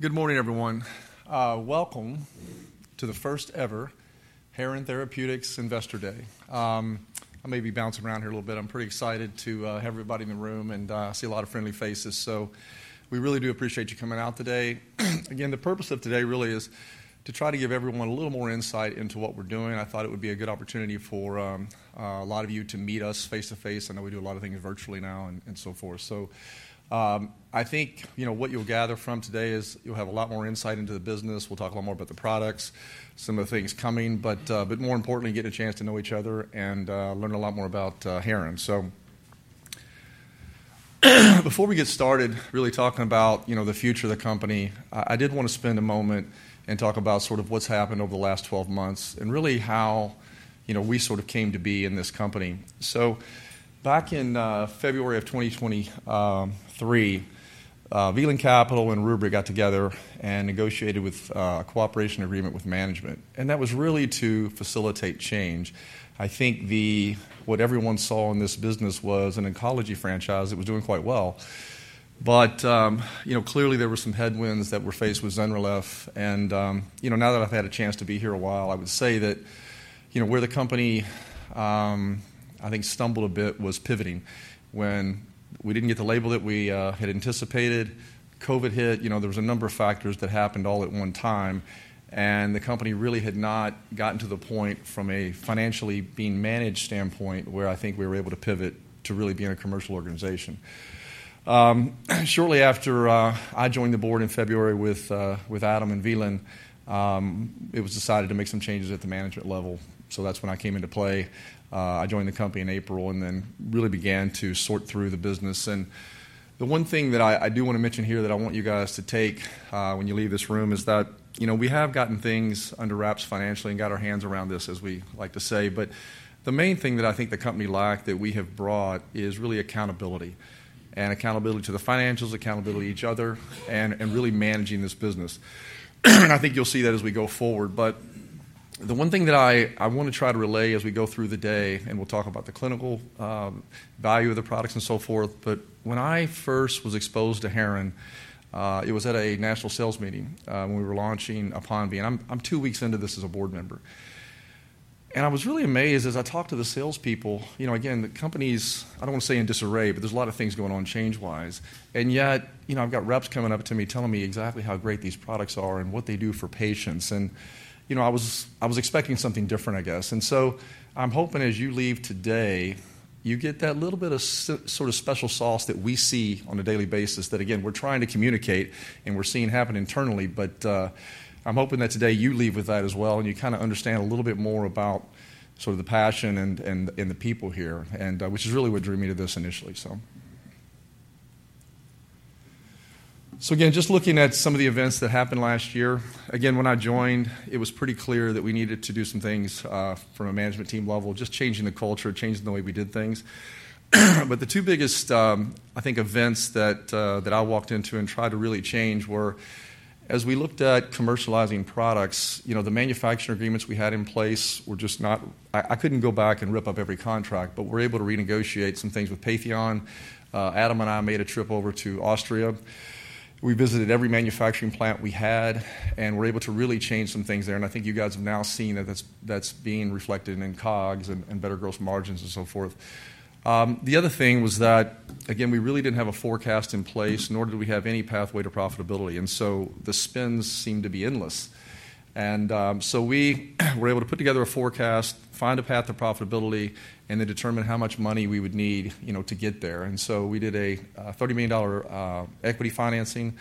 Good morning, everyone. Welcome to the first-ever Heron Therapeutics Investor Day. I may be bouncing around here a little bit. I'm pretty excited to have everybody in the room and see a lot of friendly faces. So we really do appreciate you coming out today. Again, the purpose of today really is to try to give everyone a little more insight into what we're doing.I thought it would be a good opportunity for a lot of you to meet us face-to-face. I know we do a lot of things virtually now and so forth. So I think, you know, what you'll gather from today is you'll have a lot more insight into the business. We'll talk a lot more about the products, some of the things coming, but more importantly, get a chance to know each other and learn a lot more about Heron. So before we get started really talking about, you know, the future of the company, I did wanna spend a moment and talk about sort of what's happened over the last 12 months and really how, you know, we sort of came to be in this company. So back in February of 2023, Velan Capital and Rubric got together and negotiated with a cooperation agreement with management. And that was really to facilitate change. I think what everyone saw in this business was an oncology franchise that was doing quite well. But, you know, clearly there were some headwinds that were faced with ZYNRELEF. And, you know, now that I've had a chance to be here a while, I would say that, you know, where the company, I think stumbled a bit was pivoting. When we didn't get the label that we had anticipated, COVID hit. You know, there was a number of factors that happened all at one time. And the company really had not gotten to the point from a financially being managed standpoint where I think we were able to pivot to really be in a commercial organization. Shortly after, I joined the board in February with, with Adam and Velan, it was decided to make some changes at the management level. So that's when I came into play. I joined the company in April and then really began to sort through the business. And the one thing that I, I do wanna mention here that I want you guys to take, when you leave this room is that, you know, we have gotten things under wraps financially and got our hands around this, as we like to say. But the main thing that I think the company lacked that we have brought is really accountability. And accountability to the financials, accountability to each other, and, and really managing this business. And I think you'll see that as we go forward. But the one thing that I, I wanna try to relay as we go through the day and we'll talk about the clinical, value of the products and so forth. But when I first was exposed to Heron, it was at a national sales meeting, when we were launching APONVIE. And I'm, I'm two weeks into this as a board member. And I was really amazed as I talked to the salespeople, you know, again, the company's I don't wanna say in disarray, but there's a lot of things going on change-wise. And yet, you know, I've got Reps coming up to me telling me exactly how great these products are and what they do for patients. And, you know, I was expecting something different, I guess. And so I'm hoping as you leave today, you get that little bit of sort of special sauce that we see on a daily basis that, again, we're trying to communicate and we're seeing happen internally. But, I'm hoping that today you leave with that as well and you kinda understand a little bit more about sort of the passion and the people here, and, which is really what drew me to this initially, so. So again, just looking at some of the events that happened last year, again, when I joined, it was pretty clear that we needed to do some things, from a management team level, just changing the culture, changing the way we did things. But the two biggest, I think events that, that I walked into and tried to really change were, as we looked at commercializing products, you know, the manufacturing agreements we had in place were just not. I, I couldn't go back and rip up every contract, but we're able to renegotiate some things with Patheon. Adam and I made a trip over to Austria. We visited every manufacturing plant we had, and we're able to really change some things there. And I think you guys have now seen that that's, that's being reflected in COGS and, and better gross margins and so forth. The other thing was that, again, we really didn't have a forecast in place, nor did we have any pathway to profitability. And so the spends seemed to be endless. And, so we were able to put together a forecast, find a path to profitability, and then determine how much money we would need, you know, to get there. And so we did a $30 million equity financing,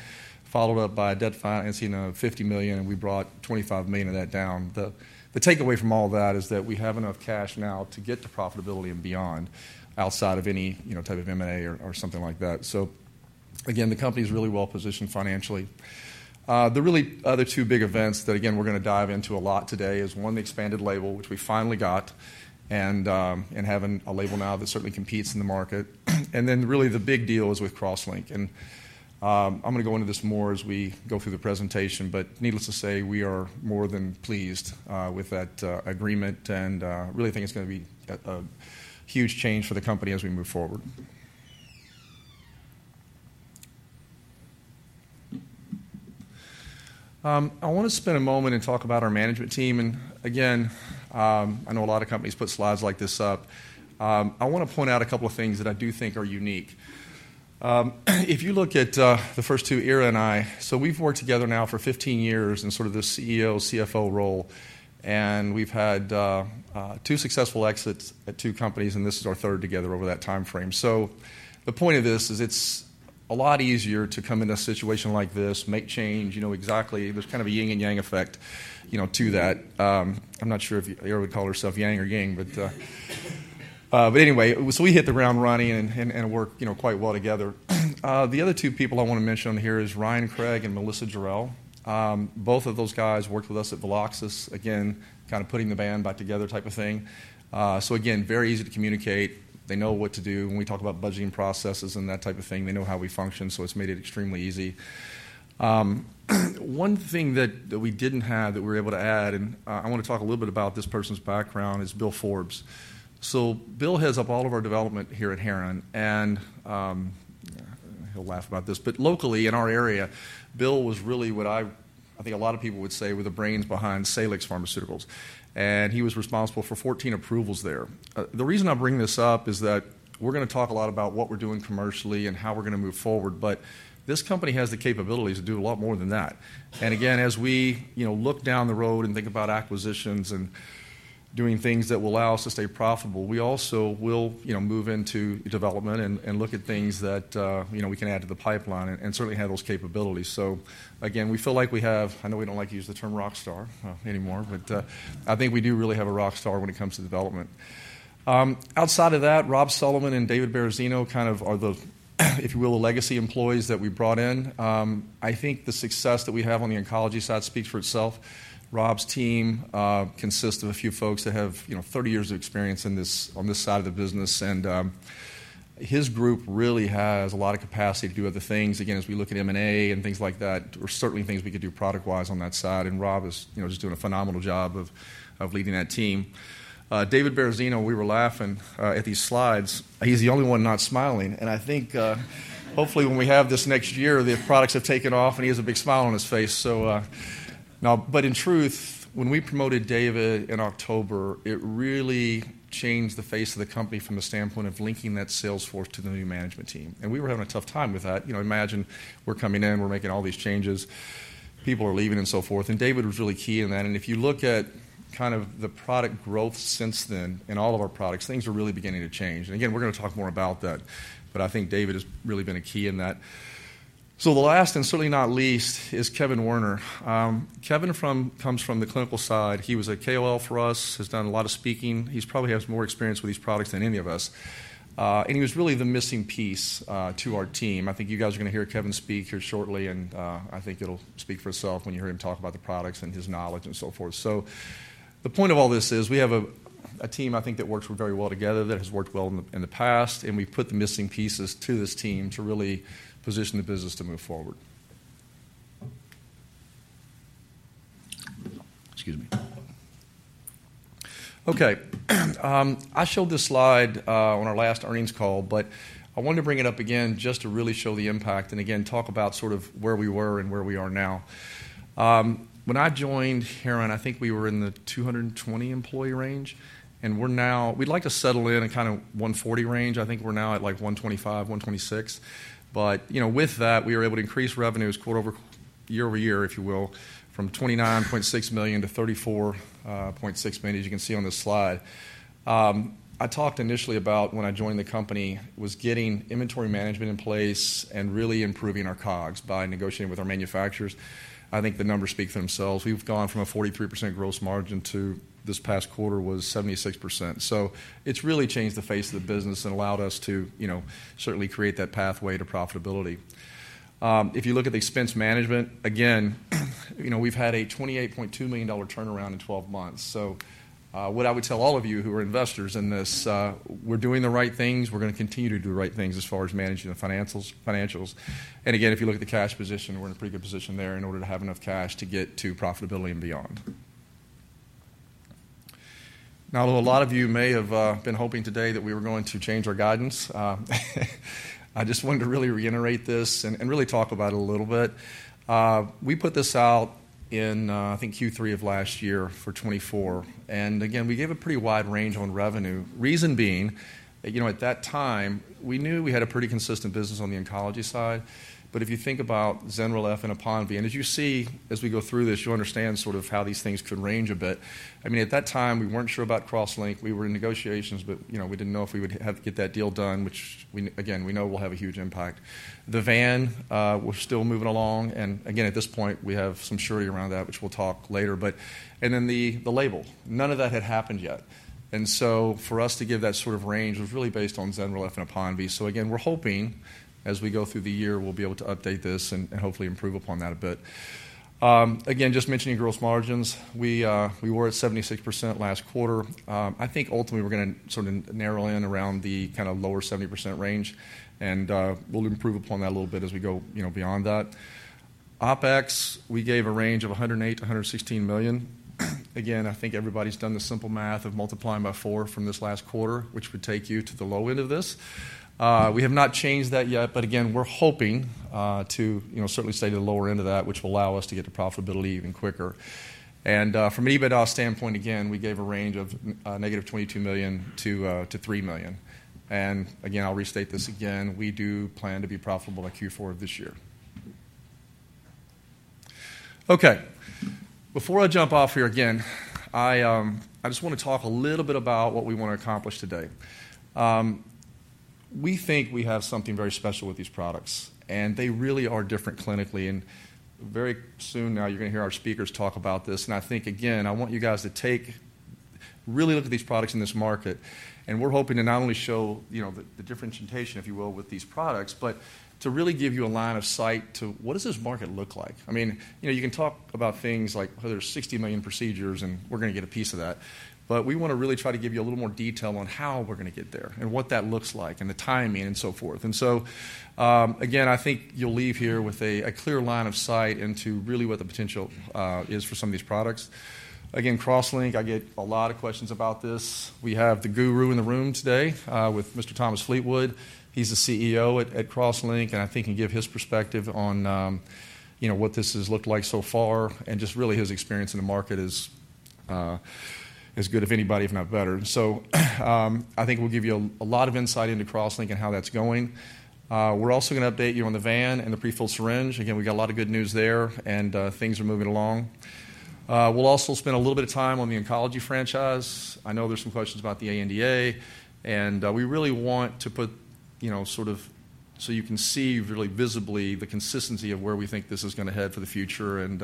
followed up by debt financing of $50 million, and we brought $25 million of that down. The takeaway from all of that is that we have enough cash now to get to profitability and beyond outside of any, you know, type of M&A or, or something like that. So again, the company's really well-positioned financially. The really other two big events that, again, we're gonna dive into a lot today is, one, the expanded label, which we finally got, and, and having a label now that certainly competes in the market. And then really the big deal is with CrossLink. And, I'm gonna go into this more as we go through the presentation, but needless to say, we are more than pleased, with that, agreement and, really think it's gonna be a, a huge change for the company as we move forward. I wanna spend a moment and talk about our management team. Again, I know a lot of companies put slides like this up. I wanna point out a couple of things that I do think are unique. If you look at, the first two, Ira and I, so we've worked together now for 15 years in sort of this CEO/CFO role. And we've had two successful exits at two companies, and this is our third together over that timeframe. So the point of this is it's a lot easier to come into a situation like this, make change, you know, exactly there's kind of a yin and yang effect, you know, to that. I'm not sure if Ira would call herself yang or yin, but anyway, so we hit the ground running and worked, you know, quite well together. The other two people I wanna mention here is Ryan Craig and Melissa Jarel. Both of those guys worked with us at Veloxis, again, kinda putting the band back together type of thing. So again, very easy to communicate. They know what to do. When we talk about budgeting processes and that type of thing, they know how we function, so it's made it extremely easy. One thing that we didn't have that we were able to add, and I wanna talk a little bit about this person's background, is Bill Forbes. So Bill heads up all of our development here at Heron. And he'll laugh about this, but locally in our area, Bill was really what I think a lot of people would say were the brains behind Salix Pharmaceuticals. And he was responsible for 14 approvals there. The reason I bring this up is that we're gonna talk a lot about what we're doing commercially and how we're gonna move forward, but this company has the capabilities to do a lot more than that. And again, as we, you know, look down the road and think about acquisitions and doing things that will allow us to stay profitable, we also will, you know, move into development and look at things that, you know, we can add to the pipeline and certainly have those capabilities. So again, we feel like we have. I know we don't like to use the term rock star anymore, but I think we do really have a rock star when it comes to development. Outside of that, Rob Solomon and David Barozzino kind of are the, if you will, the legacy employees that we brought in. I think the success that we have on the oncology side speaks for itself. Rob's team consists of a few folks that have, you know, 30 years of experience in this on this side of the business. His group really has a lot of capacity to do other things. Again, as we look at M&A and things like that, or certainly things we could do product-wise on that side. And Rob is, you know, just doing a phenomenal job of leading that team. David Barozzino. We were laughing at these slides. He's the only one not smiling. And I think, hopefully when we have this next year, the products have taken off and he has a big smile on his face. So now, but in truth, when we promoted David in October, it really changed the face of the company from the standpoint of linking that sales force to the new management team. And we were having a tough time with that. You know, imagine we're coming in, we're making all these changes, people are leaving and so forth. David was really key in that. If you look at kind of the product growth since then in all of our products, things are really beginning to change. Again, we're gonna talk more about that, but I think David has really been a key in that. So the last and certainly not least is Kevin Werner. Kevin comes from the clinical side. He was a KOL for us, has done a lot of speaking. He probably has more experience with these products than any of us, and he was really the missing piece to our team. I think you guys are gonna hear Kevin speak here shortly, and I think it'll speak for itself when you hear him talk about the products and his knowledge and so forth. So the point of all this is we have a team I think that works very well together that has worked well in the in the past, and we've put the missing pieces to this team to really position the business to move forward. Excuse me. Okay. I showed this slide on our last earnings call, but I wanted to bring it up again just to really show the impact and again talk about sort of where we were and where we are now. When I joined Heron, I think we were in the 220-employee range. And now we'd like to settle in at kinda 140 range. I think we're now at like 125, 126. But, you know, with that, we were able to increase revenues year-over-year, if you will, from $29.6 million to $34.6 million, as you can see on this slide. I talked initially about when I joined the company was getting inventory management in place and really improving our COGS by negotiating with our manufacturers. I think the numbers speak for themselves. We've gone from a 43% gross margin to this past quarter was 76%. So it's really changed the face of the business and allowed us to, you know, certainly create that pathway to profitability. If you look at the expense management, again, you know, we've had a $28.2 million turnaround in 12 months. So, what I would tell all of you who are investors in this, we're doing the right things. We're gonna continue to do the right things as far as managing the financials, financials. And again, if you look at the cash position, we're in a pretty good position there in order to have enough cash to get to profitability and beyond. Now, although a lot of you may have been hoping today that we were going to change our guidance, I just wanted to really reiterate this and really talk about it a little bit. We put this out in, I think, Q3 of last year for 2024. And again, we gave a pretty wide range on revenue, reason being, you know, at that time, we knew we had a pretty consistent business on the oncology side. But if you think about ZYNRELEF and APONVIE, and as you see as we go through this, you understand sort of how these things could range a bit. I mean, at that time, we weren't sure about CrossLink. We were in negotiations, but, you know, we didn't know if we would have get that deal done, which we again, we know we'll have a huge impact. The VAN, we're still moving along. And again, at this point, we have some surety around that, which we'll talk later. But and then the, the label. None of that had happened yet. And so for us to give that sort of range was really based on ZYNRELEF and APONVIE. So again, we're hoping as we go through the year, we'll be able to update this and, and hopefully improve upon that a bit. Again, just mentioning gross margins, we, we were at 76% last quarter. I think ultimately we're gonna sort of narrow in around the kinda lower 70% range. And, we'll improve upon that a little bit as we go, you know, beyond that. OpEx, we gave a range of $108 million-$116 million. Again, I think everybody's done the simple math of multiplying by four from this last quarter, which would take you to the low end of this. We have not changed that yet, but again, we're hoping to, you know, certainly stay to the lower end of that, which will allow us to get to profitability even quicker. And from an EBITDA standpoint, again, we gave a range of -$22 million-$3 million. And again, I'll restate this again. We do plan to be profitable by Q4 of this year. Okay. Before I jump off here again, I, I just wanna talk a little bit about what we wanna accomplish today. We think we have something very special with these products, and they really are different clinically. And very soon now, you're gonna hear our speakers talk about this. And I think, again, I want you guys to take really look at these products in this market. And we're hoping to not only show, you know, the differentiation, if you will, with these products, but to really give you a line of sight to what does this market look like? I mean, you know, you can talk about things like, "Oh, there's 60 million procedures, and we're gonna get a piece of that." But we wanna really try to give you a little more detail on how we're gonna get there and what that looks like and the timing and so forth. And so, again, I think you'll leave here with a clear line of sight into really what the potential is for some of these products. Again, CrossLink, I get a lot of questions about this. We have the guru in the room today, with Mr. Thomas Fleetwood. He's the CEO at CrossLink, and I think he can give his perspective on, you know, what this has looked like so far and just really his experience in the market is, as good as anybody, if not better. And so, I think we'll give you a lot of insight into CrossLink and how that's going. We're also gonna update you on the VAN and the prefilled syringe. Again, we got a lot of good news there, and things are moving along. We'll also spend a little bit of time on the oncology franchise. I know there's some questions about the ANDA. And, we really want to put, you know, sort of so you can see really visibly the consistency of where we think this is gonna head for the future. And,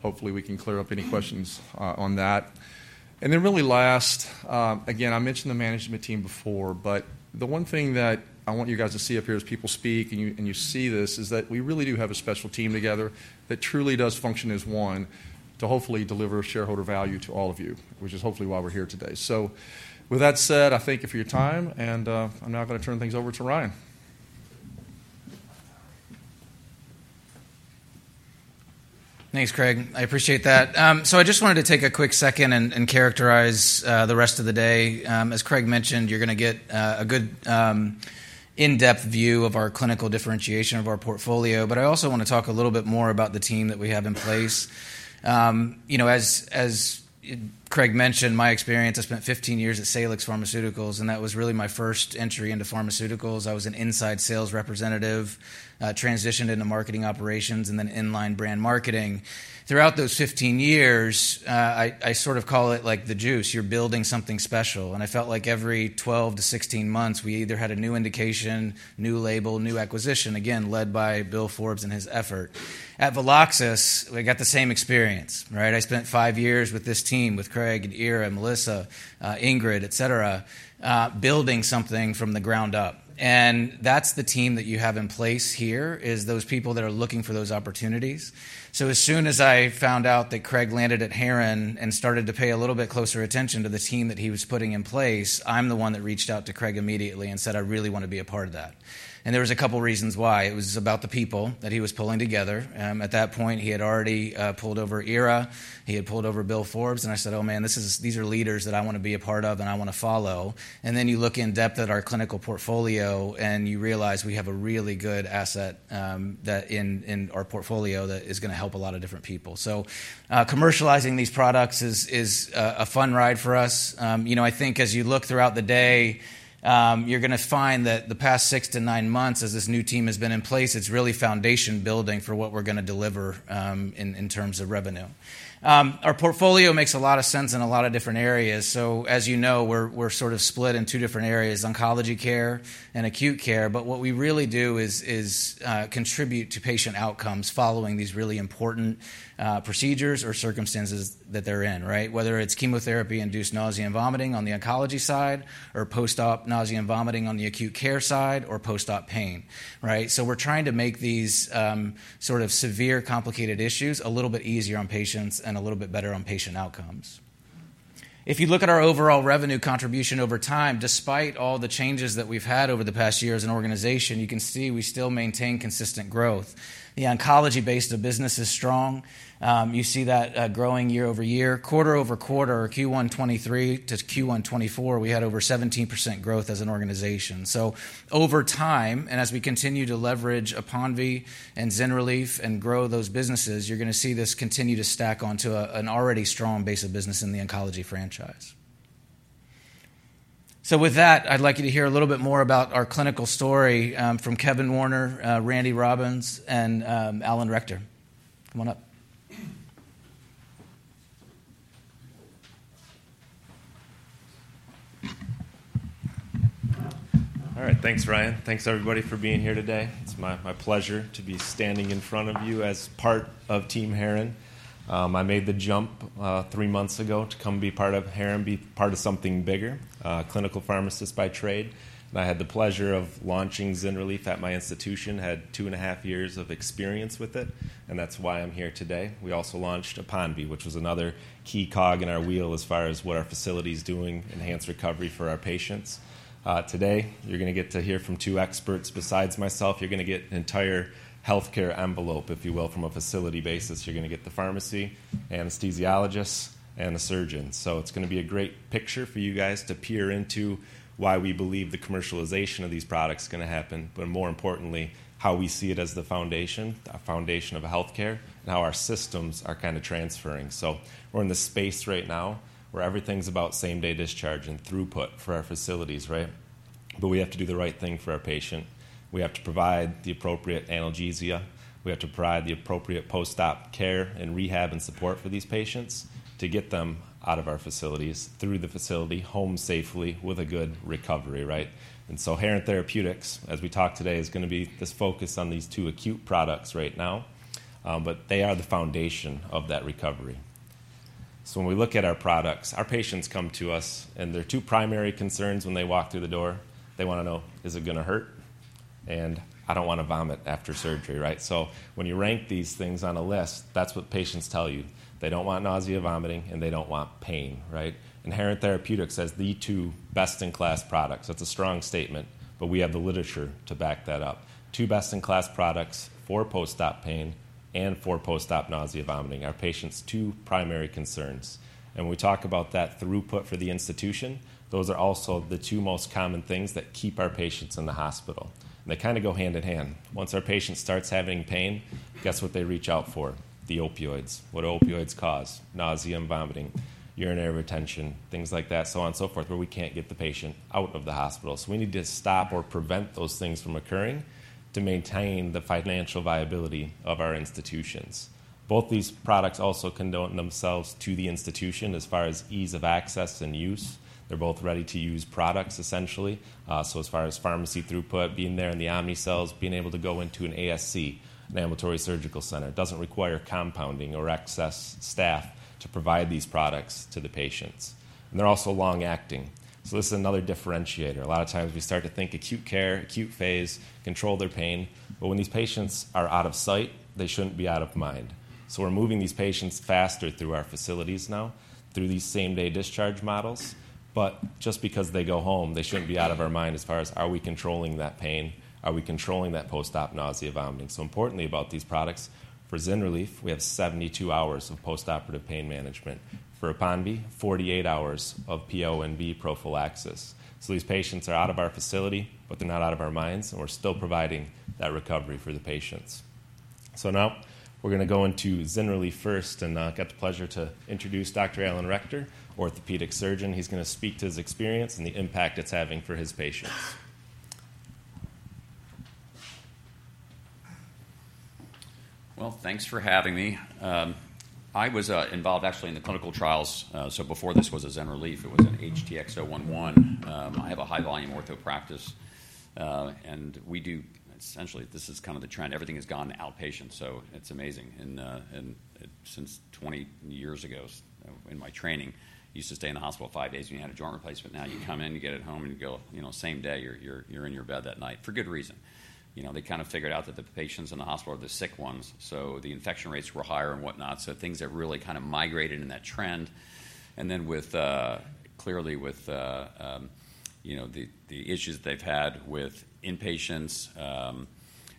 hopefully we can clear up any questions, on that. And then really last, again, I mentioned the management team before, but the one thing that I want you guys to see up here as people speak and you and you see this is that we really do have a special team together that truly does function as one to hopefully deliver shareholder value to all of you, which is hopefully why we're here today. So with that said, I thank you for your time, and I'm now gonna turn things over to Ryan. Thanks, Craig. I appreciate that. So I just wanted to take a quick second and, and characterize the rest of the day. As Craig mentioned, you're gonna get a good, in-depth view of our clinical differentiation of our portfolio. But I also wanna talk a little bit more about the team that we have in place. You know, as Craig mentioned, my experience, I spent 15 years at Salix Pharmaceuticals, and that was really my first entry into pharmaceuticals. I was an inside sales representative, transitioned into marketing operations and then inline brand marketing. Throughout those 15 years, I, I sort of call it like the juice. You're building something special. And I felt like every 12-16 months, we either had a new indication, new label, new acquisition, again, led by Bill Forbes and his effort. At Veloxis, we got the same experience, right? I spent 5 years with this team, with Craig and Ira and Melissa, Ingrid, etc., building something from the ground up. And that's the team that you have in place here, is those people that are looking for those opportunities. So as soon as I found out that Craig landed at Heron and started to pay a little bit closer attention to the team that he was putting in place, I'm the one that reached out to Craig immediately and said, "I really wanna be a part of that." There was a couple reasons why. It was about the people that he was pulling together. At that point, he had already pulled over Ira. He had pulled over Bill Forbes. I said, "Oh, man, this is these are leaders that I wanna be a part of and I wanna follow." Then you look in-depth at our clinical portfolio and you realize we have a really good asset that in our portfolio that is gonna help a lot of different people. Commercializing these products is a fun ride for us. You know, I think as you look throughout the day, you're gonna find that the past 6-9 months as this new team has been in place, it's really foundation building for what we're gonna deliver, in terms of revenue. Our portfolio makes a lot of sense in a lot of different areas. So as you know, we're sort of split in two different areas, oncology care and acute care. But what we really do is contribute to patient outcomes following these really important procedures or circumstances that they're in, right? Whether it's chemotherapy-induced nausea and vomiting on the oncology side or post-op nausea and vomiting on the acute care side or post-op pain, right? So we're trying to make these sort of severe, complicated issues a little bit easier on patients and a little bit better on patient outcomes. If you look at our overall revenue contribution over time, despite all the changes that we've had over the past year as an organization, you can see we still maintain consistent growth. The oncology-based business is strong. You see that growing year-over-year. Quarter-over-quarter, Q1 2023 to Q1 2024, we had over 17% growth as an organization. So over time and as we continue to leverage APONVIE and ZYNRELEF and grow those businesses, you're gonna see this continue to stack onto a, an already strong base of business in the oncology franchise. So with that, I'd like you to hear a little bit more about our clinical story, from Kevin Werner, Randy Robbins, and Alan Rechter. Come on up. All right. Thanks, Ryan. Thanks, everybody, for being here today. It's my, my pleasure to be standing in front of you as part of Team Heron. I made the jump, three months ago to come be part of Heron, be part of something bigger, clinical pharmacist by trade. I had the pleasure of launching ZYNRELEF at my institution, had two and a half years of experience with it, and that's why I'm here today. We also launched APONVIE, which was another key cog in our wheel as far as what our facility's doing, enhanced recovery for our patients. Today, you're gonna get to hear from two experts. Besides myself, you're gonna get an entire healthcare envelope, if you will, from a facility basis. You're gonna get the pharmacy, anaesthesiologist, and the surgeon. So it's gonna be a great picture for you guys to peer into why we believe the commercialization of these products is gonna happen, but more importantly, how we see it as the foundation, the foundation of healthcare, and how our systems are kinda transferring. So we're in the space right now where everything's about same-day discharge and throughput for our facilities, right? But we have to do the right thing for our patient. We have to provide the appropriate analgesia. We have to provide the appropriate post-op care and rehab and support for these patients to get them out of our facilities, through the facility, home safely with a good recovery, right? And so Heron Therapeutics, as we talk today, is gonna be this focus on these two acute products right now. But they are the foundation of that recovery. So when we look at our products, our patients come to us, and their two primary concerns when they walk through the door, they wanna know, "Is it gonna hurt?" and, "I don't wanna vomit after surgery," right? So when you rank these things on a list, that's what patients tell you. They don't want nausea and vomiting, and they don't want pain, right? And Heron Therapeutics has the two best-in-class products. That's a strong statement, but we have the literature to back that up. Two best-in-class products for post-op pain, and for post-op nausea and vomiting, our patients' two primary concerns. And we talk about that throughput for the institution. Those are also the two most common things that keep our patients in the hospital. And they kinda go hand in hand. Once our patient starts having pain, guess what they reach out for? The opioids. What opioids cause? Nausea and vomiting, urinary retention, things like that, so on and so forth, where we can't get the patient out of the hospital. So we need to stop or prevent those things from occurring to maintain the financial viability of our institutions. Both these products also commend themselves to the institution as far as ease of access and use. They're both ready-to-use products, essentially. So as far as pharmacy throughput, being there in the Omnicell, being able to go into an ASC, an ambulatory surgical center, doesn't require compounding or excess staff to provide these products to the patients. And they're also long-acting. So this is another differentiator. A lot of times, we start to think acute care, acute phase, control their pain. But when these patients are out of sight, they shouldn't be out of mind. So we're moving these patients faster through our facilities now, through these same-day discharge models. But just because they go home, they shouldn't be out of our mind as far as, "Are we controlling that pain? Are we controlling that post-op nausea and vomiting?" So importantly about these products, for ZYNRELEF, we have 72 hours of postoperative pain management. For APONVIE, 48 hours of PONV prophylaxis. So these patients are out of our facility, but they're not out of our minds, and we're still providing that recovery for the patients. So now, we're gonna go into ZYNRELEF first and get the pleasure to introduce Dr. Alan Rechter, Orthopaedic Surgeon. He's gonna speak to his experience and the impact it's having for his patients. Well, thanks for having me. I was involved actually in the clinical trials. So before this was a ZYNRELEF, it was an HTX-011. I have a high-volume ortho practice. And we do essentially this is kinda the trend. Everything has gone outpatient, so it's amazing. And since 20 years ago, in my training, you used to stay in the hospital 5 days when you had a joint replacement. Now you come in, you get it home, and you go, you know, same day, you're in your bed that night for good reason. You know, they kinda figured out that the patients in the hospital are the sick ones, so the infection rates were higher and whatnot. So things that really kinda migrated in that trend. And then with clearly with, you know, the issues that they've had with inpatients,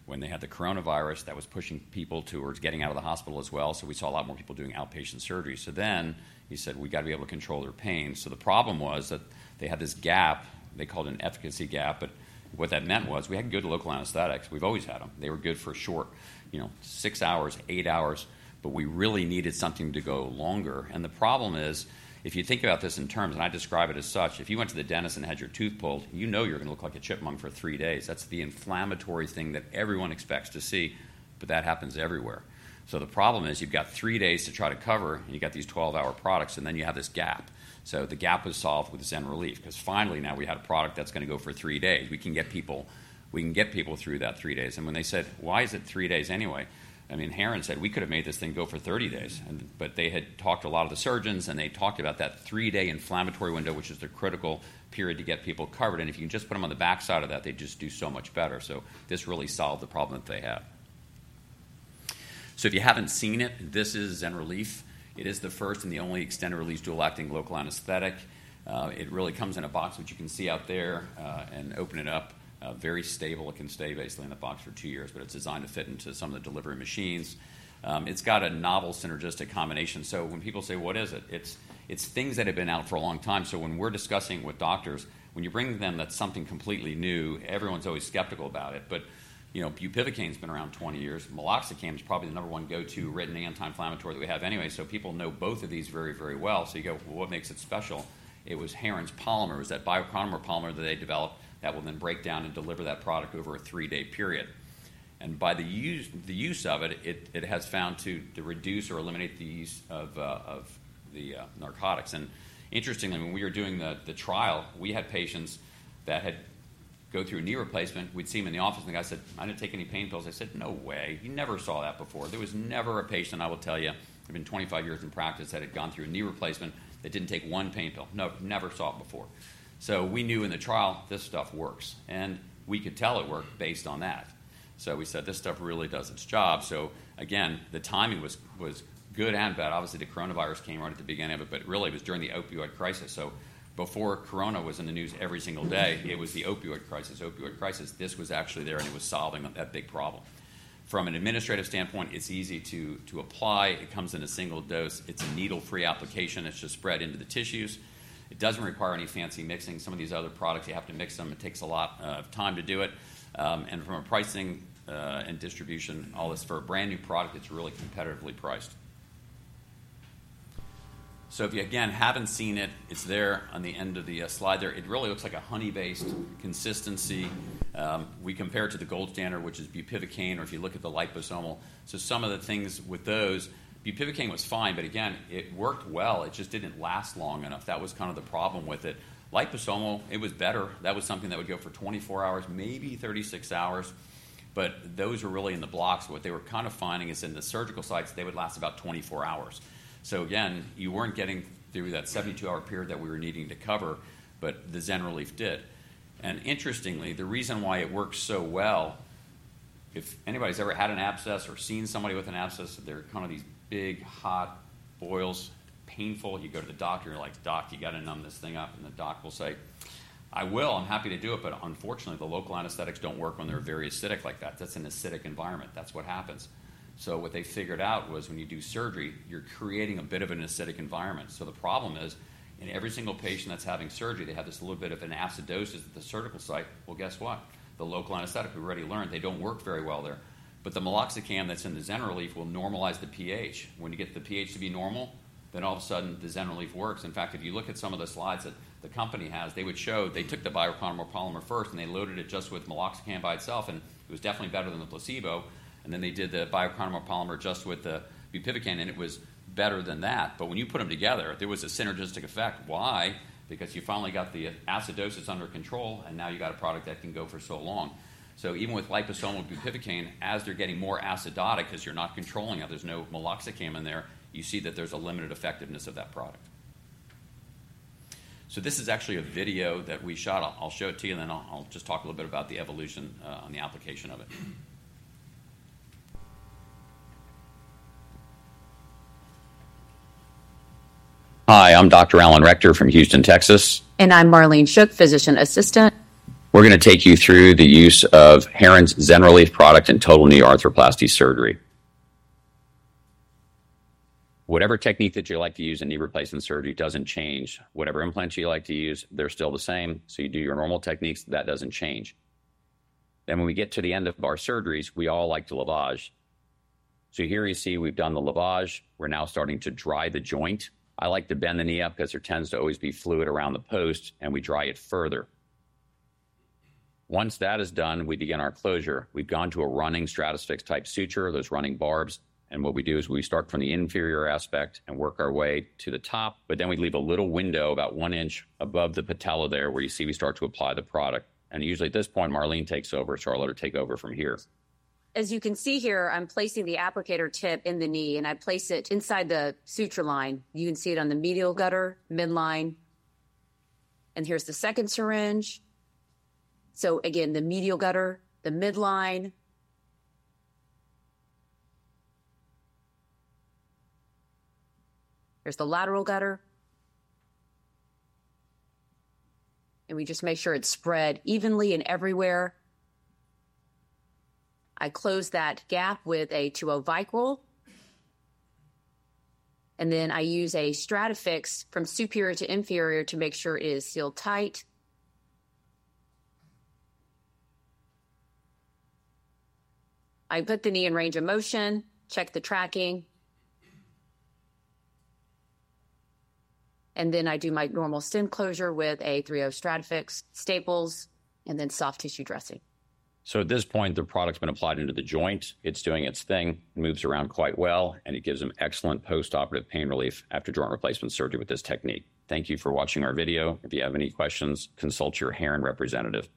when they had the coronavirus, that was pushing people towards getting out of the hospital as well. So we saw a lot more people doing outpatient surgery. So then he said, "We gotta be able to control their pain." So the problem was that they had this gap. They called it an efficacy gap. But what that meant was we had good local anesthetics. We've always had them. They were good for short, you know, six hours, eight hours. But we really needed something to go longer. And the problem is, if you think about this in terms and I describe it as such, if you went to the dentist and had your tooth pulled, you know you're gonna look like a chipmunk for three days. That's the inflammatory thing that everyone expects to see, but that happens everywhere. So the problem is you've got three days to try to cover, and you got these 12-hour products, and then you have this gap. So the gap was solved with ZYNRELEF 'cause finally now we had a product that's gonna go for three days. We can get people we can get people through that three days. And when they said, "Why is it three days anyway?" I mean, Heron said, "We could have made this thing go for 30 days." And but they had talked to a lot of the surgeons, and they talked about that three-day inflammatory window, which is the critical period to get people covered. And if you can just put them on the backside of that, they just do so much better. So this really solved the problem that they had. So if you haven't seen it, this is ZYNRELEF. It is the first and the only extended-release dual-acting local anesthetic. It really comes in a box, which you can see out there, and open it up. Very stable. It can stay basically in the box for two years, but it's designed to fit into some of the delivery machines. It's got a novel synergistic combination. So when people say, "What is it?" It's things that have been out for a long time. So when we're discussing with doctors, when you bring them that's something completely new, everyone's always skeptical about it. But, you know, bupivacaine's been around 20 years. Meloxicam's probably the number one go-to written anti-inflammatory that we have anyway. So people know both of these very, very well. So you go, "Well, what makes it special?" It was Heron's polymer. It was that Biochronomer polymer that they developed that will then break down and deliver that product over a three-day period. And by the use of it, it has found to reduce or eliminate the use of the narcotics. And interestingly, when we were doing the trial, we had patients that had gone through a knee replacement. We'd see them in the office, and the guy said, "I didn't take any pain pills." I said, "No way. You never saw that before." There was never a patient, I will tell you, in 25 years in practice that had gone through a knee replacement that didn't take one pain pill. No, never saw it before. So we knew in the trial, this stuff works. And we could tell it worked based on that. So we said, "This stuff really does its job." So again, the timing was good and bad. Obviously, the coronavirus came right at the beginning of it, but really, it was during the opioid crisis. So before corona was in the news every single day, it was the opioid crisis, opioid crisis. This was actually there, and it was solving that big problem. From an administrative standpoint, it's easy to apply. It comes in a single dose. It's a needle-free application. It's just spread into the tissues. It doesn't require any fancy mixing. Some of these other products, you have to mix them. It takes a lot of time to do it. And from a pricing and distribution, all this for a brand new product, it's really competitively priced. So if you, again, haven't seen it, it's there on the end of the slide there. It really looks like a honey-based consistency. We compare it to the gold standard, which is bupivacaine, or if you look at the liposomal. So some of the things with those, bupivacaine was fine, but again, it worked well. It just didn't last long enough. That was kinda the problem with it. Liposomal, it was better. That was something that would go for 24 hours, maybe 36 hours. But those were really in the blocks. What they were kinda finding is in the surgical sites, they would last about 24 hours. So again, you weren't getting through that 72-hour period that we were needing to cover, but the ZYNRELEF did. And interestingly, the reason why it works so well, if anybody's ever had an abscess or seen somebody with an abscess, they're kinda these big, hot boils, painful. You go to the doctor, and you're like, "Doc, you gotta numb this thing up." And the doc will say, "I will. I'm happy to do it. But unfortunately, the local anesthetics don't work when they're very acidic like that. That's an acidic environment. That's what happens." So what they figured out was when you do surgery, you're creating a bit of an acidic environment. The problem is, in every single patient that's having surgery, they have this little bit of an acidosis at the surgical site. Well, guess what? The local anesthetic, we already learned, they don't work very well there. But the meloxicam that's in the ZYNRELEF will normalize the pH. When you get the pH to be normal, then all of a sudden, the ZYNRELEF works. In fact, if you look at some of the slides that the company has, they would show they took the Biochronomer polymer first, and they loaded it just with meloxicam by itself. It was definitely better than the placebo. Then they did the Biochronomer polymer just with the bupivacaine, and it was better than that. But when you put them together, there was a synergistic effect. Why? Because you finally got the acidosis under control, and now you got a product that can go for so long. So even with liposomal bupivacaine, as they're getting more acidotic 'cause you're not controlling it, there's no meloxicam in there, you see that there's a limited effectiveness of that product. So this is actually a video that we shot. I'll show it to you, and then I'll just talk a little bit about the evolution, on the application of it. Hi. I'm Dr. Alan Rechter from Houston, Texas. And I'm Marlene Shook, Physician Assistant. We're gonna take you through the use of Heron's ZYNRELEF product in total knee arthroplasty surgery. Whatever technique that you like to use in knee replacement surgery doesn't change. Whatever implants you like to use, they're still the same. So you do your normal techniques. That doesn't change. Then when we get to the end of our surgeries, we all like to lavage. So here you see we've done the lavage. We're now starting to dry the joint. I like to bend the knee up 'cause there tends to always be fluid around the post, and we dry it further. Once that is done, we begin our closure. We've gone to a running STRATAFIX-type suture, those running barbs. And what we do is we start from the inferior aspect and work our way to the top. But then we leave a little window about one inch above the patella there where you see we start to apply the product. And usually at this point, Marlene takes over, so I'll let her take over from here. As you can see here, I'm placing the applicator tip in the knee, and I place it inside the suture line. You can see it on the medial gutter, midline. Here's the second syringe. Again, the medial gutter, the midline. Here's the lateral gutter. We just make sure it's spread evenly and everywhere. I close that gap with a 2-0 Vicryl. Then I use a STRATAFIX from superior to inferior to make sure it is sealed tight. I put the knee in range of motion, check the tracking. Then I do my normal stent closure with a 3-0 STRATAFIX, staples, and then soft tissue dressing. At this point, the product's been applied into the joint. It's doing its thing. It moves around quite well, and it gives them excellent postoperative pain relief after joint replacement surgery with this technique. Thank you for watching our video. If you have any questions, consult your Heron representative.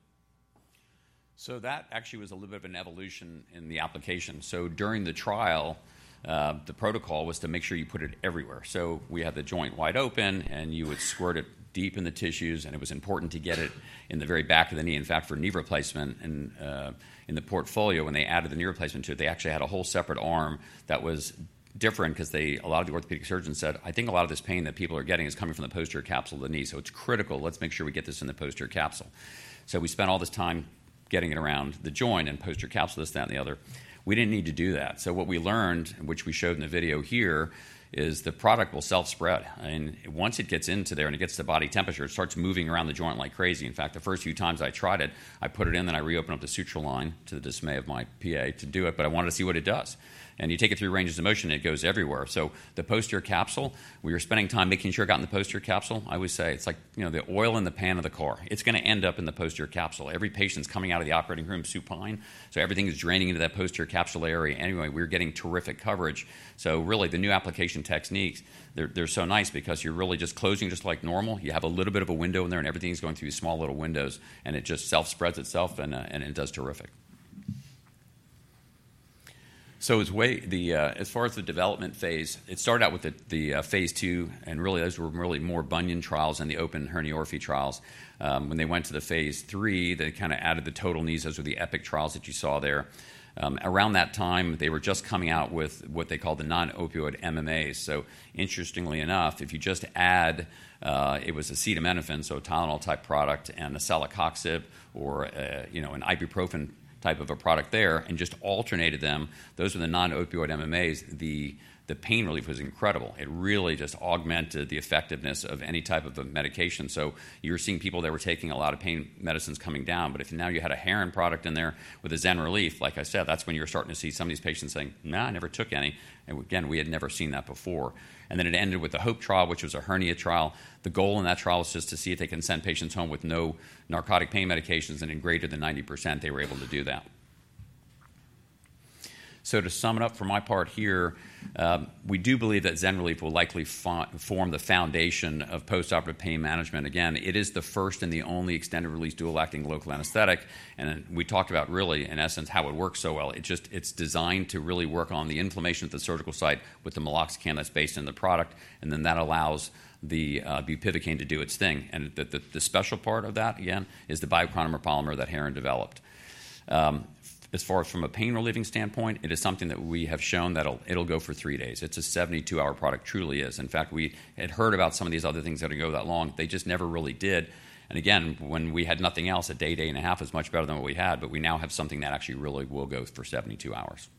So that actually was a little bit of an evolution in the application. So during the trial, the protocol was to make sure you put it everywhere. So we had the joint wide open, and you would squirt it deep in the tissues. And it was important to get it in the very back of the knee. In fact, for knee replacement and, in the portfolio, when they added the knee replacement to it, they actually had a whole separate arm that was different 'cause they a lot of the orthopedic surgeons said, "I think a lot of this pain that people are getting is coming from the posterior capsule of the knee. So it's critical. Let's make sure we get this in the posterior capsule." So we spent all this time getting it around the joint and posterior capsule, this, that, and the other. We didn't need to do that. So what we learned, which we showed in the video here, is the product will self-spread. And once it gets into there and it gets to body temperature, it starts moving around the joint like crazy. In fact, the first few times I tried it, I put it in, then I reopened up the suture line to the dismay of my PA to do it. But I wanted to see what it does. And you take it through ranges of motion, and it goes everywhere. So the posterior capsule, we were spending time making sure it got in the posterior capsule. I always say it's like, you know, the oil in the pan of the car. It's gonna end up in the posterior capsule. Every patient's coming out of the operating room supine, so everything is draining into that posterior capsule area anyway. We're getting terrific coverage. So really, the new application techniques, they're so nice because you're really just closing just like normal. You have a little bit of a window in there, and everything's going through small little windows. And it just self-spreads itself, and it does terrific. So it's way the, as far as the development phase, it started out with the phase II. And really, those were really more bunion trials and the open herniorrhaphy trials. When they went to the phase III, they kinda added the total knees. Those were the epic trials that you saw there. Around that time, they were just coming out with what they called the non-opioid MMAs. So interestingly enough, if you just add, it was acetaminophen, so a Tylenol-type product and a celecoxib or a, you know, an ibuprofen type of a product there and just alternated them, those were the non-opioid MMAs. The pain relief was incredible. It really just augmented the effectiveness of any type of a medication. So you were seeing people that were taking a lot of pain medicines coming down. But if now you had a Heron product in there with a ZYNRELEF, like I said, that's when you were starting to see some of these patients saying, "Nah, I never took any." And again, we had never seen that before. And then it ended with the HOPE trial, which was a hernia trial. The goal in that trial was just to see if they can send patients home with no narcotic pain medications, and in greater than 90%, they were able to do that. So to sum it up for my part here, we do believe that ZYNRELEF will likely form the foundation of postoperative pain management. Again, it is the first and the only extended-release dual-acting local anesthetic. And we talked about really, in essence, how it works so well. It just it's designed to really work on the inflammation at the surgical site with the meloxicam that's based in the product. And then that allows the bupivacaine to do its thing. And the special part of that, again, is the Biochronomer polymer that Heron developed. As far as from a pain-relieving standpoint, it is something that we have shown that it'll go for three days. It's a 72-hour product. It truly is. In fact, we had heard about some of these other things that would go that long. They just never really did. And again, when we had nothing else, a day, day and a half is much better than what we had. But we now have something that actually really will go for 72 hours.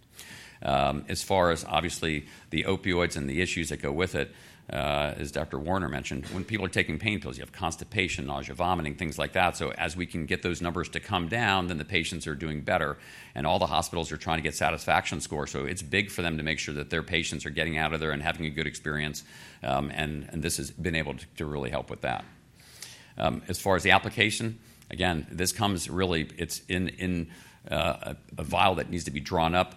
As far as obviously the opioids and the issues that go with it, as Dr. Werner mentioned, when people are taking pain pills, you have constipation, nausea, vomiting, things like that. So as we can get those numbers to come down, then the patients are doing better. And all the hospitals are trying to get satisfaction scores. So it's big for them to make sure that their patients are getting out of there and having a good experience. This has been able to really help with that. As far as the application, again, this comes really it's in a vial that needs to be drawn up.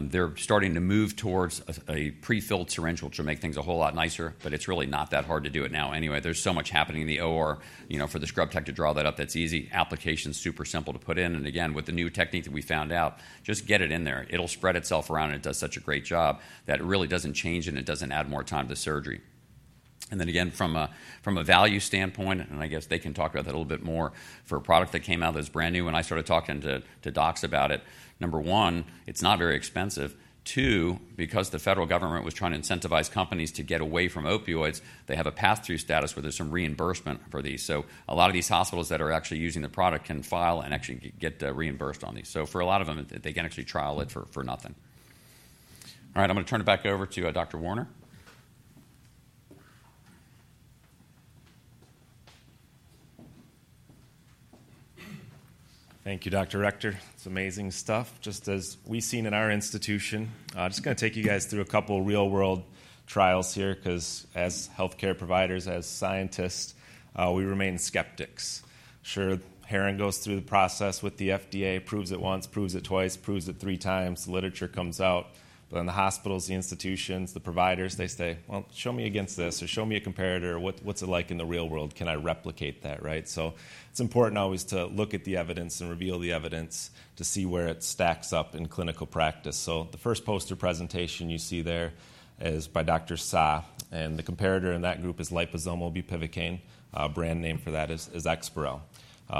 They're starting to move towards a prefilled syringe which will make things a whole lot nicer. But it's really not that hard to do it now anyway. There's so much happening in the OR, you know, for the scrub tech to draw that up. That's easy. Application's super simple to put in. And again, with the new technique that we found out, just get it in there. It'll spread itself around, and it does such a great job that it really doesn't change, and it doesn't add more time to surgery. And then again, from a value standpoint, and I guess they can talk about that a little bit more, for a product that came out that's brand new, when I started talking to docs about it, number one, it's not very expensive. Two, because the federal government was trying to incentivize companies to get away from opioids, they have a pass-through status where there's some reimbursement for these. So a lot of these hospitals that are actually using the product can file and actually get reimbursed on these. So for a lot of them, they can actually trial it for nothing. All right. I'm gonna turn it back over to Dr. Warner. Thank you, Dr. Rechter. It's amazing stuff. Just as we've seen in our institution, I'm just gonna take you guys through a couple real-world trials here 'cause as healthcare providers, as scientists, we remain skeptics. Sure, Heron goes through the process with the FDA, proves it once, proves it twice, proves it three times. The literature comes out. But then the hospitals, the institutions, the providers, they say, "Well, show me against this," or, "Show me a comparator," or, "What's, what's it like in the real world? Can I replicate that?" Right? So it's important always to look at the evidence and reveal the evidence to see where it stacks up in clinical practice. So the first poster presentation you see there is by Dr. Sah. And the comparator in that group is liposomal bupivacaine, brand name for that is, is Exparel.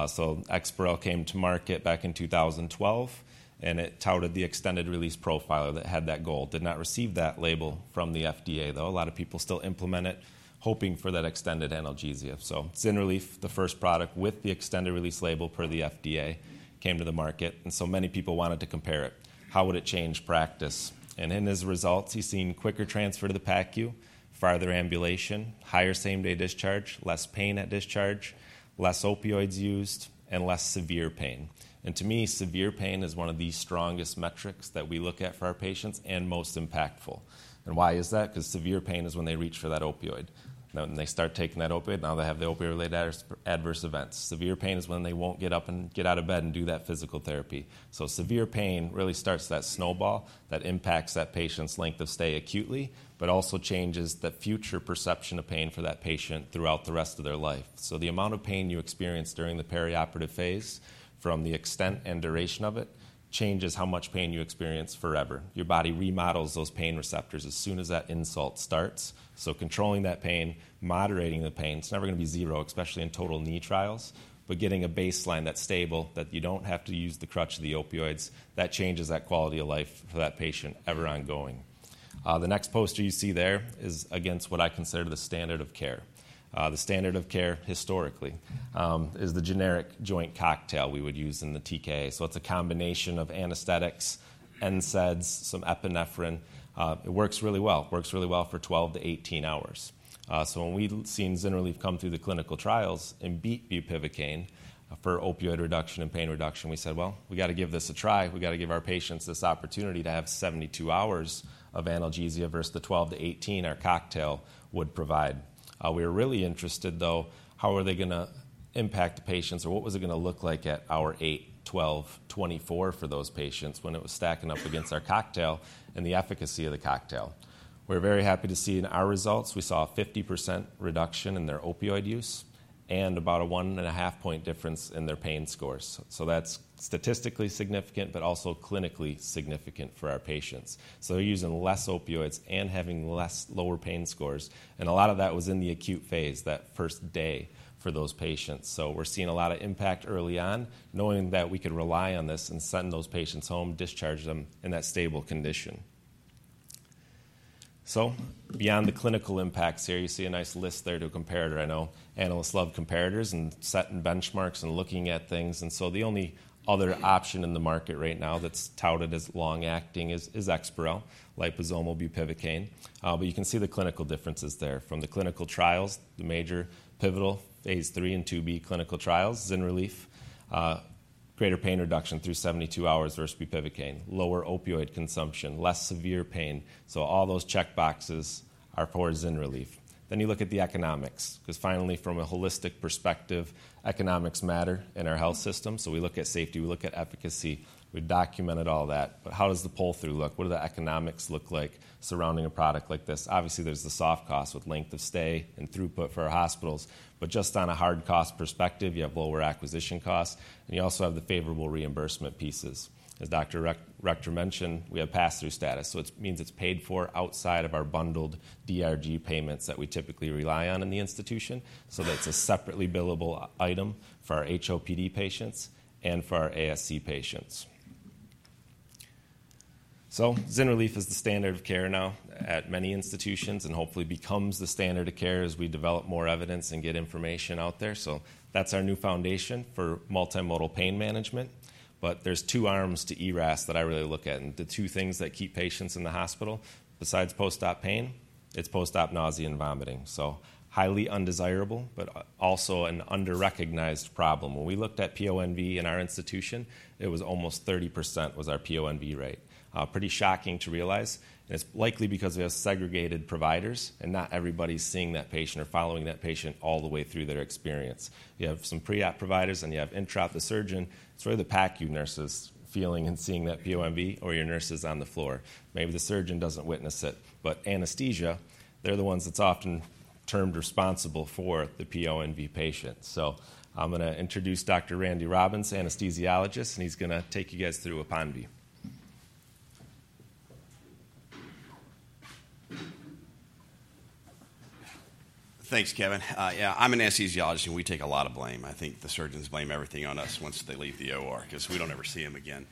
So Exparel came to market back in 2012, and it touted the extended-release profile that had that goal. Did not receive that label from the FDA, though. A lot of people still implement it hoping for that extended analgesia. So ZYNRELEF, the first product with the extended-release label per the FDA, came to the market. And so many people wanted to compare it. How would it change practice? And in his results, he's seen quicker transfer to the PACU, farther ambulation, higher same-day discharge, less pain at discharge, less opioids used, and less severe pain. And to me, severe pain is one of the strongest metrics that we look at for our patients and most impactful. And why is that? 'Cause severe pain is when they reach for that opioid. Now, when they start taking that opioid, now they have the opioid-related adverse events. Severe pain is when they won't get up and get out of bed and do that physical therapy. So severe pain really starts that snowball that impacts that patient's length of stay acutely but also changes the future perception of pain for that patient throughout the rest of their life. So the amount of pain you experience during the perioperative phase from the extent and duration of it changes how much pain you experience forever. Your body remodels those pain receptors as soon as that insult starts. So controlling that pain, moderating the pain, it's never gonna be zero, especially in total knee trials, but getting a baseline that's stable, that you don't have to use the crutch of the opioids, that changes that quality of life for that patient ever ongoing. The next poster you see there is against what I consider the standard of care. The standard of care historically is the generic joint cocktail we would use in the TKA. So it's a combination of anesthetics, NSAIDs, some epinephrine. It works really well. It works really well for 12-18 hours. So when we've seen ZYNRELEF come through the clinical trials and beat bupivacaine for opioid reduction and pain reduction, we said, "Well, we gotta give this a try. We gotta give our patients this opportunity to have 72 hours of analgesia versus the 12-18 our cocktail would provide." We were really interested, though, how are they gonna impact the patients, or what was it gonna look like at hour 8, 12, 24 for those patients when it was stacking up against our cocktail and the efficacy of the cocktail. We were very happy to see in our results, we saw a 50% reduction in their opioid use and about a 1.5-point difference in their pain scores. That's statistically significant but also clinically significant for our patients. They're using less opioids and having less lower pain scores. A lot of that was in the acute phase, that first day for those patients. We're seeing a lot of impact early on knowing that we could rely on this and send those patients home, discharge them in that stable condition. Beyond the clinical impacts here, you see a nice list there to a comparator. I know analysts love comparators and setting benchmarks and looking at things. The only other option in the market right now that's touted as long-acting is Exparel, liposomal bupivacaine. But you can see the clinical differences there. From the clinical trials, the major pivotal phase III and II-B clinical trials, ZYNRELEF, greater pain reduction through 72 hours versus bupivacaine, lower opioid consumption, less severe pain. So all those checkboxes are for ZYNRELEF. Then you look at the economics 'cause finally, from a holistic perspective, economics matter in our health system. So we look at safety. We look at efficacy. We've documented all that. But how does the pull-through look? What do the economics look like surrounding a product like this? Obviously, there's the soft costs with length of stay and throughput for our hospitals. But just on a hard-cost perspective, you have lower acquisition costs. And you also have the favorable reimbursement pieces. As Dr. Rechter mentioned, we have pass-through status. So it means it's paid for outside of our bundled DRG payments that we typically rely on in the institution. So that's a separately billable item for our HOPD patients and for our ASC patients. So ZYNRELEF is the standard of care now at many institutions and hopefully becomes the standard of care as we develop more evidence and get information out there. So that's our new foundation for multimodal pain management. But there's two arms to ERAS that I really look at and the two things that keep patients in the hospital besides postop pain. It's postop nausea and vomiting. So highly undesirable but also an underrecognized problem. When we looked at PONV in our institution, it was almost 30% was our PONV rate. Pretty shocking to realize. And it's likely because we have segregated providers, and not everybody's seeing that patient or following that patient all the way through their experience. You have some pre-op providers, and you have intraop the Surgeon. It's really the PACU nurses feeling and seeing that PONV or your nurses on the floor. Maybe the surgeon doesn't witness it. But anaesthesia, they're the ones that's often termed responsible for the PONV patient. So I'm gonna introduce Dr. Randy Robbins, Anaesthesiologist, and he's gonna take you guys through APONVIE. Thanks, Kevin. Yeah, I'm an Anaesthesiologist, and we take a lot of blame. I think the surgeons blame everything on us once they leave the OR 'cause we don't ever see them again.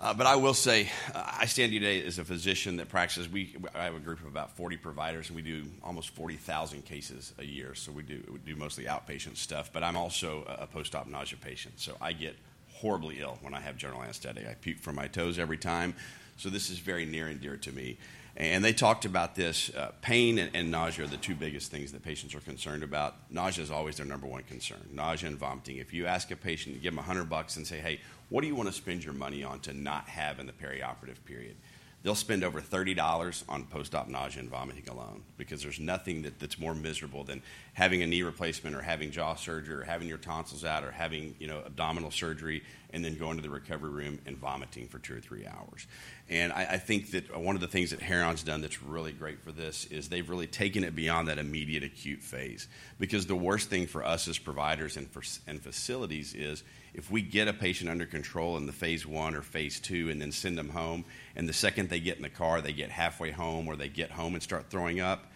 But I will say, I stand here today as a Physician that practices. We have a group of about 40 providers, and we do almost 40,000 cases a year. So we do mostly outpatient stuff. But I'm also a postop nausea patient. So I get horribly ill when I have general anesthetic. I puke from my toes every time. So this is very near and dear to me. And they talked about this. Pain and nausea are the two biggest things that patients are concerned about. Nausea is always their number one concern. Nausea and vomiting. If you ask a patient, you give them $100 and say, "Hey, what do you wanna spend your money on to not have in the perioperative period?" They'll spend over $30 on postop nausea and vomiting alone because there's nothing that, that's more miserable than having a knee replacement or having jaw surgery or having your tonsils out or having, you know, abdominal surgery and then going to the recovery room and vomiting for 2 or 3 hours. And I, I think that one of the things that Heron's done that's really great for this is they've really taken it beyond that immediate acute phase. Because the worst thing for us as providers and for ASCs and facilities is if we get a patient under control in the phase I or phase II and then send them home, and the second they get in the car, they get halfway home or they get home and start throwing up,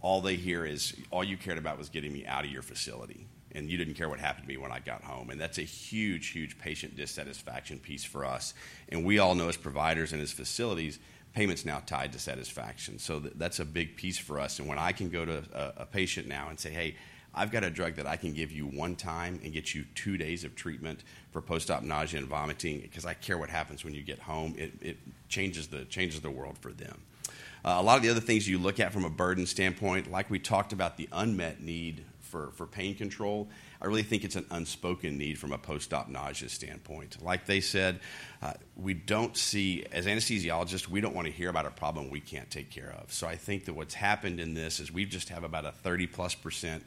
all they hear is, "All you cared about was getting me out of your facility, and you didn't care what happened to me when I got home." And that's a huge, huge patient dissatisfaction piece for us. And we all know as providers and as facilities, payment's now tied to satisfaction. So that's a big piece for us. When I can go to a patient now and say, "Hey, I've got a drug that I can give you one time and get you two days of treatment for postop nausea and vomiting 'cause I care what happens when you get home," it changes the world for them. A lot of the other things you look at from a burden standpoint, like we talked about the unmet need for pain control, I really think it's an unspoken need from a postop nausea standpoint. Like they said, we don't see as anaesthesiologists; we don't wanna hear about a problem we can't take care of. So I think that what's happened in this is we just have about a 30+%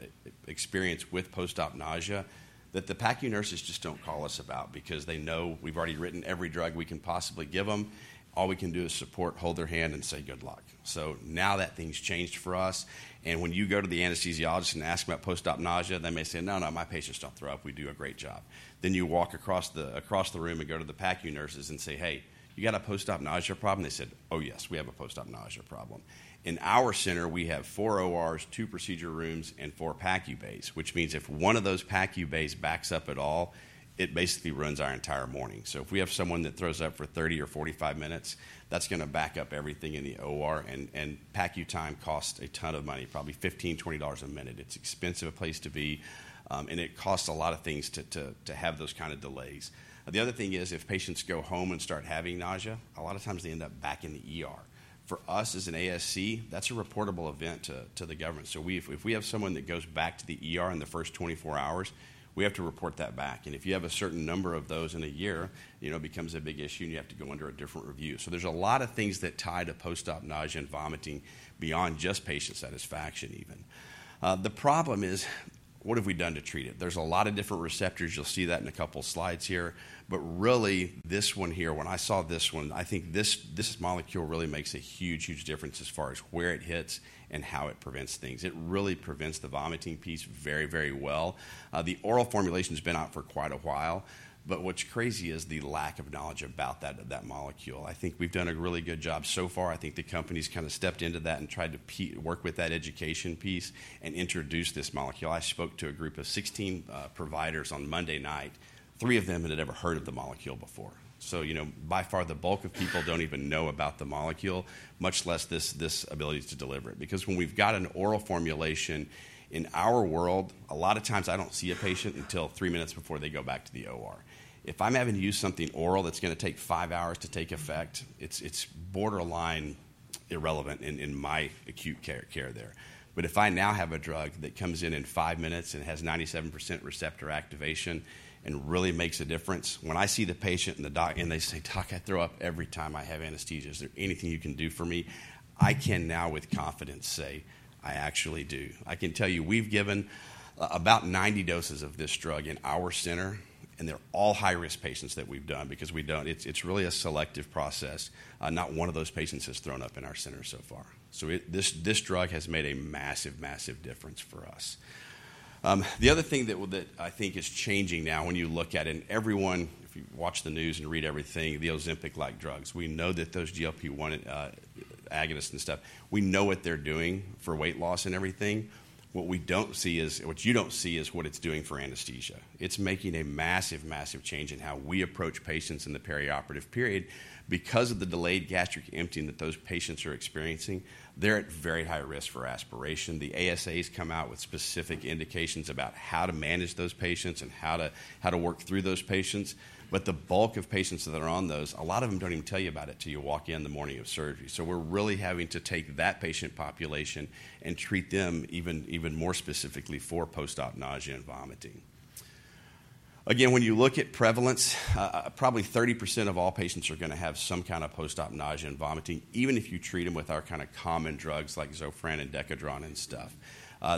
experience with postop nausea that the PACU nurses just don't call us about because they know we've already written every drug we can possibly give them. All we can do is support, hold their hand, and say, "Good luck." So now that thing's changed for us. And when you go to the anaesthesiologist and ask them about postop nausea, they may say, "No, no. My patients don't throw up. We do a great job." Then you walk across the room and go to the PACU nurses and say, "Hey, you got a postop nausea problem?" They said, "Oh, yes. We have a postop nausea problem." In our center, we have 4 ORs, two procedure rooms, and 4 PACU bays, which means if one of those PACU bays backs up at all, it basically runs our entire morning. So if we have someone that throws up for 30 or 45 minutes, that's gonna back up everything in the OR. And PACU time costs a ton of money, probably $15-$20 a minute. It's expensive a place to be. And it costs a lot of things to have those kinda delays. The other thing is if patients go home and start having nausea, a lot of times they end up back in the ER. For us as an ASC, that's a reportable event to the government. So if we have someone that goes back to the ED in the first 24 hours, we have to report that back. And if you have a certain number of those in a year, you know, it becomes a big issue, and you have to go under a different review. So there's a lot of things that tie to postop nausea and vomiting beyond just patient satisfaction even. The problem is, what have we done to treat it? There's a lot of different receptors. You'll see that in a couple slides here. But really, this one here, when I saw this one, I think this, this molecule really makes a huge, huge difference as far as where it hits and how it prevents things. It really prevents the vomiting piece very, very well. The oral formulation's been out for quite a while. But what's crazy is the lack of knowledge about that molecule. I think we've done a really good job so far. I think the company's kinda stepped into that and tried to be working with that education piece and introduce this molecule. I spoke to a group of 16 providers on Monday night. Three of them had never heard of the molecule before. So, you know, by far, the bulk of people don't even know about the molecule, much less this ability to deliver it. Because when we've got an oral formulation in our world, a lot of times, I don't see a patient until three minutes before they go back to the OR. If I'm having to use something oral that's gonna take five hours to take effect, it's borderline irrelevant in my acute care there. But if I now have a drug that comes in in 5 minutes and has 97% receptor activation and really makes a difference, when I see the patient and the doc and they say, "Doc, I throw up every time I have anaesthesia. Is there anything you can do for me?" I can now with confidence say, "I actually do." I can tell you we've given about 90 doses of this drug in our center, and they're all high-risk patients that we've done because we don't. It's, it's really a selective process. Not one of those patients has thrown up in our center so far. So, this, this drug has made a massive, massive difference for us. The other thing that I think is changing now when you look at it and everyone if you watch the news and read everything, the Ozempic-like drugs, we know that those GLP-1 agonists and stuff, we know what they're doing for weight loss and everything. What we don't see is what you don't see is what it's doing for anaesthesia. It's making a massive, massive change in how we approach patients in the perioperative period because of the delayed gastric emptying that those patients are experiencing. They're at very high risk for aspiration. The ASA's come out with specific indications about how to manage those patients and how to work through those patients. But the bulk of patients that are on those, a lot of them don't even tell you about it till you walk in the morning of surgery. So we're really having to take that patient population and treat them even, even more specifically for postop nausea and vomiting. Again, when you look at prevalence, probably 30% of all patients are gonna have some kinda postop nausea and vomiting even if you treat them with our kinda common drugs like Zofran and Decadron and stuff.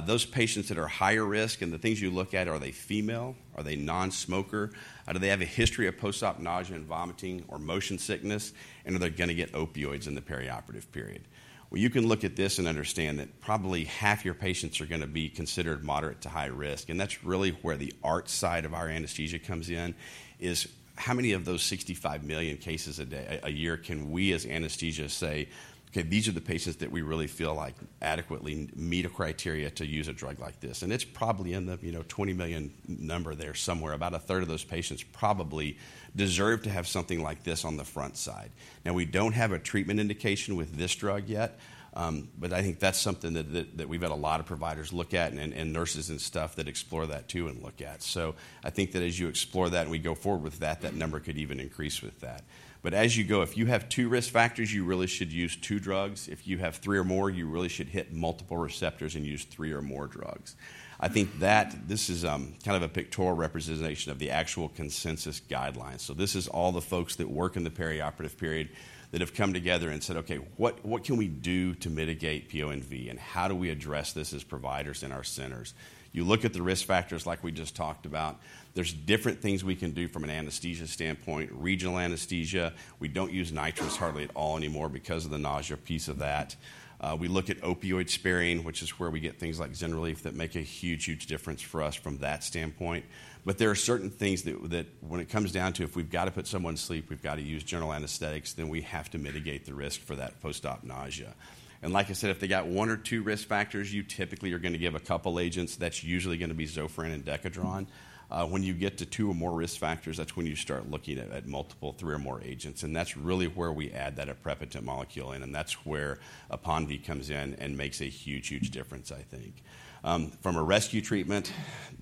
Those patients that are higher risk and the things you look at, are they female? Are they nonsmoker? Do they have a history of postop nausea and vomiting or motion sickness? And are they gonna get opioids in the perioperative period? Well, you can look at this and understand that probably half your patients are gonna be considered moderate to high risk. And that's really where the art side of our anaesthesia comes in is how many of those 65 million cases a year can we as anaesthesia say, "Okay. These are the patients that we really feel like adequately meet a criteria to use a drug like this? And it's probably in the, you know, 20 million number there somewhere. About a third of those patients probably deserve to have something like this on the front side. Now, we don't have a treatment indication with this drug yet. But I think that's something that we've had a lot of providers look at and nurses and stuff that explore that too and look at. So I think that as you explore that and we go forward with that, that number could even increase with that. But as you go, if you have two risk factors, you really should use two drugs. If you have three or more, you really should hit multiple receptors and use three or more drugs. I think that this is, kind of a pictorial representation of the actual consensus guidelines. So this is all the folks that work in the perioperative period that have come together and said, "Okay. What, what can we do to mitigate PONV, and how do we address this as providers in our centers?" You look at the risk factors like we just talked about. There's different things we can do from an anaesthesia standpoint, regional anaesthesia. We don't use nitrous hardly at all anymore because of the nausea piece of that. We look at opioid sparing, which is where we get things like ZYNRELEF that make a huge, huge difference for us from that standpoint. But there are certain things that, that when it comes down to if we've gotta put someone to sleep, we've gotta use general anesthetics, then we have to mitigate the risk for that postop nausea. And like I said, if they got one or two risk factors, you typically are gonna give a couple agents. That's usually gonna be Zofran and Decadron. When you get to two or more risk factors, that's when you start looking at multiple, three or more agents. And that's really where we add that aprepitant molecule in. And that's where APONVIE comes in and makes a huge, huge difference, I think. From a rescue treatment,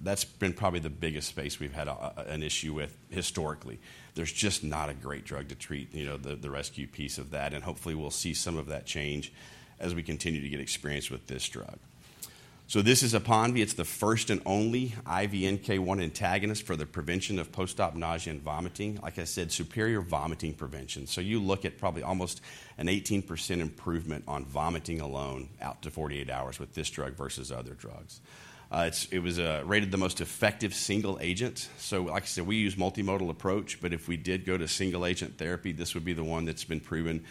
that's been probably the biggest space we've had an issue with historically. There's just not a great drug to treat, you know, the rescue piece of that. And hopefully, we'll see some of that change as we continue to get experience with this drug. So this is APONVIE. It's the first and only IV NK1 antagonist for the prevention of postop nausea and vomiting. Like I said, superior vomiting prevention. So you look at probably almost an 18% improvement on vomiting alone out to 48 hours with this drug versus other drugs. It was rated the most effective single agent. So like I said, we use multimodal approach. But if we did go to single-agent therapy, this would be the one that's been proven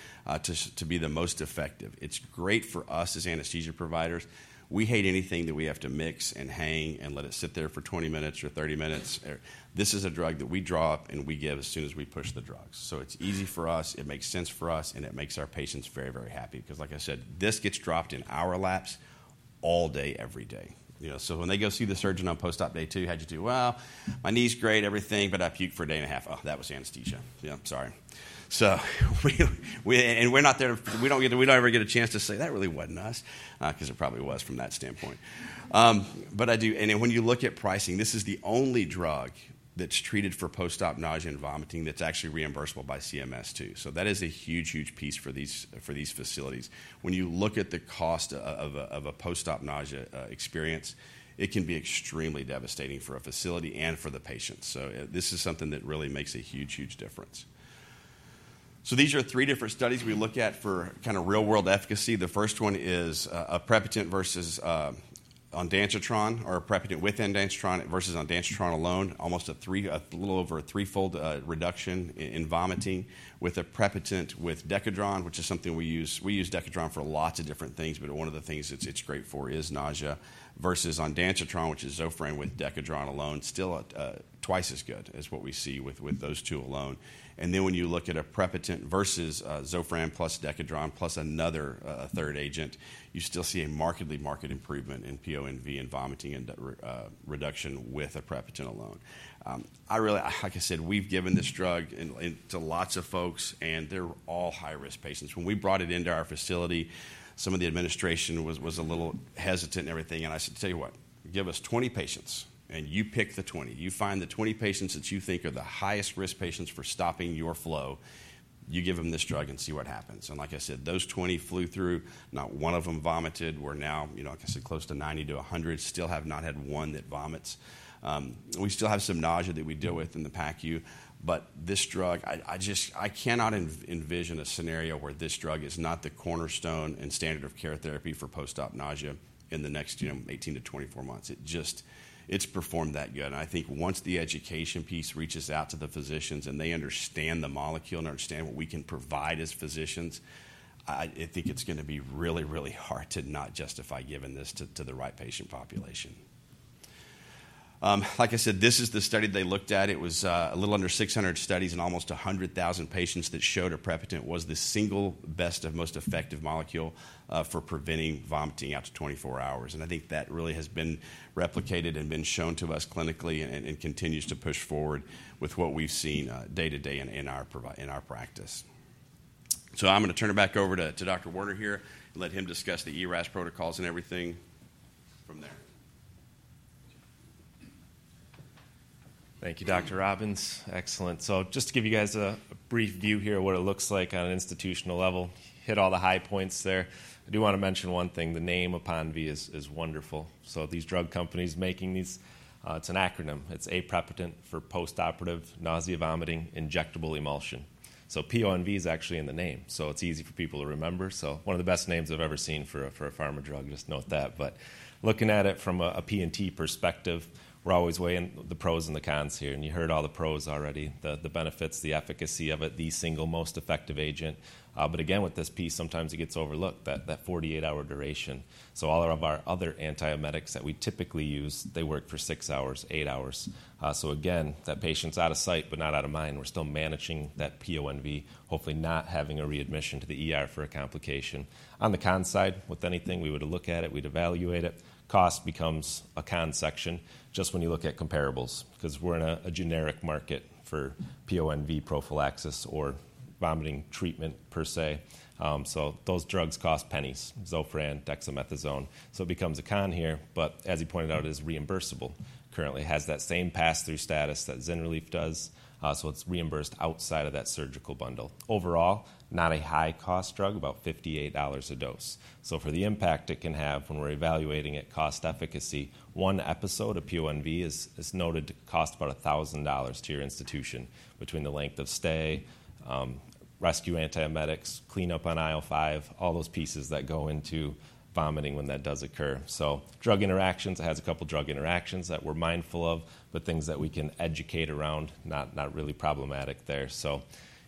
to be the most effective. It's great for us as anaesthesia providers. We hate anything that we have to mix and hang and let it sit there for 20 minutes or 30 minutes. This is a drug that we draw up, and we give as soon as we push the drugs. So it's easy for us. It makes sense for us, and it makes our patients very, very happy 'cause, like I said, this gets dropped in our laps all day, every day. You know, so when they go see the surgeon on postop day two, "How'd you do?" "Well, my knee's great, everything, but I puked for a day and a half." "Oh, that was anaesthesia." "Yeah. Sorry." So we and we're not there to. We don't get to. We don't ever get a chance to say, "That really wasn't us," 'cause it probably was from that standpoint. But I do, and when you look at pricing, this is the only drug that's treated for postop nausea and vomiting that's actually reimbursable by CMS too. So that is a huge, huge piece for these facilities. When you look at the cost of a postop nausea experience, it can be extremely devastating for a facility and for the patient. So, this is something that really makes a huge, huge difference. So these are three different studies we look at for kinda real-world efficacy. The first one is, aprepitant versus, ondansetron or aprepitant with ondansetron versus ondansetron alone, almost a three a little over a threefold, reduction in vomiting with aprepitant with Decadron, which is something we use we use Decadron for lots of different things, but one of the things it's, it's great for is nausea versus ondansetron, which is Zofran with Decadron alone, still a, a twice as good as what we see with, with those two alone. And then when you look at aprepitant versus, Zofran plus Decadron plus another, a third agent, you still see a markedly, marked improvement in PONV and vomiting and reduction with aprepitant alone. I really, like I said, we've given this drug in, in to lots of folks, and they're all high-risk patients. When we brought it into our facility, some of the administration was a little hesitant and everything. And I said, "Tell you what. Give us 20 patients, and you pick the 20. You find the 20 patients that you think are the highest-risk patients for stopping your flow, you give them this drug and see what happens." And like I said, those 20 flew through. Not one of them vomited. We're now, you know, like I said, close to 90-100. We still have not had one that vomits. We still have some nausea that we deal with in the PACU. But this drug, I just cannot envision a scenario where this drug is not the cornerstone and standard of care therapy for postop nausea in the next, you know, 18-24 months. It just it's performed that good. And I think once the education piece reaches out to the Physicians and they understand the molecule and understand what we can provide as Physicians, I, I think it's gonna be really, really hard to not justify giving this to, to the right patient population. Like I said, this is the study they looked at. It was, a little under 600 studies and almost 100,000 patients that showed aprepitant was the single best or most effective molecule, for preventing vomiting out to 24 hours. And I think that really has been replicated and been shown to us clinically and, and continues to push forward with what we've seen, day to day in our practice. So I'm gonna turn it back over to, to Dr. Werner here and let him discuss the ERAS protocols and everything from there. Thank you, Dr. Robbins. Excellent. So just to give you guys a brief view here of what it looks like on an institutional level, hit all the high points there. I do wanna mention one thing. The name APONVIE is wonderful. So these drug companies making these, it's an acronym. It's aprepitant for postoperative nausea vomiting injectable emulsion. So PONV is actually in the name, so it's easy for people to remember. So one of the best names I've ever seen for a pharma drug. Just note that. But looking at it from a P&T perspective, we're always weighing the pros and the cons here. And you heard all the pros already, the benefits, the efficacy of it, the single most effective agent. But again, with this piece, sometimes it gets overlooked, that 48-hour duration. So all of our other antiemetics that we typically use, they work for 6 hours, 8 hours. So again, that patient's out of sight but not out of mind. We're still managing that PONV, hopefully not having a readmission to the for a complication. On the con side, with anything, we would look at it. We'd evaluate it. Cost becomes a con section just when you look at comparables 'cause we're in a, a generic market for PONV prophylaxis or vomiting treatment per se. So those drugs cost pennies, Zofran, dexamethasone. So it becomes a con here. But as he pointed out, it is reimbursable currently, has that same pass-through status that ZYNRELEF does. So it's reimbursed outside of that surgical bundle. Overall, not a high-cost drug, about $58 a dose. So for the impact it can have when we're evaluating it, cost-efficacy, one episode of PONV is noted to cost about $1,000 to your institution between the length of stay, rescue antiemetics, cleanup on aisle five, all those pieces that go into vomiting when that does occur. So drug interactions, it has a couple drug interactions that we're mindful of but things that we can educate around, not really problematic there. So,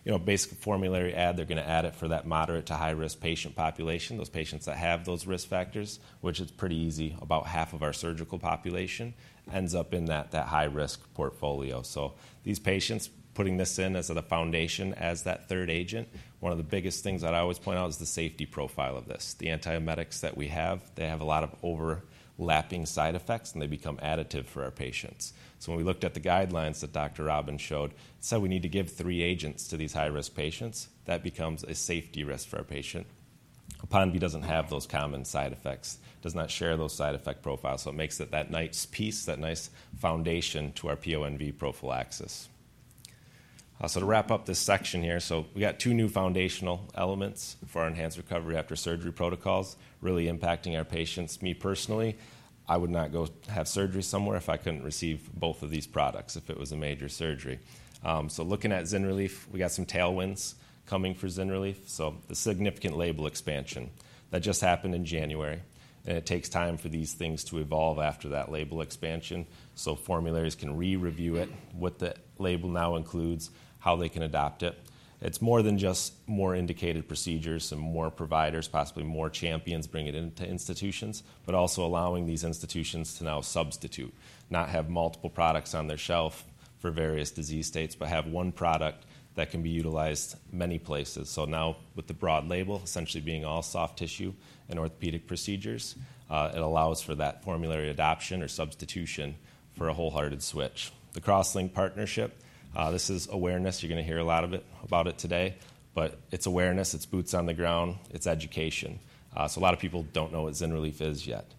you know, basic formulary add. They're gonna add it for that moderate to high-risk patient population, those patients that have those risk factors, which is pretty easy. About half of our surgical population ends up in that high-risk portfolio. So these patients, putting this in as the foundation, as that third agent, one of the biggest things that I always point out is the safety profile of this, the antiemetics that we have. They have a lot of overlapping side effects, and they become additive for our patients. So when we looked at the guidelines that Dr. Robbins showed, he said, "We need to give three agents to these high-risk patients." That becomes a safety risk for our patient. APONVIE doesn't have those common side effects, does not share those side effect profiles. So it makes it that nice piece, that nice foundation to our PONV prophylaxis. So to wrap up this section here, so we got two new foundational elements for our enhanced recovery after surgery protocols really impacting our patients. Me personally, I would not go have surgery somewhere if I couldn't receive both of these products if it was a major surgery. So looking at ZYNRELEF, we got some tailwinds coming for ZYNRELEF. So the significant label expansion, that just happened in January. It takes time for these things to evolve after that label expansion so formularies can re-review it, what the label now includes, how they can adopt it. It's more than just more indicated procedures and more providers, possibly more champions bring it into institutions but also allowing these institutions to now substitute, not have multiple products on their shelf for various disease states but have one product that can be utilized many places. So now with the broad label essentially being all soft tissue and orthopedic procedures, it allows for that formulary adoption or substitution for a wholehearted switch. The CrossLink partnership, this is awareness. You're gonna hear a lot of it about it today. But it's awareness. It's boots on the ground. It's education. So a lot of people don't know what ZYNRELEF is yet.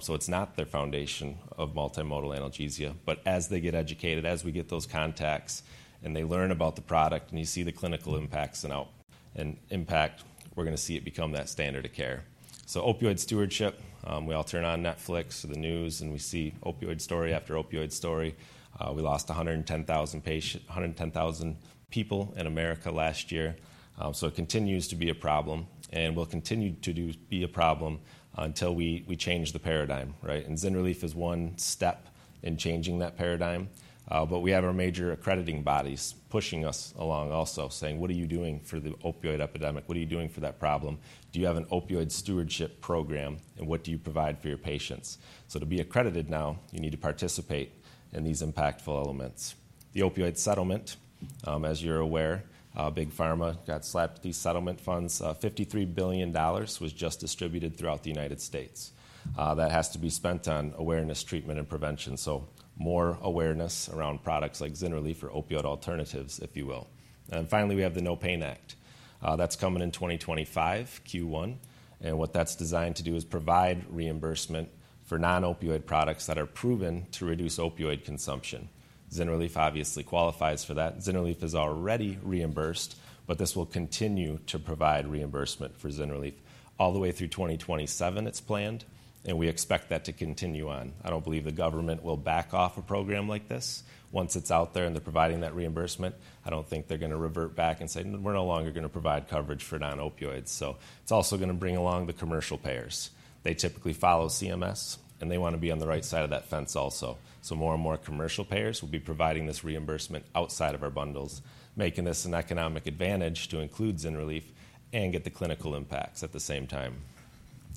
So it's not their foundation of multimodal analgesia. But as they get educated, as we get those contacts, and they learn about the product, and you see the clinical impacts and outcomes and impact, we're gonna see it become that standard of care. So opioid stewardship, we all turn on Netflix or the news, and we see opioid story after opioid story. We lost 110,000 patients, 110,000 people in America last year. So it continues to be a problem, and will continue to do be a problem until we, we change the paradigm, right? And ZYNRELEF is one step in changing that paradigm. But we have our major accrediting bodies pushing us along also saying, "What are you doing for the opioid epidemic? What are you doing for that problem? Do you have an opioid stewardship program, and what do you provide for your patients?" So to be accredited now, you need to participate in these impactful elements. The opioid settlement, as you're aware, Big Pharma got slapped these settlement funds. $53 billion was just distributed throughout the United States. That has to be spent on awareness, treatment, and prevention. So more awareness around products like ZYNRELEF or opioid alternatives, if you will. And finally, we have the NOPAIN Act. That's coming in 2025, Q1. And what that's designed to do is provide reimbursement for non-opioid products that are proven to reduce opioid consumption. ZYNRELEF obviously qualifies for that. ZYNRELEF is already reimbursed, but this will continue to provide reimbursement for ZYNRELEF. All the way through 2027, it's planned, and we expect that to continue on. I don't believe the government will back off a program like this. Once it's out there and they're providing that reimbursement, I don't think they're gonna revert back and say, "We're no longer gonna provide coverage for non-opioids." So it's also gonna bring along the commercial payers. They typically follow CMS, and they wanna be on the right side of that fence also. So more and more commercial payers will be providing this reimbursement outside of our bundles, making this an economic advantage to include ZYNRELEF and get the clinical impacts at the same time.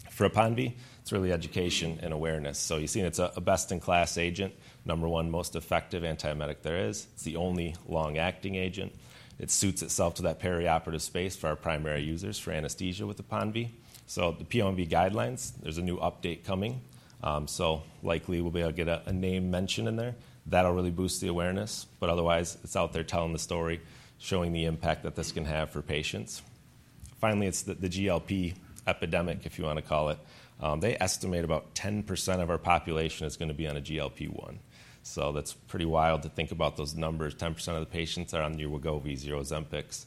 For PONV, it's really education and awareness. So you've seen it's a, a best-in-class agent, number one most effective antiemetic there is. It's the only long-acting agent. It suits itself to that perioperative space for our primary users, for anaesthesia with APONVIE. So the PONV guidelines, there's a new update coming. So likely, we'll be able to get a, a name mention in there. That'll really boost the awareness. But otherwise, it's out there telling the story, showing the impact that this can have for patients. Finally, it's the GLP-1 epidemic, if you wanna call it. They estimate about 10% of our population is gonna be on a GLP-1. So that's pretty wild to think about those numbers. 10% of the patients are on the Wegovy, Ozempic,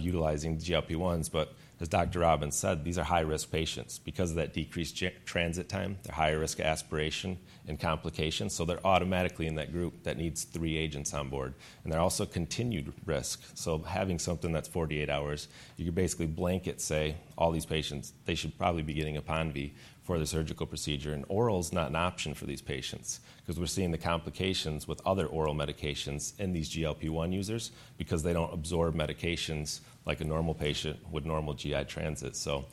utilizing GLP-1s. But as Dr. Robbins said, these are high-risk patients because of that decreased transit time, their higher risk of aspiration and complications. So they're automatically in that group that needs three agents on board. And they're also continued risk. So having something that's 48 hours, you could basically blanket, say, all these patients, they should probably be getting APONVIE for the surgical procedure. Oral's not an option for these patients 'cause we're seeing the complications with other oral medications in these GLP-1 users because they don't absorb medications like a normal patient with normal GI transit. So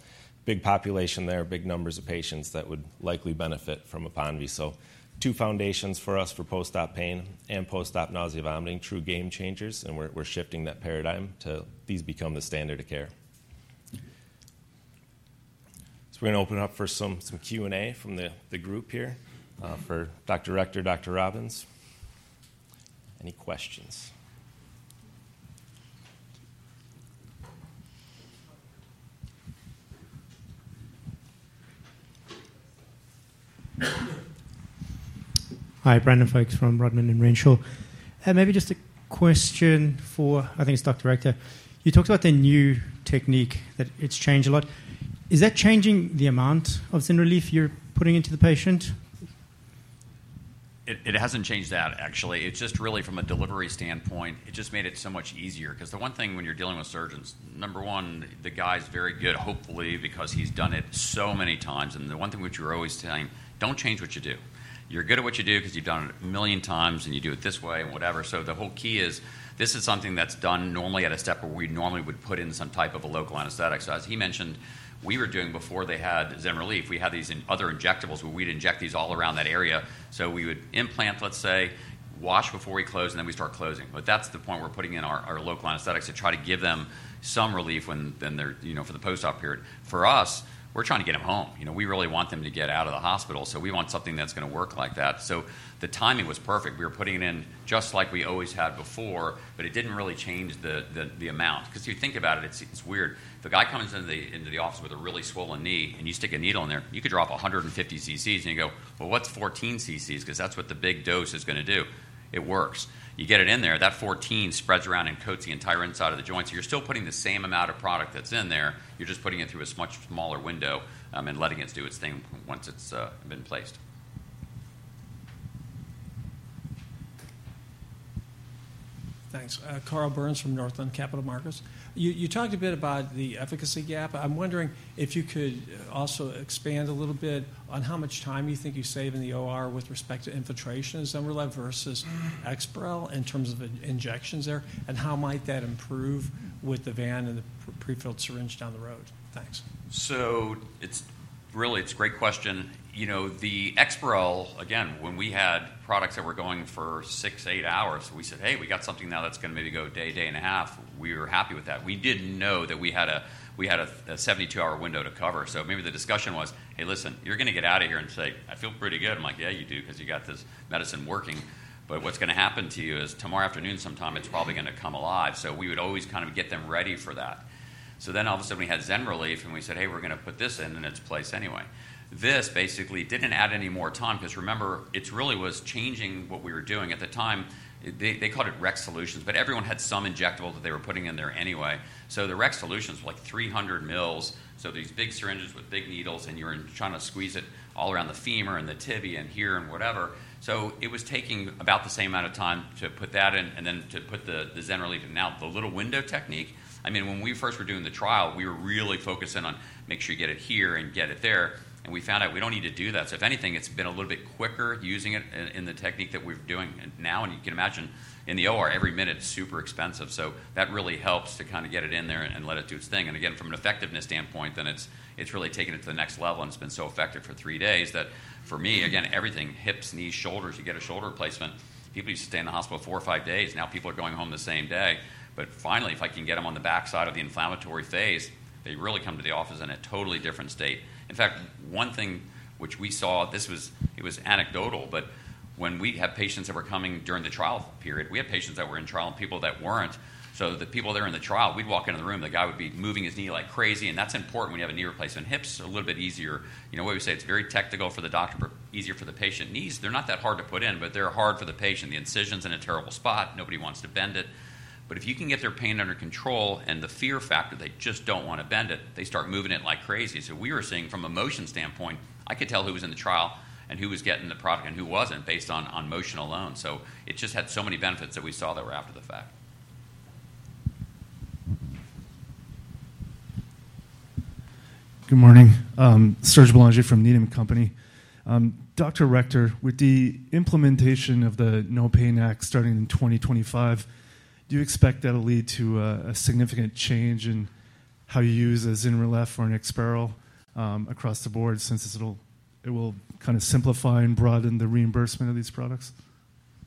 big population there, big numbers of patients that would likely benefit from APONVIE. So two foundations for us for postop pain and postop nausea vomiting, true game changers. And we're, we're shifting that paradigm to these become the standard of care. So we're gonna open up for some, some Q&A from the, the group here, for Dr. Rechter, Dr. Robbins. Any questions? Hi, Brandon Folkes from Rodman & Renshaw. Maybe just a question for I think it's Dr. Rechter. You talked about the new technique that it's changed a lot. Is that changing the amount of ZYNRELEF you're putting into the patient? It, it hasn't changed that, actually. It's just really from a delivery standpoint, it just made it so much easier 'cause the one thing when you're dealing with surgeons, number one, the guy's very good, hopefully, because he's done it so many times. And the one thing which you're always saying, "Don't change what you do. You're good at what you do 'cause you've done it a million times, and you do it this way and whatever." So the whole key is this is something that's done normally at a step where we normally would put in some type of a local anesthetic. So as he mentioned, we were doing before they had ZYNRELEF, we had these in other injectables where we'd inject these all around that area. So we would implant, let's say, wash before we close, and then we start closing. But that's the point we're putting in our local anesthetics to try to give them some relief when they're, you know, for the postop period. For us, we're trying to get them home. You know, we really want them to get out of the hospital. So we want something that's gonna work like that. So the timing was perfect. We were putting it in just like we always had before, but it didn't really change the amount 'cause if you think about it, it's weird. The guy comes into the office with a really swollen knee, and you stick a needle in there, you could drop 150 ccs, and you go, "Well, what's 14 ccs?" 'cause that's what the big dose is gonna do. It works. You get it in there. That 14 spreads around and coats the entire inside of the joint. You're still putting the same amount of product that's in there. You're just putting it through a much smaller window, and letting it do its thing once it's been placed. Thanks. Carl Byrnes from Northland Capital Markets. You, you talked a bit about the efficacy gap. I'm wondering if you could also expand a little bit on how much time you think you save in the OR with respect to infiltration of ZYNRELEF versus Exparel in terms of injections there and how might that improve with the VAN and the pre-filled syringe down the road? Thanks. So it's really, it's a great question. You know, the Exparel, again, when we had products that were going for 6, 8 hours, we said, "Hey, we got something now that's gonna maybe go day, day and a half." We were happy with that. We didn't know that we had a we had a, a 72-hour window to cover. So maybe the discussion was, "Hey, listen, you're gonna get out of here and say, 'I feel pretty good.'" I'm like, "Yeah, you do 'cause you got this medicine working. But what's gonna happen to you is tomorrow afternoon sometime, it's probably gonna come alive." So we would always kind of get them ready for that. So then all of a sudden, we had ZYNRELEF, and we said, "Hey, we're gonna put this in, and its place anyway." This basically didn't add any more time 'cause remember, it really was changing what we were doing. At the time, they called it Rex Solutions, but everyone had some injectable that they were putting in there anyway. So the Rex Solutions were like 300 ml. So these big syringes with big needles, and you're trying to squeeze it all around the femur and the tibia and here and whatever. So it was taking about the same amount of time to put that in and then to put the ZYNRELEF in. Now, the little window technique, I mean, when we first were doing the trial, we were really focusing on, "Make sure you get it here and get it there." And we found out we don't need to do that. So if anything, it's been a little bit quicker using it in the technique that we're doing now. And you can imagine in the OR, every minute, it's super expensive. So that really helps to kinda get it in there and let it do its thing. And again, from an effectiveness standpoint, then it's really taken it to the next level, and it's been so effective for three days that for me, again, everything, hips, knees, shoulders, you get a shoulder replacement. People used to stay in the hospital four or five days. Now, people are going home the same day. But finally, if I can get them on the backside of the inflammatory phase, they really come to the office in a totally different state. In fact, one thing which we saw, this was anecdotal. But when we have patients that were coming during the trial period, we had patients that were in trial and people that weren't. So the people that were in the trial, we'd walk into the room. The guy would be moving his knee like crazy. And that's important when you have a knee replacement. Hips are a little bit easier. You know what we say? It's very technical for the doctor but easier for the patient. Knees, they're not that hard to put in, but they're hard for the patient. The incision's in a terrible spot. Nobody wants to bend it. But if you can get their pain under control and the fear factor, they just don't wanna bend it. They start moving it like crazy. So we were seeing from a motion standpoint, I could tell who was in the trial and who was getting the product and who wasn't based on motion alone. So it just had so many benefits that we saw that were after the fact. Good morning. Serge Belanger from Needham & Company. Dr. Rechter, with the implementation of the NOPAIN Act starting in 2025, do you expect that'll lead to a significant change in how you use ZYNRELEF or Exparel across the board since it'll kinda simplify and broaden the reimbursement of these products?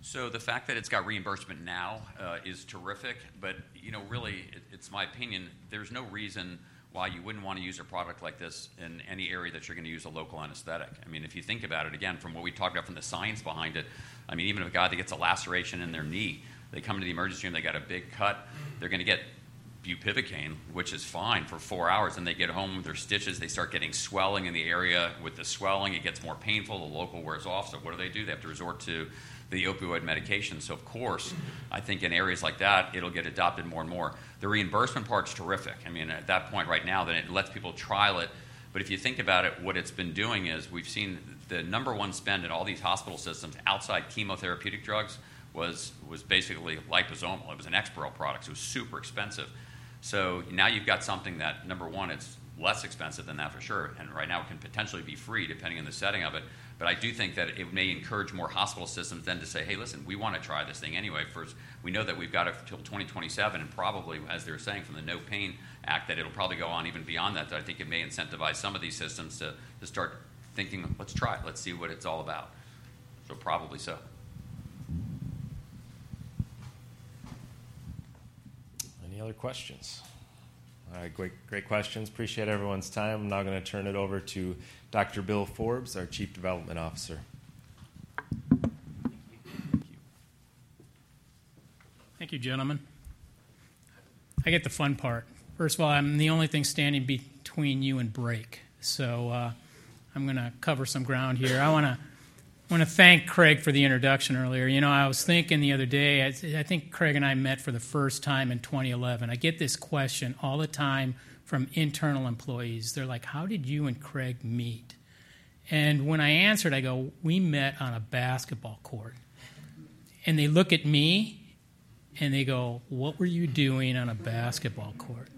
So the fact that it's got reimbursement now is terrific. But, you know, really, it's my opinion, there's no reason why you wouldn't wanna use a product like this in any area that you're gonna use a local anesthetic. I mean, if you think about it, again, from what we talked about from the science behind it, I mean, even if a guy that gets a laceration in their knee, they come to the emergency room, they got a big cut, they're gonna get bupivacaine, which is fine, for four hours. Then they get home, their stitches, they start getting swelling in the area. With the swelling, it gets more painful. The local wears off. So what do they do? They have to resort to the opioid medication. So of course, I think in areas like that, it'll get adopted more and more. The reimbursement part's terrific. I mean, at that point right now, then it lets people trial it. But if you think about it, what it's been doing is we've seen the number one spend in all these hospital systems outside chemotherapeutic drugs was, was basically liposomal. It was an Exparel product. So it was super expensive. So now you've got something that, number one, it's less expensive than that for sure. And right now, it can potentially be free depending on the setting of it. But I do think that it may encourage more hospital systems then to say, "Hey, listen, we wanna try this thing anyway." First, we know that we've got it till 2027. And probably, as they were saying from the NOPAIN Act, that it'll probably go on even beyond that. So I think it may incentivize some of these systems to, to start thinking, "Let's try it. Let's see what it's all about." So probably so. Any other questions? All right. Great, great questions. Appreciate everyone's time. I'm now gonna turn it over to Dr. Bill Forbes, our Chief Development Officer. Thank you. Thank you, gentlemen. I get the fun part. First of all, I'm the only thing standing between you and break. So, I'm gonna cover some ground here. I wanna thank Craig for the introduction earlier. You know, I was thinking the other day, I think Craig and I met for the first time in 2011. I get this question all the time from internal employees. They're like, "How did you and Craig meet?" And when I answered, I go, "We met on a basketball court." And they look at me, and they go, "What were you doing on a basketball court?"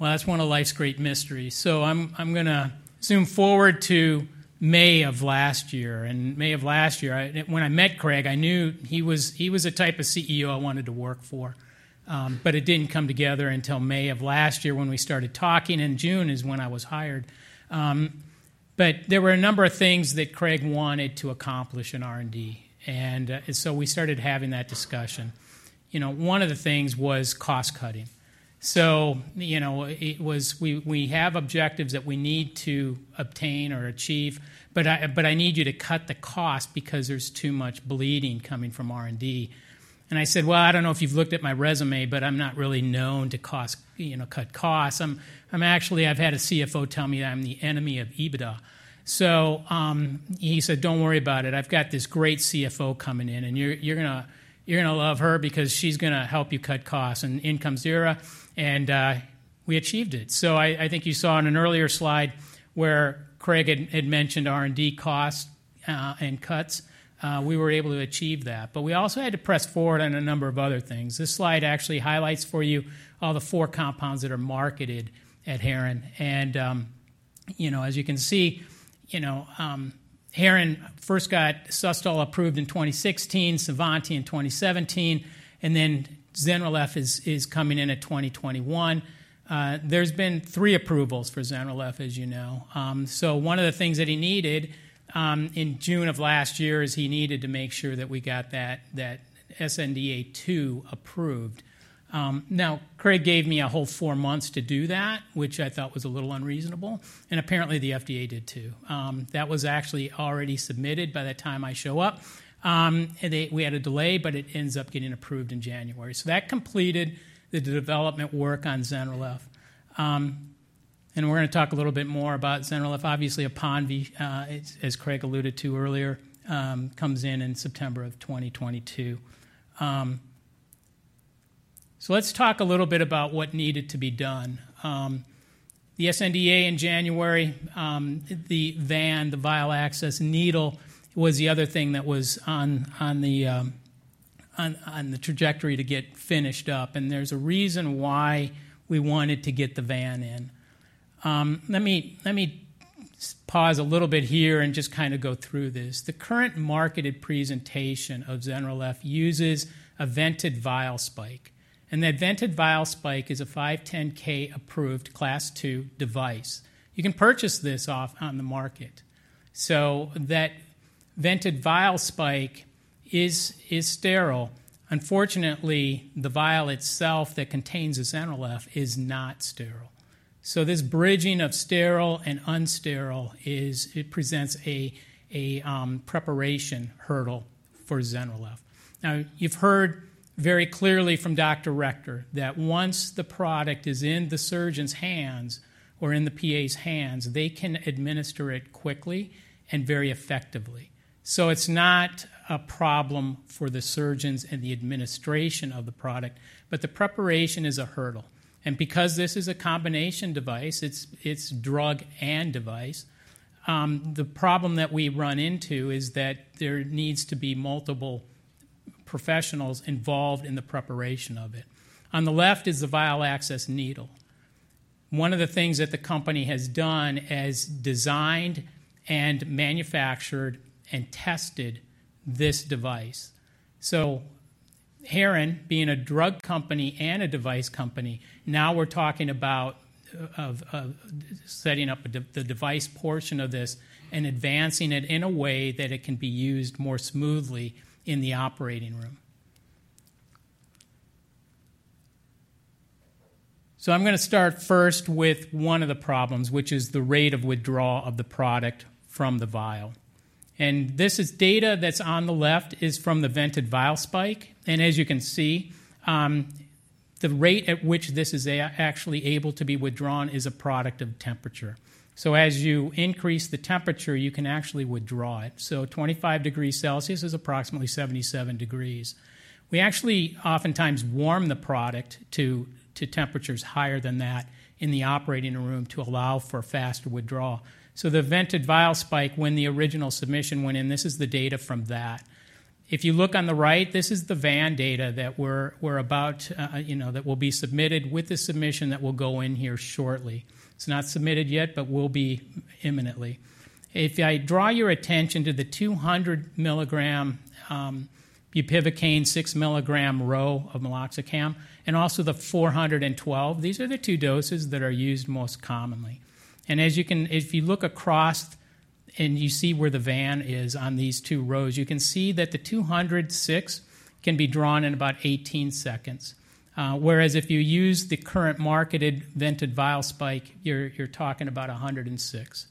Well, that's one of life's great mysteries. So I'm gonna zoom forward to May of last year. And May of last year, when I met Craig, I knew he was the type of CEO I wanted to work for. But it didn't come together until May of last year when we started talking. June is when I was hired. But there were a number of things that Craig wanted to accomplish in R&D. So we started having that discussion. You know, one of the things was cost-cutting. So, you know, it was we have objectives that we need to obtain or achieve, but I need you to cut the cost because there's too much bleeding coming from R&D. And I said, "Well, I don't know if you've looked at my resume, but I'm not really known to cost, you know, cut costs. I'm actually. I've had a CFO tell me that I'm the enemy of EBITDA." So, he said, "Don't worry about it. I've got this great CFO coming in, and you're gonna love her because she's gonna help you cut costs and income zero. We achieved it. I think you saw on an earlier slide where Craig had mentioned R&D cost, and cuts, we were able to achieve that. But we also had to press forward on a number of other things. This slide actually highlights for you all the four compounds that are marketed at Heron. You know, as you can see, you know, Heron first got SUSTOL approved in 2016, CINVANTI in 2017, and then ZYNRELEF is coming in at 2021. There's been three approvals for ZYNRELEF, as you know. One of the things that he needed, in June of last year is he needed to make sure that we got that sNDA approved. Now, Craig gave me a whole four months to do that, which I thought was a little unreasonable. And apparently, the FDA did too. That was actually already submitted by the time I show up. We had a delay, but it ends up getting approved in January. So that completed the development work on ZYNRELEF. And we're gonna talk a little bit more about ZYNRELEF. Obviously, APONVIE, as Craig alluded to earlier, comes in in September of 2022. So let's talk a little bit about what needed to be done. The sNDA in January, the VAN, the Vial Access Needle was the other thing that was on the trajectory to get finished up. And there's a reason why we wanted to get the VAN in. Let me pause a little bit here and just kinda go through this. The current marketed presentation of ZYNRELEF uses a vented vial spike. That vented vial spike is a 510(k) approved Class II device. You can purchase this off on the market. So that vented vial spike is sterile. Unfortunately, the vial itself that contains the ZYNRELEF is not sterile. So this bridging of sterile and unsterile is it presents a preparation hurdle for ZYNRELEF. Now, you've heard very clearly from Dr. Rechter that once the product is in the surgeon's hands or in the PA's hands, they can administer it quickly and very effectively. So it's not a problem for the surgeons and the administration of the product, but the preparation is a hurdle. Because this is a combination device, it's drug and device, the problem that we run into is that there needs to be multiple professionals involved in the preparation of it. On the left is the Vial Access Needle. One of the things that the company has done is designed and manufactured and tested this device. So Heron, being a drug company and a device company, now we're talking about setting up the device portion of this and advancing it in a way that it can be used more smoothly in the operating room. So I'm gonna start first with one of the problems, which is the rate of withdrawal of the product from the vial. And this is data that's on the left from the Vented Vial Spike. And as you can see, the rate at which this is actually able to be withdrawn is a product of temperature. So as you increase the temperature, you can actually withdraw it. So 25 degrees Celsius is approximately 77 degrees. We actually oftentimes warm the product to temperatures higher than that in the operating room to allow for faster withdrawal. So the vented vial spike, when the original submission went in, this is the data from that. If you look on the right, this is the VAN data that we're about, you know, that will be submitted with the submission that will go in here shortly. It's not submitted yet, but will be imminently. If I draw your attention to the 200 mg bupivacaine 6 mg row of meloxicam and also the 412, these are the two doses that are used most commonly. And as you can if you look across and you see where the VAN is on these two rows, you can see that the 206 can be drawn in about 18 seconds, whereas if you use the current marketed vented vial spike, you're talking about 106.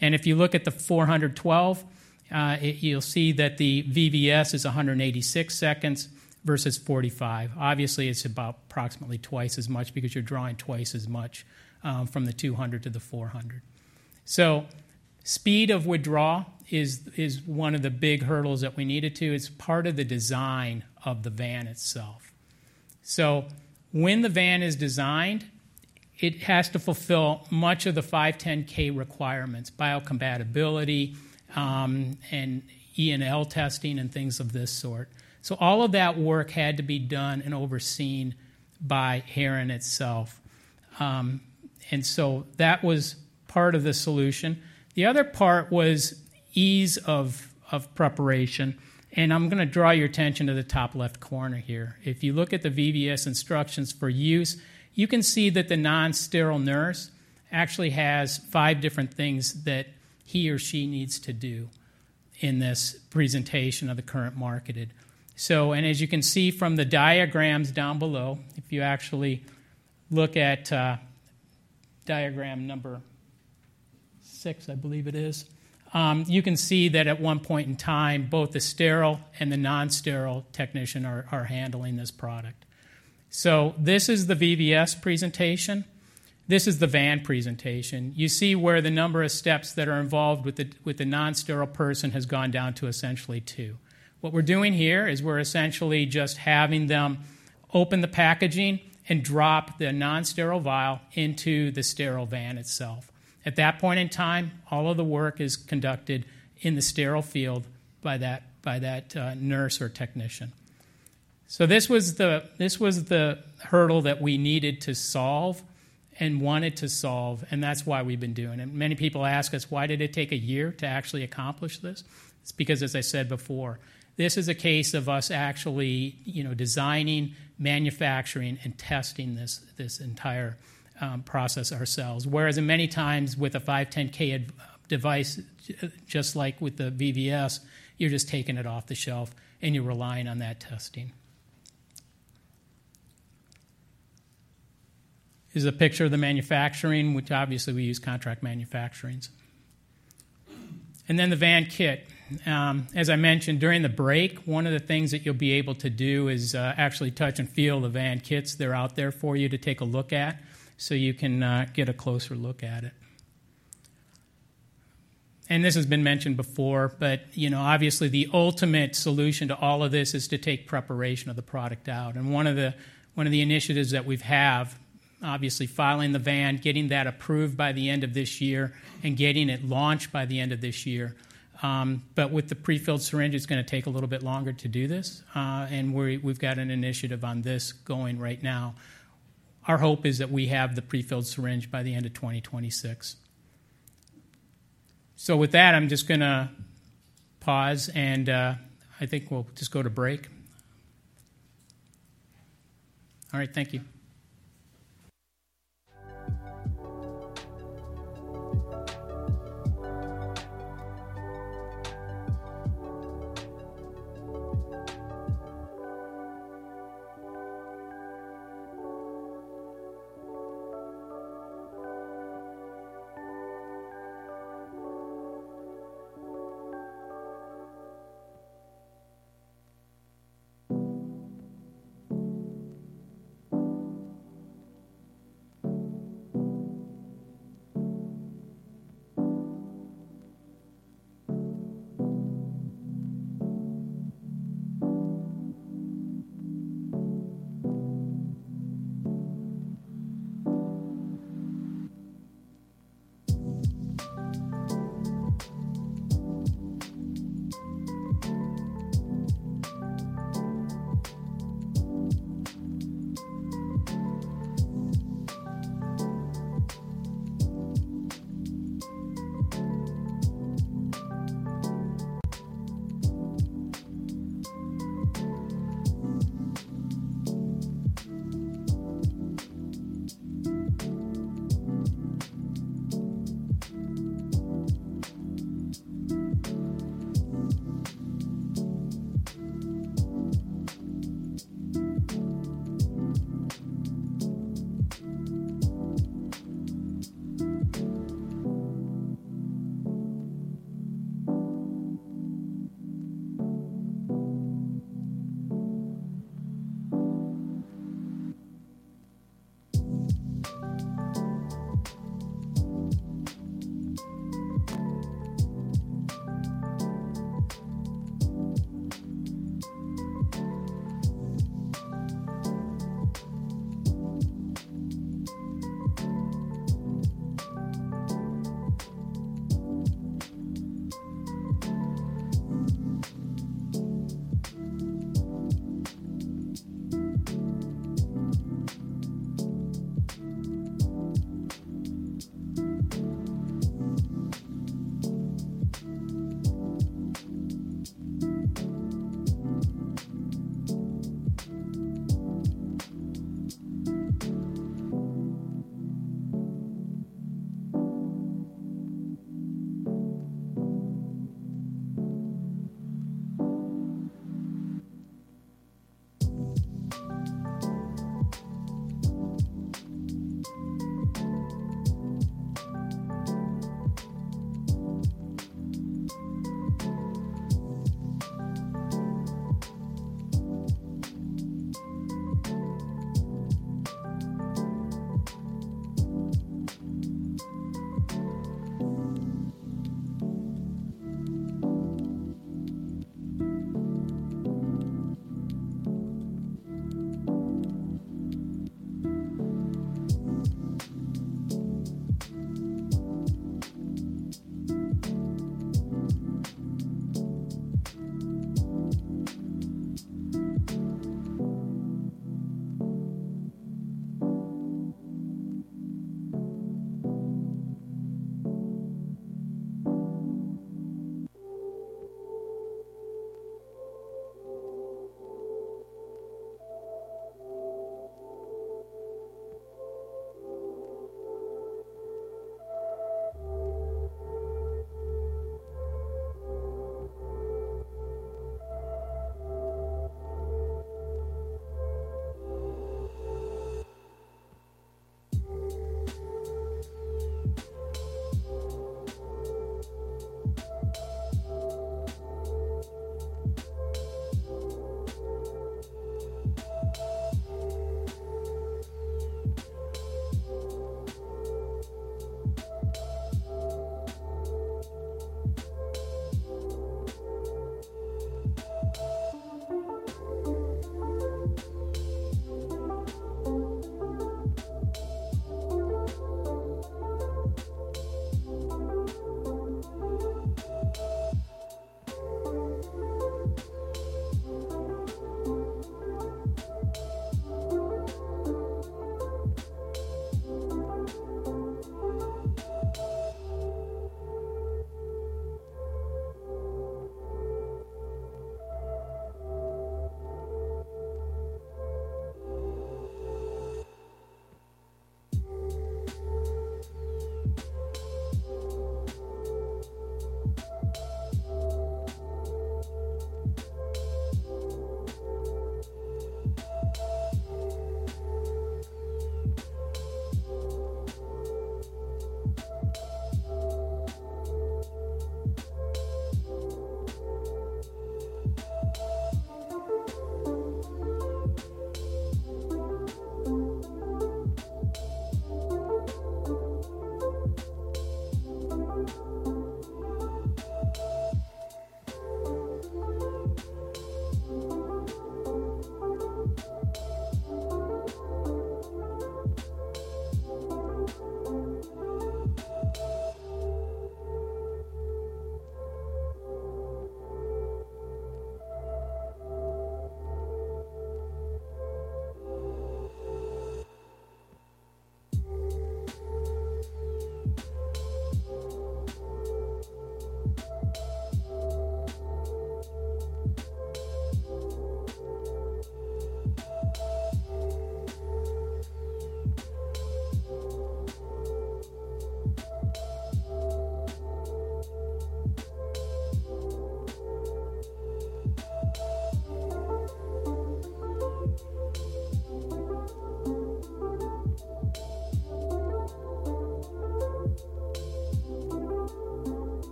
And if you look at the 412, it you'll see that the VVS is 186 seconds versus 45. Obviously, it's about approximately twice as much because you're drawing twice as much, from the 200 to the 400. So speed of withdrawal is, is one of the big hurdles that we needed to. It's part of the design of the VAN itself. So when the VAN is designed, it has to fulfill much of the 510(k) requirements, biocompatibility, and E&L testing and things of this sort. So all of that work had to be done and overseen by Heron itself. And so that was part of the solution. The other part was ease of, of preparation. And I'm gonna draw your attention to the top left corner here. If you look at the VVS instructions for use, you can see that the non-sterile nurse actually has 5 different things that he or she needs to do in this presentation of the current marketed. So and as you can see from the diagrams down below, if you actually look at diagram number 6, I believe it is, you can see that at one point in time, both the sterile and the non-sterile technician are handling this product. So this is the VVS presentation. This is the VAN presentation. You see where the number of steps that are involved with the non-sterile person has gone down to essentially two. What we're doing here is we're essentially just having them open the packaging and drop the non-sterile vial into the sterile VAN itself. At that point in time, all of the work is conducted in the sterile field by that nurse or technician. So this was the hurdle that we needed to solve and wanted to solve. And that's why we've been doing it. Many people ask us, "Why did it take a year to actually accomplish this?" It's because, as I said before, this is a case of us actually, you know, designing, manufacturing, and testing this entire process ourselves. Whereas many times with a 510(k) device, just like with the VVS, you're just taking it off the shelf, and you're relying on that testing. Here's a picture of the manufacturing, which obviously, we use contract manufacturing. And then the VAN kit. As I mentioned, during the break, one of the things that you'll be able to do is, actually touch and feel the VAN kits. They're out there for you to take a look at so you can get a closer look at it. And this has been mentioned before, but, you know, obviously, the ultimate solution to all of this is to take preparation of the product out. And one of the initiatives that we have, obviously, filing the VAN, getting that approved by the end of this year, and getting it launched by the end of this year. But with the prefilled syringe, it's gonna take a little bit longer to do this. And we're, we've got an initiative on this going right now. Our hope is that we have the prefilled syringe by the end of 2026. So with that, I'm just gonna pause. And, I think we'll just go to break. All right. Thank you.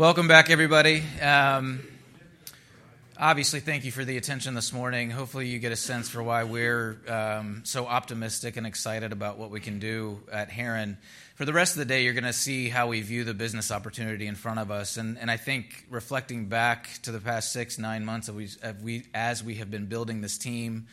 Welcome back, everybody. Obviously, thank you for the attention this morning. Hopefully, you get a sense for why we're so optimistic and excited about what we can do at Heron. For the rest of the day, you're going to see how we view the business opportunity in front of us. I think reflecting back to the past 6-9 months as we have been building this team,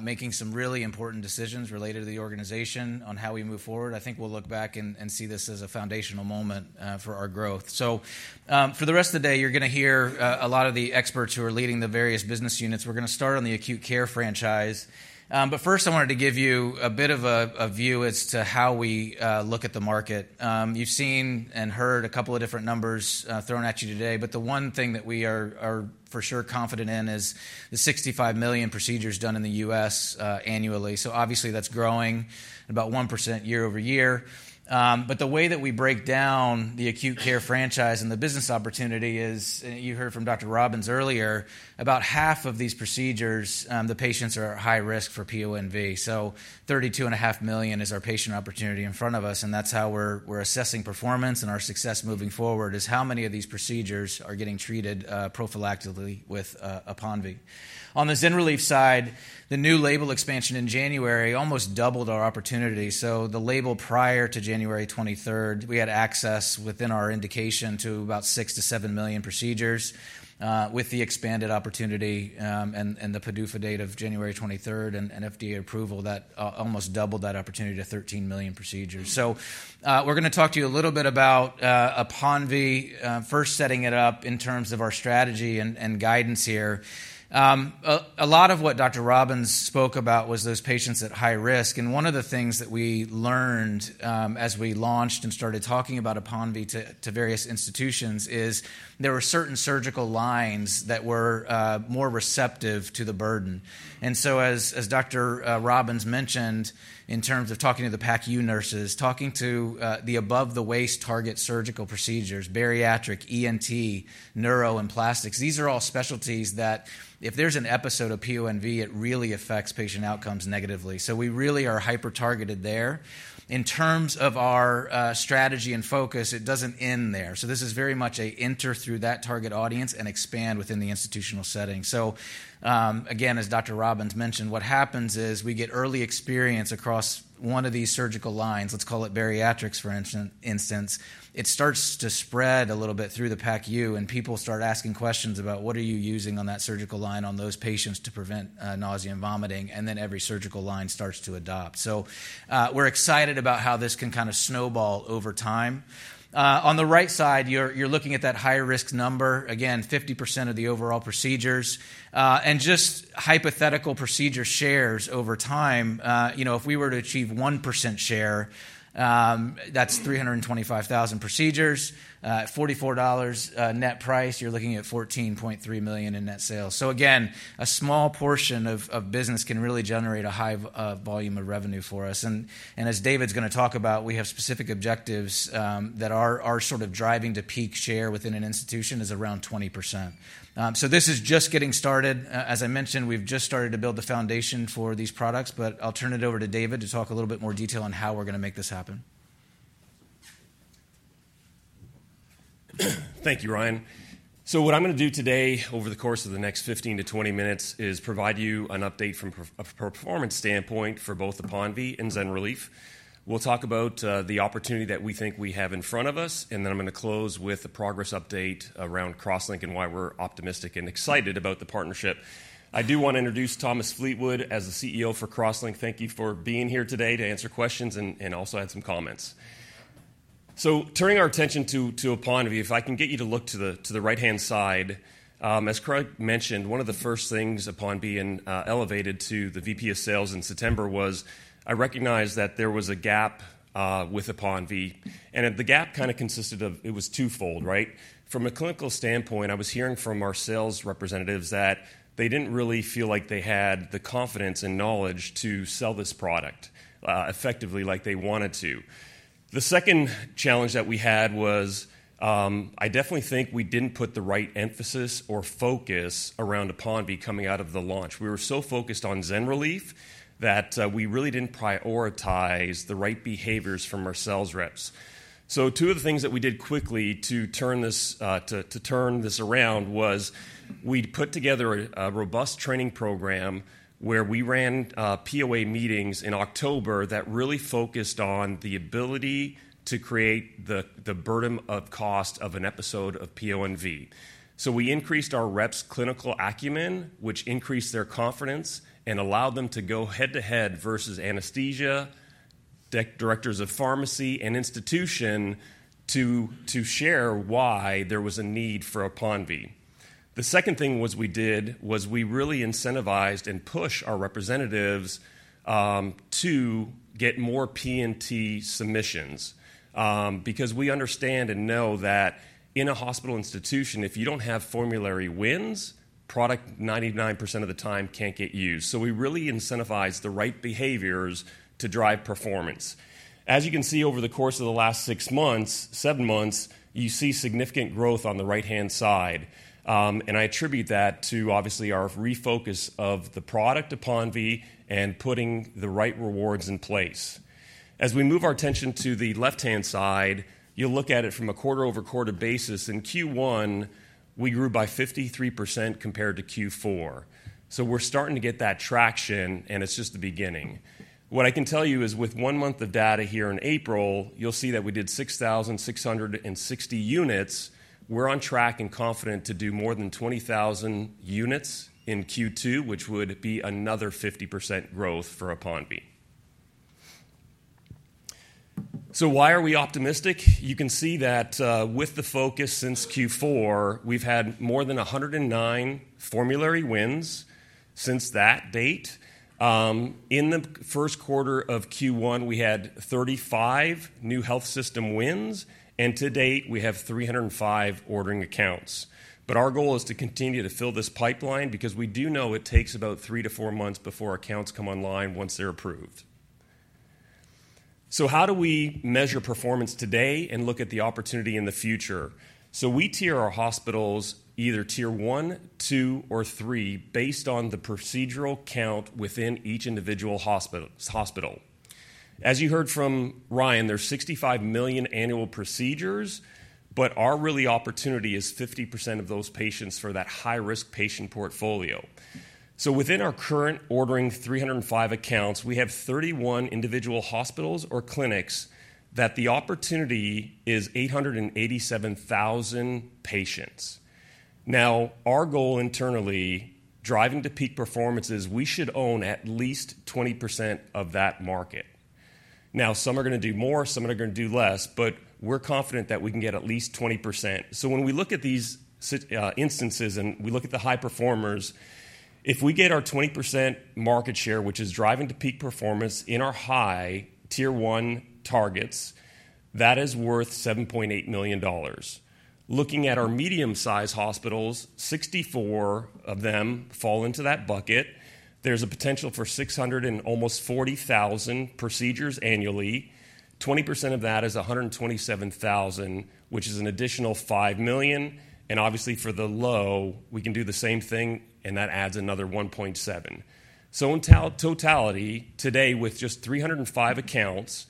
making some really important decisions related to the organization on how we move forward, I think we'll look back and see this as a foundational moment for our growth. For the rest of the day, you're going to hear a lot of the experts who are leading the various business units. We're going to start on the acute care franchise. But first, I wanted to give you a bit of a view as to how we look at the market. You've seen and heard a couple of different numbers thrown at you today. But the one thing that we are for sure confident in is the 65 million procedures done in the U.S. annually. So obviously, that's growing about 1% year-over-year. But the way that we break down the acute care franchise and the business opportunity is, and you heard from Dr. Robbins earlier, about half of these procedures, the patients are at high risk for PONV. So 32.5 million is our patient opportunity in front of us. And that's how we're assessing performance and our success moving forward, is how many of these procedures are getting treated prophylactically with APONVIE. On the ZYNRELEF side, the new label expansion in January almost doubled our opportunity. So the label prior to January 23rd, we had access within our indication to about 6-7 million procedures. With the expanded opportunity and the PDUFA date of January 23rd and FDA approval, that almost doubled that opportunity to 13 million procedures. So we're going to talk to you a little bit about APONVIE, first setting it up in terms of our strategy and guidance here. A lot of what Dr. Robbins spoke about was those patients at high risk. And one of the things that we learned as we launched and started talking about APONVIE to various institutions is there were certain surgical lines that were more receptive to the burden. And so as Dr. Robbins mentioned, in terms of talking to the PACU nurses, talking to the above-the-waist target surgical procedures - bariatric, ENT, neuro, and plastics - these are all specialties that if there's an episode of PONV, it really affects patient outcomes negatively. So we really are hyper-targeted there. In terms of our strategy and focus, it doesn't end there. So this is very much an enter through that target audience and expand within the institutional setting. So again, as Dr. Robbins mentioned, what happens is we get early experience across one of these surgical lines, let's call it bariatrics, for instance, it starts to spread a little bit through the PACU, and people start asking questions about, "What are you using on that surgical line on those patients to prevent nausea and vomiting?" And then every surgical line starts to adopt. So we're excited about how this can kind of snowball over time. On the right side, you're looking at that higher-risk number, again, 50% of the overall procedures, and just hypothetical procedure shares over time. If we were to achieve 1% share, that's 325,000 procedures. At $44 net price, you're looking at $14.3 million in net sales. So again, a small portion of business can really generate a high volume of revenue for us. And as David's going to talk about, we have specific objectives that are sort of driving to peak share within an institution is around 20%. So this is just getting started. As I mentioned, we've just started to build the foundation for these products. But I'll turn it over to David to talk a little bit more detail on how we're going to make this happen. Thank you, Ryan. So what I'm going to do today over the course of the next 15-20 minutes is provide you an update from a performance standpoint for both APONVIE and ZYNRELEF. We'll talk about the opportunity that we think we have in front of us. Then I'm going to close with a progress update around CrossLink and why we're optimistic and excited about the partnership. I do want to introduce Thomas Fleetwood as the CEO for CrossLink. Thank you for being here today to answer questions and also add some comments. Turning our attention to APONVIE, if I can get you to look to the right-hand side. As Craig mentioned, one of the first things upon being elevated to the VP of Sales in September was I recognized that there was a gap with APONVIE. The gap kind of consisted of it was twofold, right? From a clinical standpoint, I was hearing from our sales representatives that they didn't really feel like they had the confidence and knowledge to sell this product effectively like they wanted to. The second challenge that we had was I definitely think we didn't put the right emphasis or focus around APONVIE coming out of the launch. We were so focused on ZYNRELEF that we really didn't prioritize the right behaviors from our sales Reps. So two of the things that we did quickly to turn this around was we'd put together a robust training program where we ran POA meetings in October that really focused on the ability to create the burden of cost of an episode of PONV. So we increased our Reps' clinical acumen, which increased their confidence and allowed them to go head-to-head versus anaesthesia, directors of pharmacy, and institution to share why there was a need for APONVIE. The second thing we did was we really incentivized and pushed our representatives to get more P&T submissions because we understand and know that in a hospital institution, if you don't have formulary wins, product 99% of the time can't get used. So we really incentivized the right behaviors to drive performance. As you can see, over the course of the last six months, seven months, you see significant growth on the right-hand side. I attribute that to, obviously, our refocus of the product on PONV and putting the right rewards in place. As we move our attention to the left-hand side, you'll look at it from a quarter-over-quarter basis. In Q1, we grew by 53% compared to Q4. So we're starting to get that traction, and it's just the beginning. What I can tell you is with one month of data here in April, you'll see that we did 6,660 units. We're on track and confident to do more than 20,000 units in Q2, which would be another 50% growth for APONVIE. So why are we optimistic? You can see that with the focus since Q4, we've had more than 109 formulary wins since that date. In the first quarter of Q1, we had 35 new health system wins. To date, we have 305 ordering accounts. Our goal is to continue to fill this pipeline because we do know it takes about three to four months before accounts come online once they're approved. So how do we measure performance today and look at the opportunity in the future? We tier our hospitals either Tier 1, 2, or 3 based on the procedural count within each individual hospital. As you heard from Ryan, there's 65 million annual procedures. But our really opportunity is 50% of those patients for that high-risk patient portfolio. So within our current ordering 305 accounts, we have 31 individual hospitals or clinics that the opportunity is 887,000 patients. Now, our goal internally, driving to peak performance is we should own at least 20% of that market. Now, some are going to do more. Some are going to do less. But we're confident that we can get at least 20%. So when we look at these instances and we look at the high performers, if we get our 20% market share, which is driving to peak performance in our high Tier 1 targets, that is worth $7.8 million. Looking at our medium-sized hospitals, 64 of them fall into that bucket. There's a potential for 640,000 procedures annually. 20% of that is 127,000, which is an additional $5 million. Obviously, for the low, we can do the same thing, and that adds another $1.7 million. In totality, today, with just 305 accounts,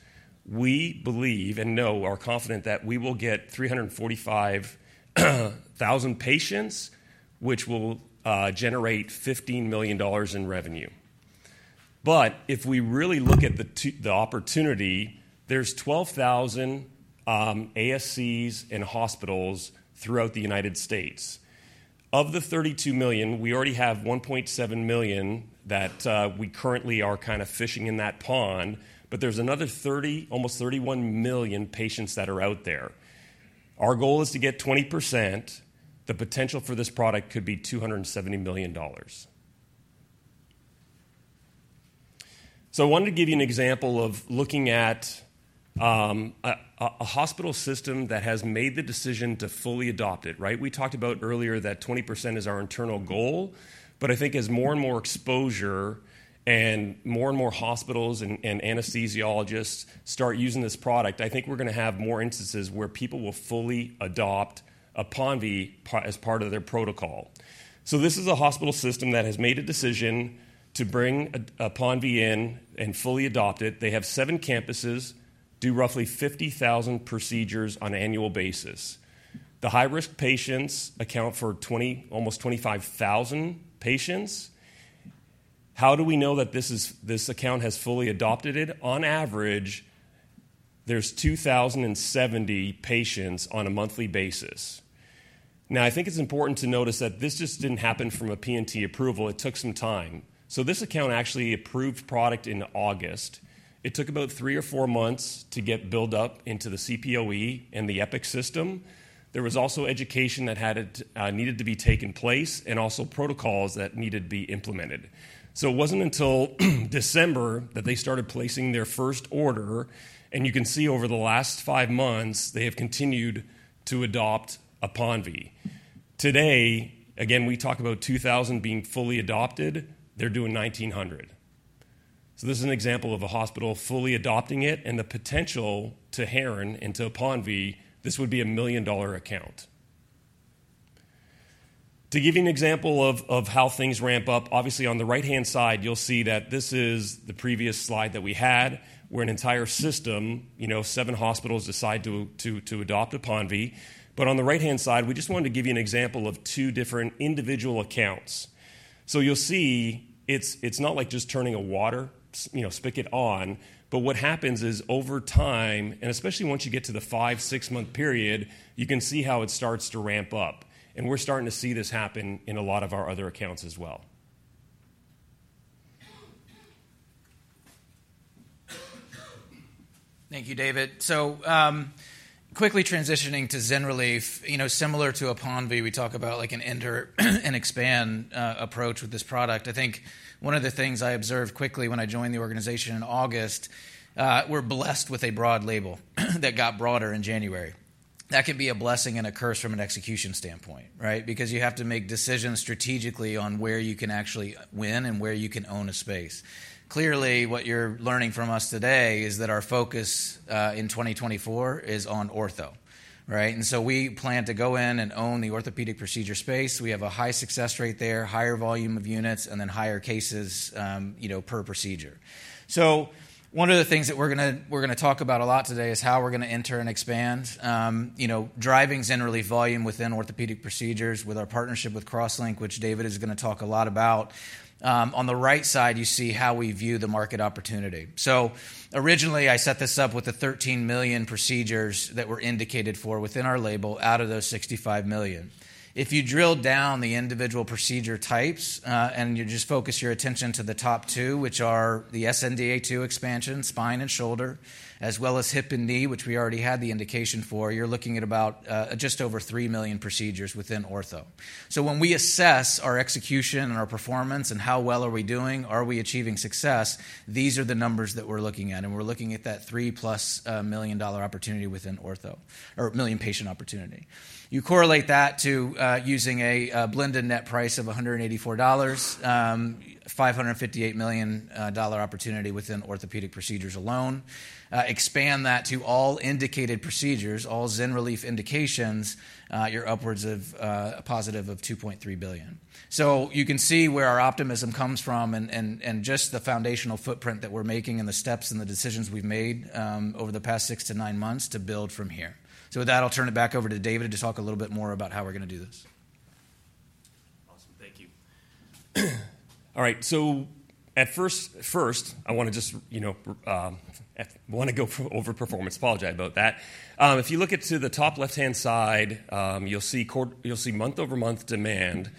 we believe and know or are confident that we will get 345,000 patients, which will generate $15 million in revenue. If we really look at the opportunity, there's 12,000 ASCs in hospitals throughout the United States. Of the 32 million, we already have 1.7 million that we currently are kind of fishing in that pond. But there's another almost 31 million patients that are out there. Our goal is to get 20%. The potential for this product could be $270 million. So I wanted to give you an example of looking at a hospital system that has made the decision to fully adopt it, right? We talked about earlier that 20% is our internal goal. But I think as more and more exposure and more and more hospitals and anaesthesiologists start using this product, I think we're going to have more instances where people will fully adopt APONVIE as part of their protocol. So this is a hospital system that has made a decision to bring APONVIE in and fully adopt it. They have 7 campuses, do roughly 50,000 procedures on annual basis. The high-risk patients account for almost 25,000 patients. How do we know that this account has fully adopted it? On average, there's 2,070 patients on a monthly basis. Now, I think it's important to notice that this just didn't happen from a P&T approval. It took some time. So this account actually approved product in August. It took about 3 or 4 months to get buildup into the CPOE and the Epic system. There was also education that needed to be taken place and also protocols that needed to be implemented. So it wasn't until December that they started placing their first order. And you can see over the last 5 months, they have continued to adopt APONVIE. Today, again, we talk about 2,000 being fully adopted. They're doing 1,900. So this is an example of a hospital fully adopting it and the potential to herein into APONVIE. This would be a $1 million account. To give you an example of how things ramp up, obviously, on the right-hand side, you'll see that this is the previous slide that we had where an entire system, 7 hospitals, decide to adopt APONVIE. But on the right-hand side, we just wanted to give you an example of two different individual accounts. So you'll see it's not like just turning a water spigot on. But what happens is over time, and especially once you get to the five- six-month period, you can see how it starts to ramp up. And we're starting to see this happen in a lot of our other accounts as well. Thank you, David. So quickly transitioning to ZYNRELEF, similar to APONVIE, we talk about an enter and expand approach with this product. I think one of the things I observed quickly when I joined the organization in August, we're blessed with a broad label that got broader in January. That can be a blessing and a curse from an execution standpoint, right? Because you have to make decisions strategically on where you can actually win and where you can own a space. Clearly, what you're learning from us today is that our focus in 2024 is on ortho, right? And so we plan to go in and own the orthopedic procedure space. We have a high success rate there, higher volume of units, and then higher cases per procedure. So one of the things that we're going to talk about a lot today is how we're going to enter and expand, driving ZYNRELEF volume within orthopedic procedures with our partnership with CrossLink, which David is going to talk a lot about. On the right side, you see how we view the market opportunity. So originally, I set this up with the 13 million procedures that were indicated for within our label out of those 65 million. If you drill down the individual procedure types and you just focus your attention to the top two, which are the sNDA expansion, spine and shoulder, as well as hip and knee, which we already had the indication for, you're looking at just over 3 million procedures within ortho. So when we assess our execution and our performance and how well are we doing, are we achieving success, these are the numbers that we're looking at. And we're looking at that $3+ million opportunity within ortho or million patient opportunity. You correlate that to using a blended net price of $184, $558 million opportunity within orthopedic procedures alone. Expand that to all indicated procedures, all ZYNRELEF indications, you're upwards of a positive of $2.3 billion. So you can see where our optimism comes from and just the foundational footprint that we're making and the steps and the decisions we've made over the past 6 to 9 months to build from here. So with that, I'll turn it back over to David to talk a little bit more about how we're going to do this. Awesome. Thank you. All right. So at first, I want to just want to go over performance. Apologize about that. If you look at the top left-hand side, you'll see month-over-month demand,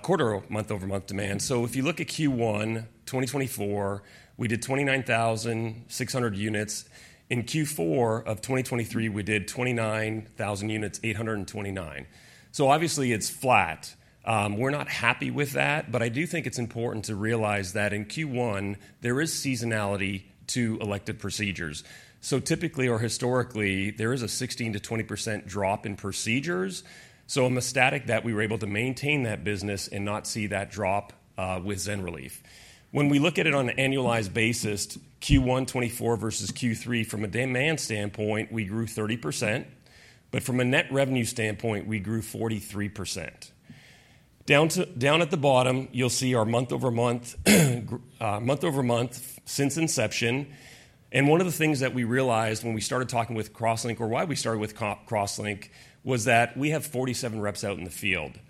quarter-month-over-month demand. So if you look at Q1 2024, we did 29,600 units. In Q4 of 2023, we did 29,829. So obviously, it's flat. We're not happy with that. But I do think it's important to realize that in Q1, there is seasonality to elective procedures. So typically or historically, there is a 16%-20% drop in procedures. So I'm ecstatic that we were able to maintain that business and not see that drop with ZYNRELEF. When we look at it on an annualized basis, Q1 2024 versus Q3, from a demand standpoint, we grew 30%. But from a net revenue standpoint, we grew 43%. Down at the bottom, you'll see our month-over-month since inception. And one of the things that we realized when we started talking with CrossLink or why we started with CrossLink was that we have 47 Reps out in the field.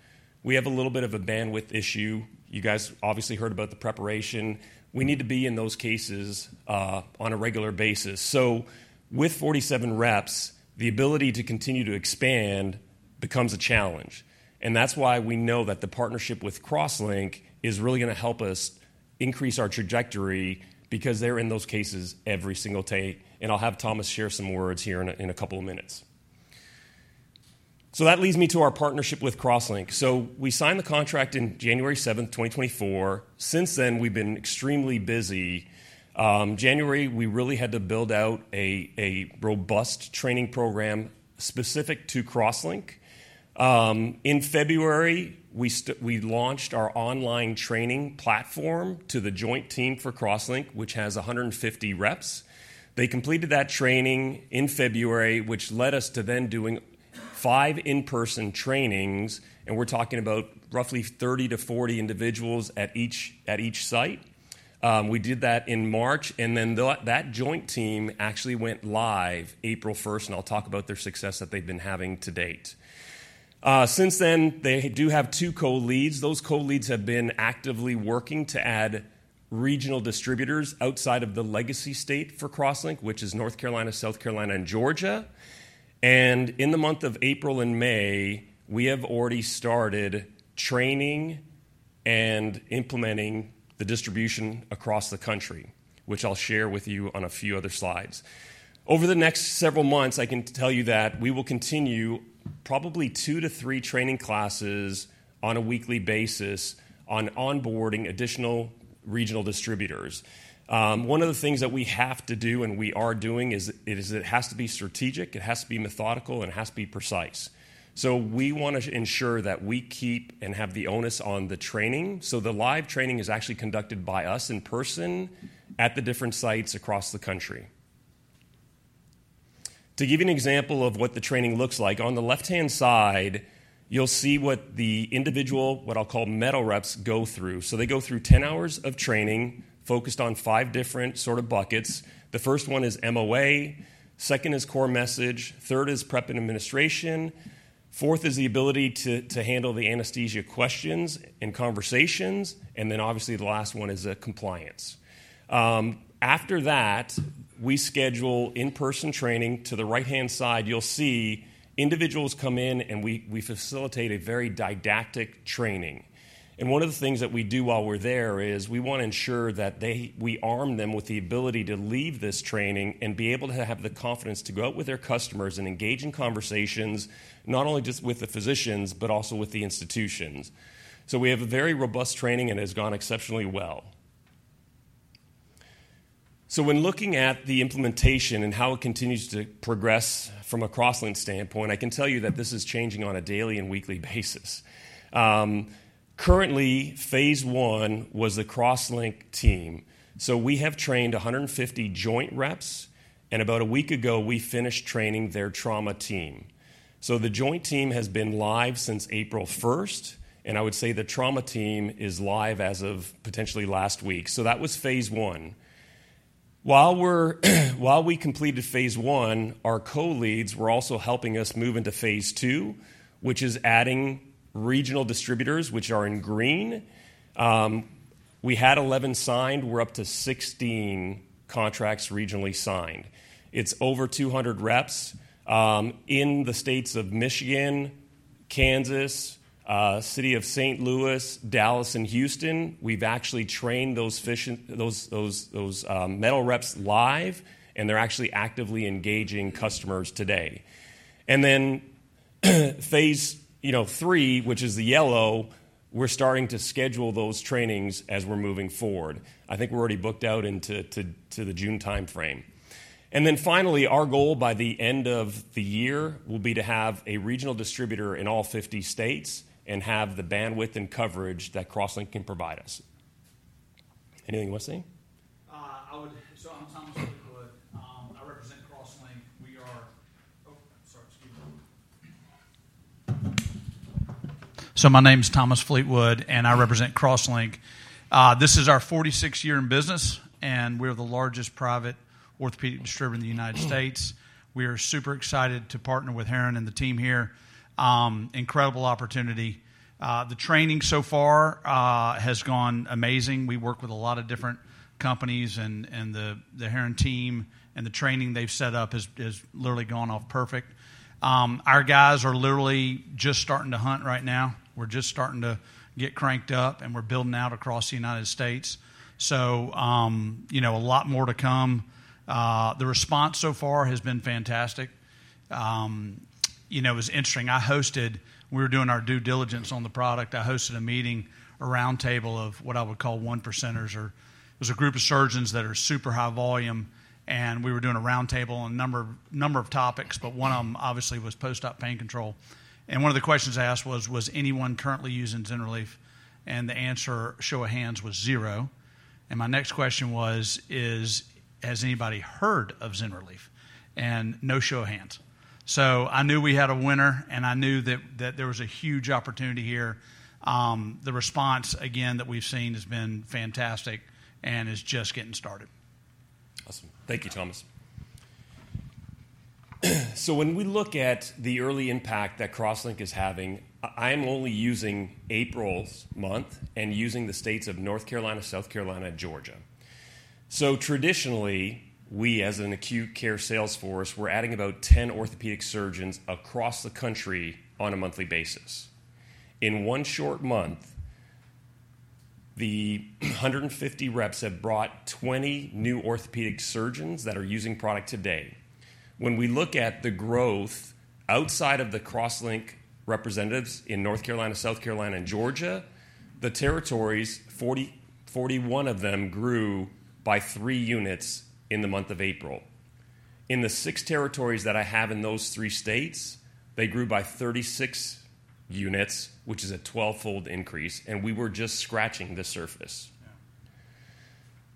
We have a little bit of a bandwidth issue. You guys obviously heard about the preparation. We need to be in those cases on a regular basis. So with 47 Reps, the ability to continue to expand becomes a challenge. And that's why we know that the partnership with CrossLink is really going to help us increase our trajectory because they're in those cases every single day. And I'll have Thomas share some words here in a couple of minutes. So that leads me to our partnership with CrossLink. So we signed the contract on January 7th, 2024. Since then, we've been extremely busy. January, we really had to build out a robust training program specific to CrossLink. In February, we launched our online training platform to the joint team for CrossLink, which has 150 Reps. They completed that training in February, which led us to then doing five in-person trainings. And we're talking about roughly 30-40 individuals at each site. We did that in March. And then that joint team actually went live April 1st. And I'll talk about their success that they've been having to date. Since then, they do have two co-leads. Those co-leads have been actively working to add regional distributors outside of the legacy state for CrossLink, which is North Carolina, South Carolina, and Georgia. In the month of April and May, we have already started training and implementing the distribution across the country, which I'll share with you on a few other slides. Over the next several months, I can tell you that we will continue probably two to three training classes on a weekly basis on onboarding additional regional distributors. One of the things that we have to do and we are doing is it has to be strategic. It has to be methodical. It has to be precise. We want to ensure that we keep and have the onus on the training. So the live training is actually conducted by us in person at the different sites across the country. To give you an example of what the training looks like, on the left-hand side, you'll see what the individual, what I'll call Med Reps, go through. So they go through 10 hours of training focused on five different sort of buckets. The first one is MOA. Second is core message. Third is prep and administration. Fourth is the ability to handle the anaesthesia questions and conversations. And then obviously, the last one is compliance. After that, we schedule in-person training. To the right-hand side, you'll see individuals come in. And we facilitate a very didactic training. One of the things that we do while we're there is we want to ensure that we arm them with the ability to leave this training and be able to have the confidence to go out with their customers and engage in conversations, not only just with the Physicians but also with the institutions. We have a very robust training and it has gone exceptionally well. When looking at the implementation and how it continues to progress from a CrossLink standpoint, I can tell you that this is changing on a daily and weekly basis. Currently, phase I was the CrossLink team. We have trained 150 joint Reps. About a week ago, we finished training their trauma team. The joint team has been live since April 1st. I would say the trauma team is live as of potentially last week. That was phase I. While we completed phase I, our co-leads were also helping us move into phase II, which is adding regional distributors, which are in green. We had 11 signed. We're up to 16 contracts regionally signed. It's over 200 Reps. In the states of Michigan, Kansas City, St. Louis, Dallas, and Houston, we've actually trained those Med Reps live. And they're actually actively engaging customers today. And then phase III, which is the yellow, we're starting to schedule those trainings as we're moving forward. I think we're already booked out into the June time frame. And then finally, our goal by the end of the year will be to have a regional distributor in all 50 states and have the bandwidth and coverage that CrossLink can provide us. Anything you want to say? So I'm Thomas Fleetwood. I represent CrossLink. We are oh, sorry. Excuse me. So my name's Thomas Fleetwood. And I represent CrossLink. This is our 46th year in business. And we're the largest private orthopedic distributor in the United States. We are super excited to partner with Heron and the team here. Incredible opportunity. The training so far has gone amazing. We work with a lot of different companies. And the Heron team and the training they've set up has literally gone off perfect. Our guys are literally just starting to hunt right now. We're just starting to get cranked up. And we're building out across the United States. So a lot more to come. The response so far has been fantastic. It was interesting. We were doing our due diligence on the product. I hosted a meeting, a roundtable of what I would call 1%ers. It was a group of surgeons that are super high volume. We were doing a roundtable on a number of topics. But one of them, obviously, was post-op pain control. And one of the questions asked was, "Was anyone currently using ZYNRELEF?" And the answer, show of hands, was zero. And my next question was, "Has anybody heard of ZYNRELEF?" And no show of hands. So I knew we had a winner. And I knew that there was a huge opportunity here. The response, again, that we've seen has been fantastic and is just getting started. Awesome. Thank you, Thomas. So when we look at the early impact that CrossLink is having, I am only using April's month and using the states of North Carolina, South Carolina, and Georgia. So traditionally, we as an acute care sales force, we're adding about 10 Orthopedic Surgeons across the country on a monthly basis. In one short month, the 150 Reps have brought 20 new Orthopedic Surgeons that are using product today. When we look at the growth outside of the CrossLink representatives in North Carolina, South Carolina, and Georgia, the territories, 41 of them grew by 3 units in the month of April. In the 6 territories that I have in those three states, they grew by 36 units, which is a 12-fold increase. And we were just scratching the surface.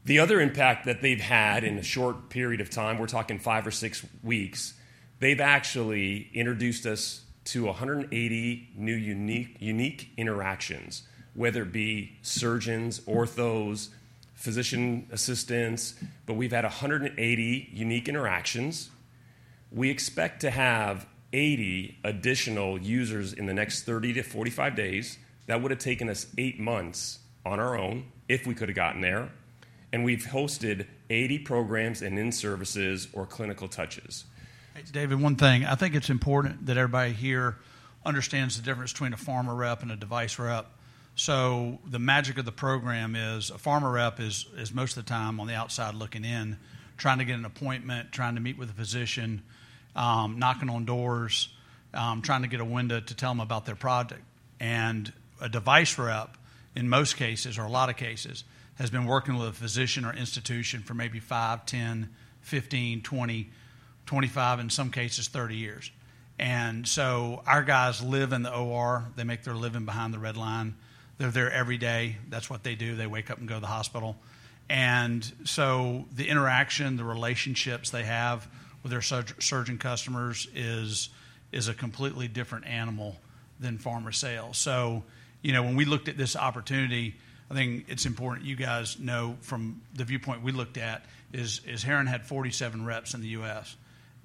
The other impact that they've had in a short period of time, we're talking 5 or 6 weeks, they've actually introduced us to 180 new unique interactions, whether it be Surgeons, Orthos, Physician Assistants. But we've had 180 unique interactions. We expect to have 80 additional users in the next 30-45 days. That would have taken us 8 months on our own if we could have gotten there. We've hosted 80 programs and in-services or clinical touches. Hey, David, one thing. I think it's important that everybody here understands the difference between a Pharma Rep and a Device Rep. The magic of the program is a Pharma Rep is most of the time on the outside looking in, trying to get an appointment, trying to meet with a Physician, knocking on doors, trying to get a window to tell them about their product. A Device Rep, in most cases or a lot of cases, has been working with a Physician or institution for maybe five, 10, 15, 20, 25, in some cases, 30 years. Our guys live in the OR. They make their living behind the red line. They're there every day. That's what they do. They wake up and go to the hospital. And so the interaction, the relationships they have with their surgeon customers is a completely different animal than pharma sales. So when we looked at this opportunity, I think it's important you guys know from the viewpoint we looked at is Heron had 47 Reps in the U.S.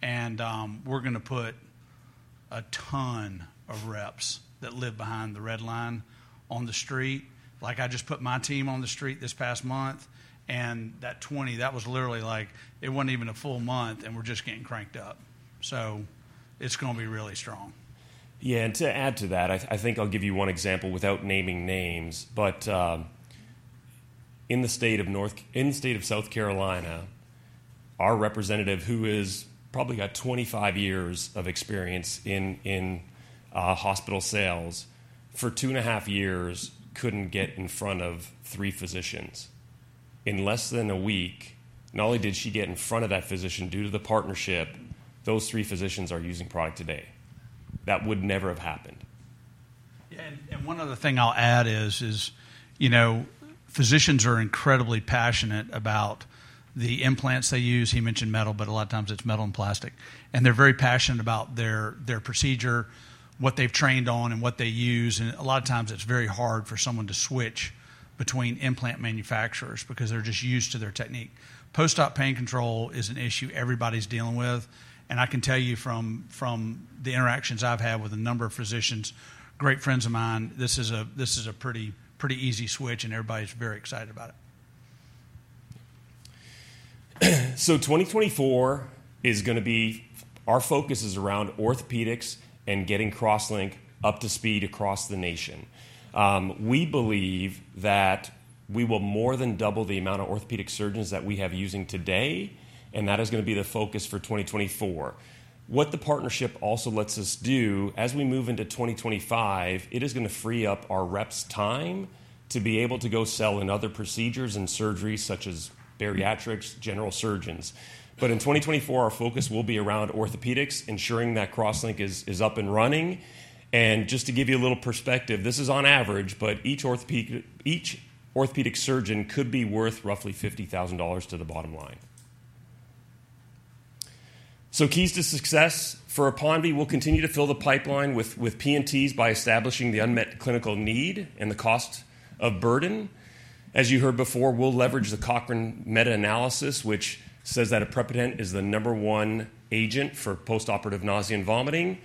And we're going to put a ton of Reps that live behind the red line on the street. I just put my team on the street this past month. And that 20, that was literally like it wasn't even a full month. And we're just getting cranked up. So it's going to be really strong. Yeah. And to add to that, I think I'll give you one example without naming names. But in the state of South Carolina, our Representative who has probably got 25 years of experience in hospital sales, for two and a half years, couldn't get in front of three Physicians. In less than a week, not only did she get in front of that Physician due to the partnership, those three Physicians are using product today. That would never have happened. Yeah. And one other thing I'll add is Physicians are incredibly passionate about the implants they use. He mentioned metal. But a lot of times, it's metal and plastic. And they're very passionate about their procedure, what they've trained on, and what they use. And a lot of times, it's very hard for someone to switch between implant manufacturers because they're just used to their technique. Post-op pain control is an issue everybody's dealing with. And I can tell you from the interactions I've had with a number of Physicians, great friends of mine, this is a pretty easy switch. And everybody's very excited about it. So 2024 is going to be our focus is around Orthopaedics and getting CrossLink up to speed across the nation. We believe that we will more than double the amount of Orthopaedic Surgeons that we have using today. And that is going to be the focus for 2024. What the partnership also lets us do as we move into 2025, it is going to free up our Reps' time to be able to go sell in other procedures and surgeries such as bariatrics, general surgeons. But in 2024, our focus will be around orthopedics, ensuring that CrossLink is up and running. And just to give you a little perspective, this is on average. But each Orthopedic Surgeon could be worth roughly $50,000 to the bottom line. So keys to success for APONVIE, we'll continue to fill the pipeline with P&Ts by establishing the unmet clinical need and the cost of burden. As you heard before, we'll leverage the Cochrane meta-analysis, which says that aprepitant is the number one agent for postoperative nausea and vomiting.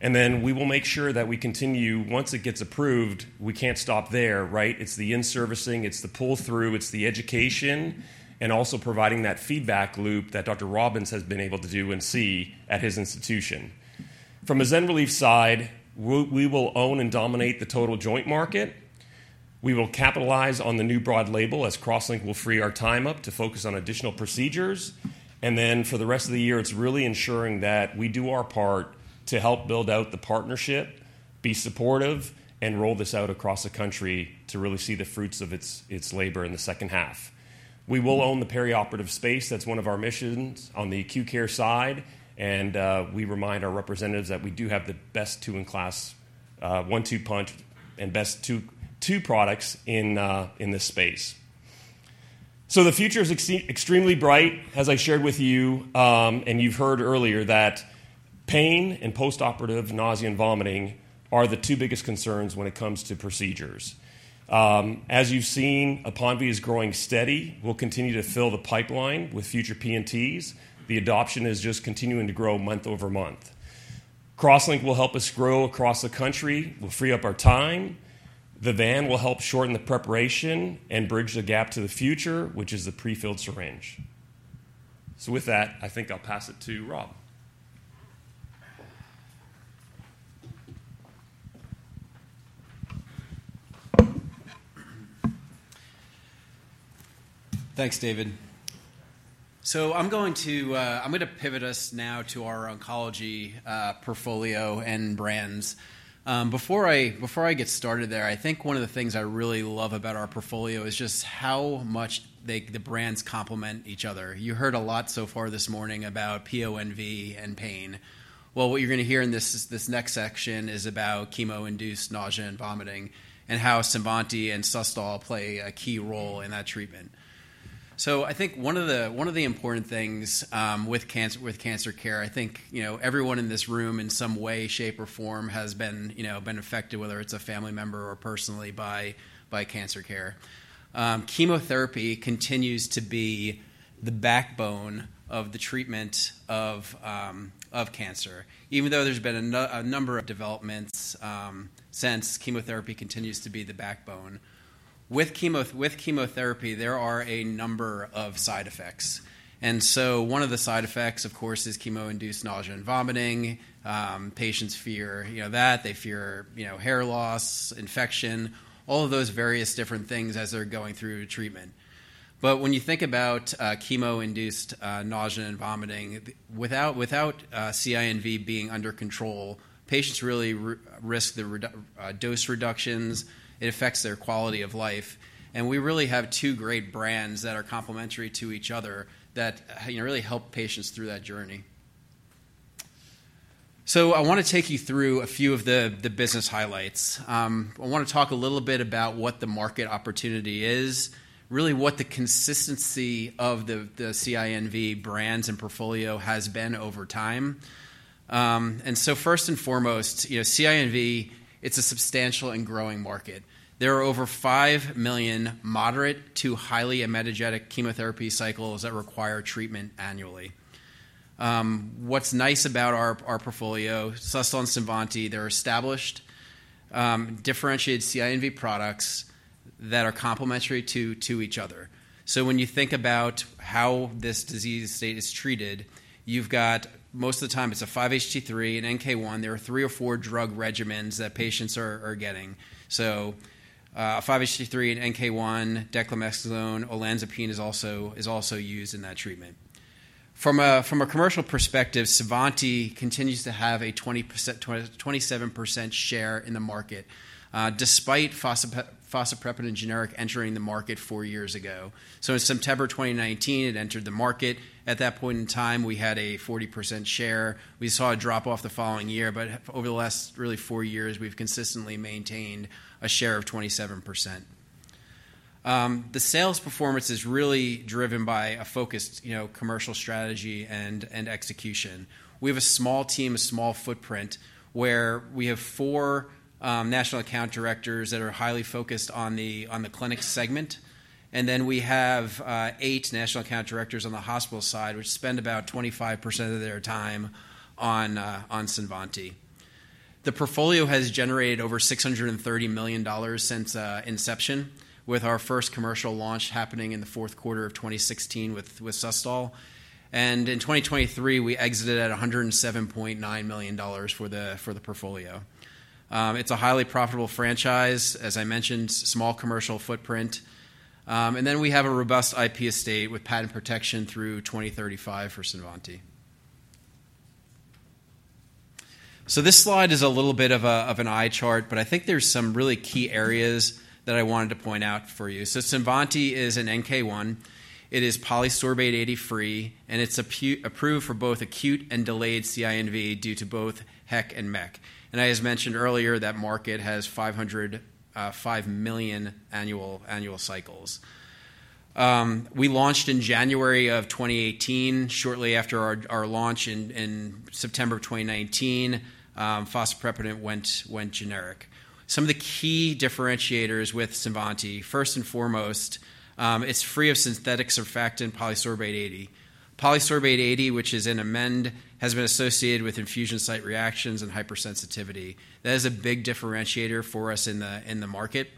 And then we will make sure that we continue, once it gets approved, we can't stop there, right? It's the in-servicing. It's the pull-through. It's the education and also providing that feedback loop that Dr. Robbins has been able to do and see at his institution. From the ZYNRELEF side, we will own and dominate the total joint market. We will capitalize on the new broad label as CrossLink will free our time up to focus on additional procedures. Then for the rest of the year, it's really ensuring that we do our part to help build out the partnership, be supportive, and roll this out across the country to really see the fruits of its labor in the second half. We will own the perioperative space. That's one of our missions on the acute care side. We remind our representatives that we do have the best-in-class one-two punch and best two products in this space. So the future is extremely bright, as I shared with you. You've heard earlier that pain and postoperative nausea and vomiting are the two biggest concerns when it comes to procedures. As you've seen, APONVIE is growing steady. We'll continue to fill the pipeline with future P&Ts. The adoption is just continuing to grow month-over-month. CrossLink will help us grow across the country. We'll free up our time. The VAN will help shorten the preparation and bridge the gap to the future, which is the prefilled syringe. So with that, I think I'll pass it to Rob. Thanks, David. So I'm going to pivot us now to our oncology portfolio and brands. Before I get started there, I think one of the things I really love about our portfolio is just how much the brands complement each other. You heard a lot so far this morning about PONV and pain. Well, what you're going to hear in this next section is about chemo-induced nausea and vomiting and how CINVANTI and SUSTOL play a key role in that treatment. So I think one of the important things with cancer care, I think everyone in this room in some way, shape, or form has been affected, whether it's a family member or personally, by cancer care. Chemotherapy continues to be the backbone of the treatment of cancer. Even though there's been a number of developments since, chemotherapy continues to be the backbone. With chemotherapy, there are a number of side effects. And so one of the side effects, of course, is chemo-induced nausea and vomiting. Patients fear that. They fear hair loss, infection, all of those various different things as they're going through treatment. But when you think about chemo-induced nausea and vomiting, without CINV being under control, patients really risk the dose reductions. It affects their quality of life. And we really have two great brands that are complementary to each other that really help patients through that journey. So I want to take you through a few of the business highlights. I want to talk a little bit about what the market opportunity is, really what the consistency of the CINV brands and portfolio has been over time. First and foremost, CINV, it's a substantial and growing market. There are over 5 million moderate to highly emetogenic chemotherapy cycles that require treatment annually. What's nice about our portfolio, SUSTOL and CINVANTI, they're established, differentiated CINV products that are complementary to each other. So when you think about how this disease state is treated, you've got most of the time, it's a 5-HT3 and NK1. There are three or four drug regimens that patients are getting. So a 5-HT3 and NK1, dexamethasone, olanzapine is also used in that treatment. From a commercial perspective, CINVANTI continues to have a 27% share in the market despite fosaprepitant and generic entering the market four years ago. So in September 2019, it entered the market. At that point in time, we had a 40% share. We saw a drop-off the following year. But over the last, really, four years, we've consistently maintained a share of 27%. The sales performance is really driven by a focused commercial strategy and execution. We have a small team, a small footprint where we have four national account diRechters that are highly focused on the clinic segment. And then we have eight national account diRechters on the hospital side, which spend about 25% of their time on CINVANTI. The portfolio has generated over $630 million since inception, with our first commercial launch happening in the fourth quarter of 2016 with SUSTOL. In 2023, we exited at $107.9 million for the portfolio. It's a highly profitable franchise, as I mentioned, small commercial footprint. Then we have a robust IP estate with patent protection through 2035 for CINVANTI. So this slide is a little bit of an eye chart. But I think there's some really key areas that I wanted to point out for you. So CINVANTI is an NK1. It is polysorbate 80-free. And it's approved for both acute and delayed CINV due to both HEC and MEC. And I had mentioned earlier that market has 5 million annual cycles. We launched in January of 2018. Shortly after our launch in September of 2019, Fosaprepitant went generic. Some of the key differentiators with CINVANTI, first and foremost, it's free of synthetic surfactant, polysorbate 80. Polysorbate 80, which is an Emend, has been associated with infusion site reactions and hypersensitivity. That is a big differentiator for us in the market.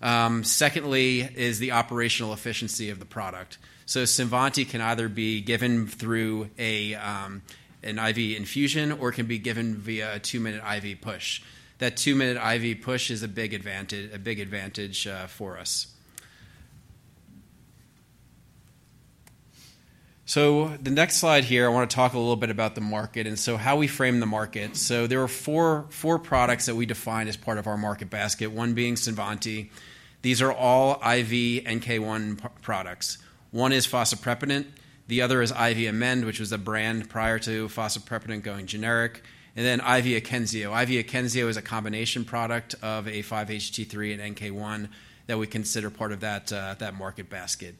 Secondly is the operational efficiency of the product. So CINVANTI can either be given through an IV infusion or can be given via a two-minute IV push. That two-minute IV push is a big advantage for us. So the next slide here, I want to talk a little bit about the market and so how we frame the market. So there are four products that we define as part of our market basket, one being CINVANTI. These are all IV NK1 products. One is Fosaprepitant. The other is IV Emend, which was a brand prior to Fosaprepitant going generic. And then IV AKYNZEO. IV AKYNZEO is a combination product of a 5-HT3 and NK1 that we consider part of that market basket.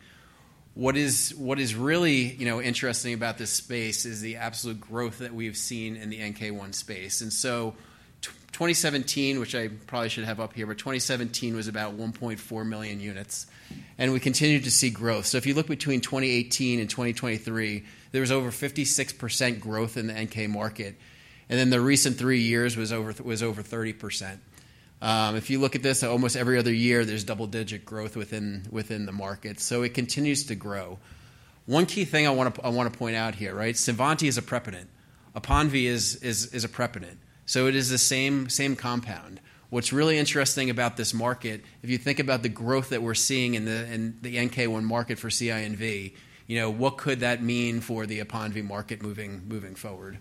What is really interesting about this space is the absolute growth that we've seen in the NK1 space. 2017, which I probably should have up here, but 2017 was about 1.4 million units. We continue to see growth. If you look between 2018 and 2023, there was over 56% growth in the NK market. Then the recent three years was over 30%. If you look at this, almost every other year, there's double-digit growth within the market. It continues to grow. One key thing I want to point out here, right? CINVANTI is an aprepitant. APONVIE is an aprepitant. So it is the same compound. What's really interesting about this market, if you think about the growth that we're seeing in the NK1 market for CINV, what could that mean for the APONVIE market moving forward?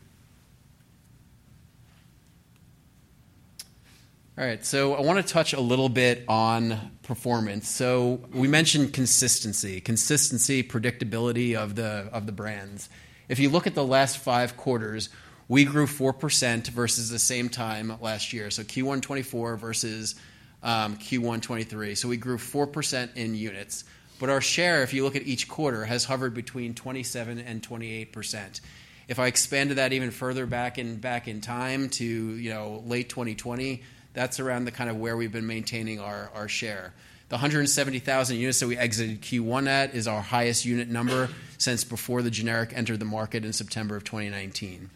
All right. So I want to touch a little bit on performance. So we mentioned consistency, consistency, predictability of the brands. If you look at the last five quarters, we grew 4% versus the same time last year, so Q1 2024 versus Q1 2023. So we grew 4% in units. But our share, if you look at each quarter, has hovered between 27%-28%. If I expanded that even further back in time to late 2020, that's around the kind of where we've been maintaining our share. The 170,000 units that we exited Q1 at is our highest unit number since before the generic entered the market in September of 2019.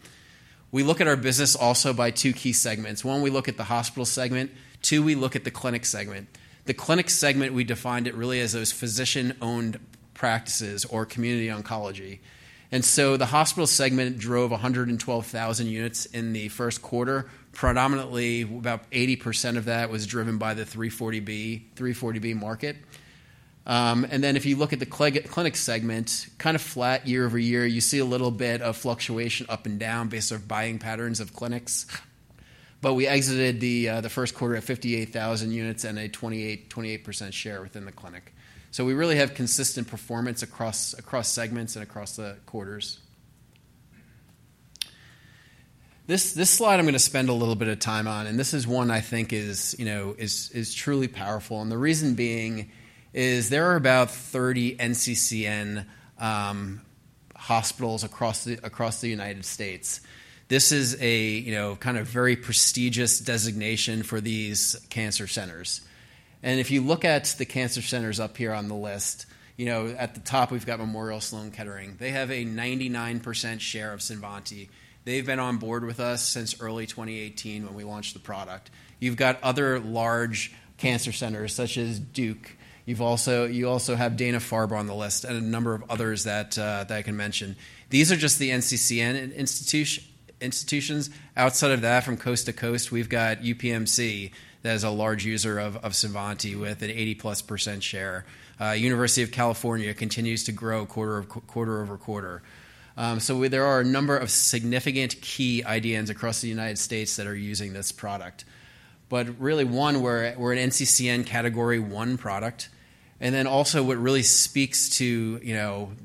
We look at our business also by two key segments. One, we look at the hospital segment. Two, we look at the clinic segment. The clinic segment, we defined it really as those Physician-owned practices or community oncology. And so the hospital segment drove 112,000 units in the first quarter. Predominantly, about 80% of that was driven by the 340B market. And then if you look at the clinic segment, kind of flat year-over-year, you see a little bit of fluctuation up and down based on buying patterns of clinics. But we exited the first quarter at 58,000 units and a 28% share within the clinic. So we really have consistent performance across segments and across the quarters. This slide I'm going to spend a little bit of time on. And this is one I think is truly powerful. The reason being is there are about 30 NCCN hospitals across the United States. This is a kind of very prestigious designation for these cancer centers. If you look at the cancer centers up here on the list, at the top, we've got Memorial Sloan Kettering. They have a 99% share of CINVANTI. They've been on board with us since early 2018 when we launched the product. You've got other large cancer centers such as Duke. You also have Dana-Farber on the list and a number of others that I can mention. These are just the NCCN institutions. Outside of that, from coast to coast, we've got UPMC that is a large user of CINVANTI with an 80+% share. University of California continues to grow quarter-over-quarter. There are a number of significant key IDNs across the United States that are using this product. But really, one, we're an NCCN Category 1 product. And then also what really speaks to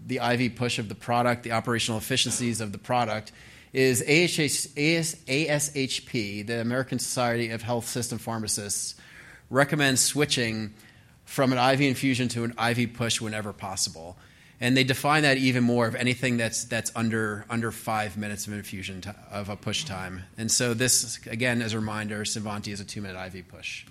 the IV push of the product, the operational efficiencies of the product, is ASHP, the American Society of Health-System Pharmacists, recommends switching from an IV infusion to an IV push whenever possible. And they define that even more of anything that's under 5 minutes of a push time. And so this, again, as a reminder, CINVANTI is a 2-minute IV push.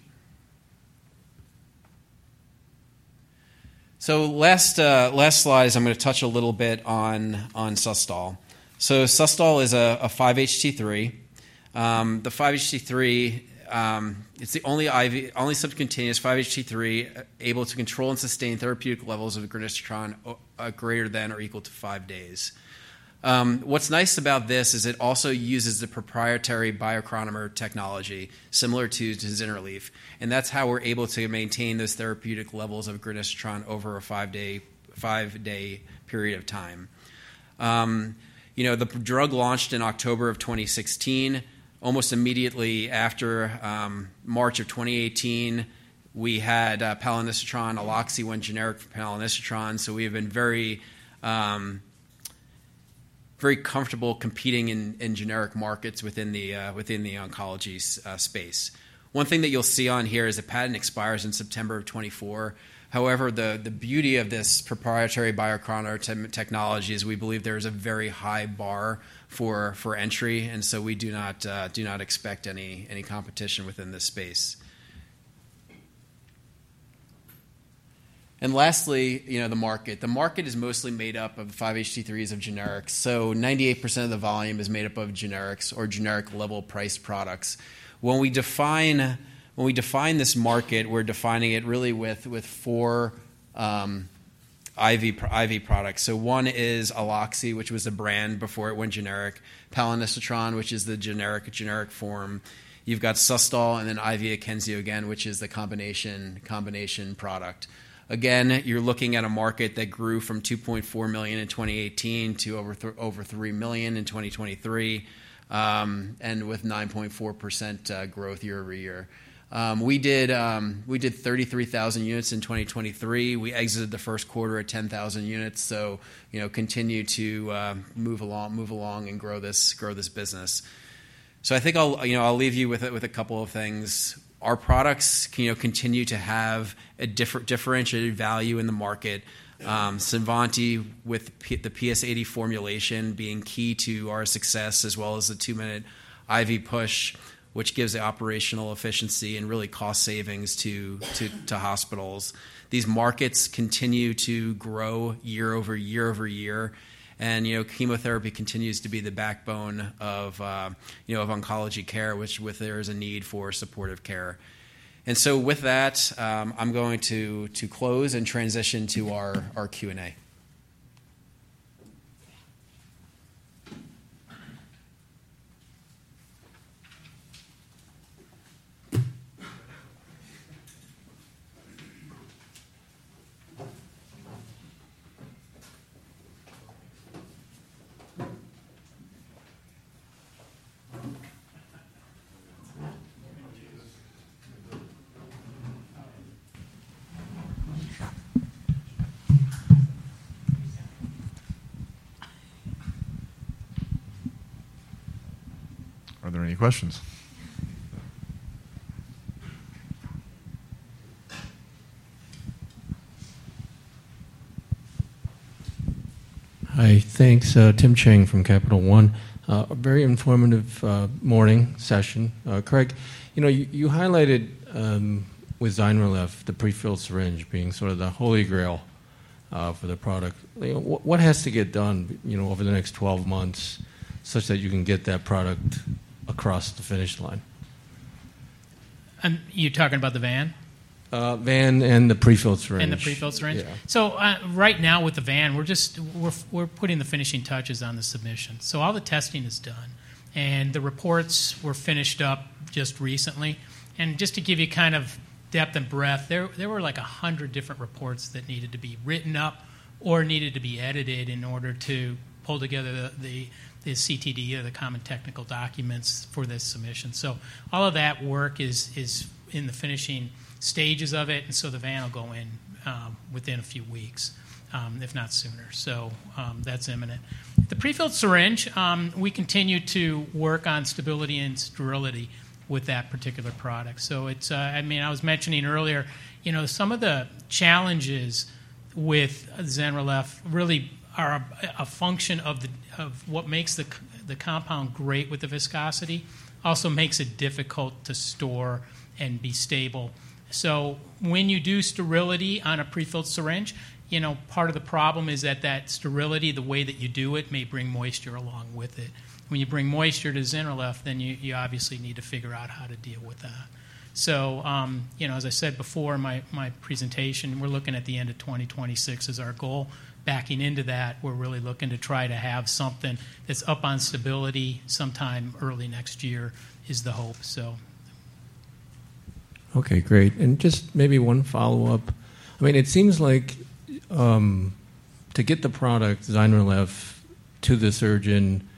So last slides, I'm going to touch a little bit on SUSTOL. So SUSTOL is a 5-HT3. The 5-HT3, it's the only subcutaneous 5-HT3 able to control and sustain therapeutic levels of granisetron greater than or equal to 5 days. What's nice about this is it also uses the proprietary Biochronomer technology similar to ZYNRELEF. That's how we're able to maintain those therapeutic levels of granisetron over a 5-day period of time. The drug launched in October 2016. Almost immediately after March 2018, we had palonosetron, Aloxi one generic for palonosetron. So we have been very comfortable competing in generic markets within the oncology space. One thing that you'll see on here is the patent expires in September 2024. However, the beauty of this proprietary Biochronomer technology is we believe there is a very high bar for entry. And so we do not expect any competition within this space. And lastly, the market. The market is mostly made up of 5-HT3s of generics. So 98% of the volume is made up of generics or generic-level priced products. When we define this market, we're defining it really with four IV products. One is Aloxi, which was the brand before it went generic, palonosetron, which is the generic form. You've got SUSTOL and then IV AKYNZEO again, which is the combination product. Again, you're looking at a market that grew from 2.4 million in 2018 to over 3 million in 2023 and with 9.4% growth year-over-year. We did 33,000 units in 2023. We exited the first quarter at 10,000 units. Continue to move along and grow this business. I think I'll leave you with a couple of things. Our products continue to have a differentiated value in the market. CINVANTI, with the PS80 formulation, being key to our success as well as the two-minute IV push, which gives the operational efficiency and really cost savings to hospitals. These markets continue to grow year-over-year. Chemotherapy continues to be the backbone of oncology care, which there is a need for supportive care. So with that, I'm going to close and transition to our Q&A. Are there any questions? Hi. Thanks. Tim Chiang from Capital One. Very informative morning session. Craig, you highlighted with ZYNRELEF the prefilled syringe being sort of the Holy Grail for the product. What has to get done over the next 12 months such that you can get that product across the finish line? You're talking about the VAN? VAN and the prefilled syringe. And the prefilled syringe? Yeah. So right now with the VAN, we're putting the finishing touches on the submission. So all the testing is done. And the reports were finished up just recently. And just to give you kind of depth and breadth, there were like 100 different reports that needed to be written up or needed to be edited in order to pull together the CTD, the common technical documents for this submission. So all of that work is in the finishing stages of it. And so the VAN will go in within a few weeks, if not sooner. So that's imminent. The prefilled syringe, we continue to work on stability and sterility with that particular product. So I mean, I was mentioning earlier, some of the challenges with ZYNRELEF really are a function of what makes the compound great with the viscosity. Also makes it difficult to store and be stable. So when you do sterility on a prefilled syringe, part of the problem is that that sterility, the way that you do it, may bring moisture along with it. When you bring moisture to ZYNRELEF, then you obviously need to figure out how to deal with that. So as I said before in my presentation, we're looking at the end of 2026 as our goal. Backing into that, we're really looking to try to have something that's up on stability sometime early next year is the hope, so. Okay. Great. And just maybe one follow-up. I mean, it seems like to get the product, ZYNRELEF, to the surgeon,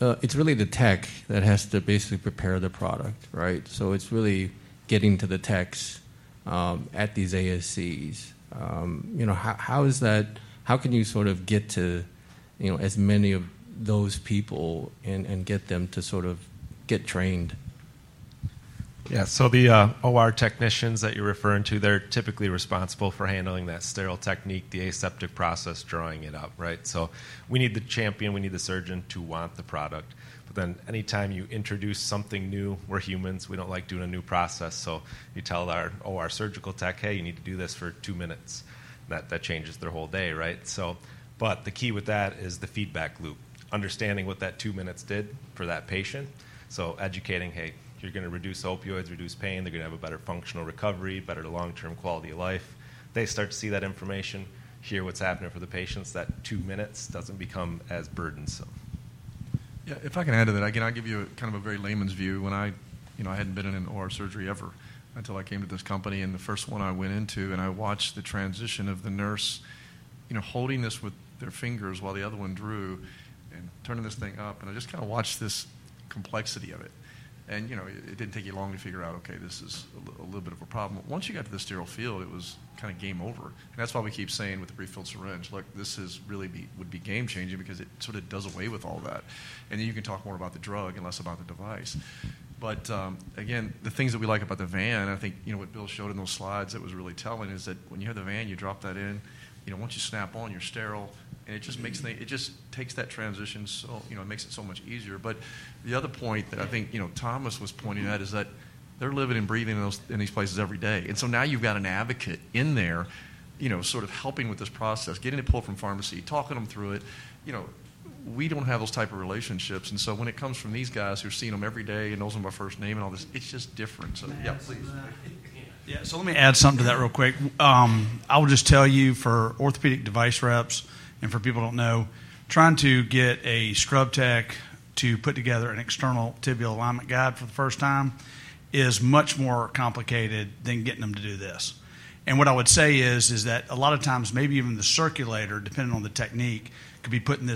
it's really the tech that has to basically prepare the product, right? So it's really getting to the techs at these ASCs. How can you sort of get to as many of those people and get them to sort of get trained? Yeah. So the OR technicians that you're referring to, they're typically responsible for handling that sterile technique, the aseptic process, drawing it up, right? So we need the champion. We need the surgeon to want the product. But then anytime you introduce something new, we're humans. We don't like doing a new process. So you tell our OR Surgical Tech, "Hey, you need to do this for two minutes." That changes their whole day, right? But the key with that is the feedback loop, understanding what that two minutes did for that patient. So educating, "Hey, you're going to reduce opioids, reduce pain. They're going to have a better functional recovery, better long-term quality of life." They start to see that information, hear what's happening for the patients. That two minutes doesn't become as burdensome. Yeah. If I can add to that, again, I'll give you kind of a very layman's view. I hadn't been in an OR surgery ever until I came to this company. The first one I went into, and I watched the transition of the nurse holding this with their fingers while the other one drew and turning this thing up. I just kind of watched this complexity of it. It didn't take you long to figure out, "Okay. This is a little bit of a problem." Once you got to the sterile field, it was kind of game over. That's why we keep saying with the prefilled syringe, "Look, this would be game-changing because it sort of does away with all that." Then you can talk more about the drug and less about the device. But again, the things that we like about the VAN, I think what Bill showed in those slides, it was really telling is that when you have the VAN, you drop that in. Once you snap on, you're sterile. And it just makes things. It just takes that transition, so it makes it so much easier. But the other point that I think Thomas was pointing at is that they're living and breathing in these places every day. And so now you've got an advocate in there sort of helping with this process, getting it pulled from pharmacy, talking them through it. We don't have those type of relationships. And so when it comes from these guys who are seeing them every day and knows them by first name and all this, it's just different. So yeah. Please. Yeah. So let me add something to that real quick. I will just tell you, for Orthopedic Device Reps and for people who don't know, trying to get a scrub tech to put together an external tibial alignment guide for the first time is much more complicated than getting them to do this. And what I would say is that a lot of times, maybe even the circulator, depending on the technique, could be putting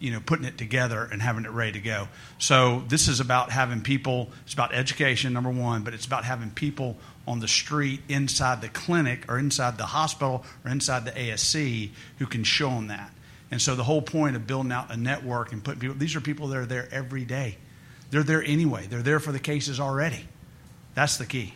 it together and having it ready to go. So this is about having people. It's about education, number one. But it's about having people on the street inside the clinic or inside the hospital or inside the ASC who can show them that. And so the whole point of building out a network and putting people. These are people that are there every day. They're there anyway. They're there for the cases already. That's the key.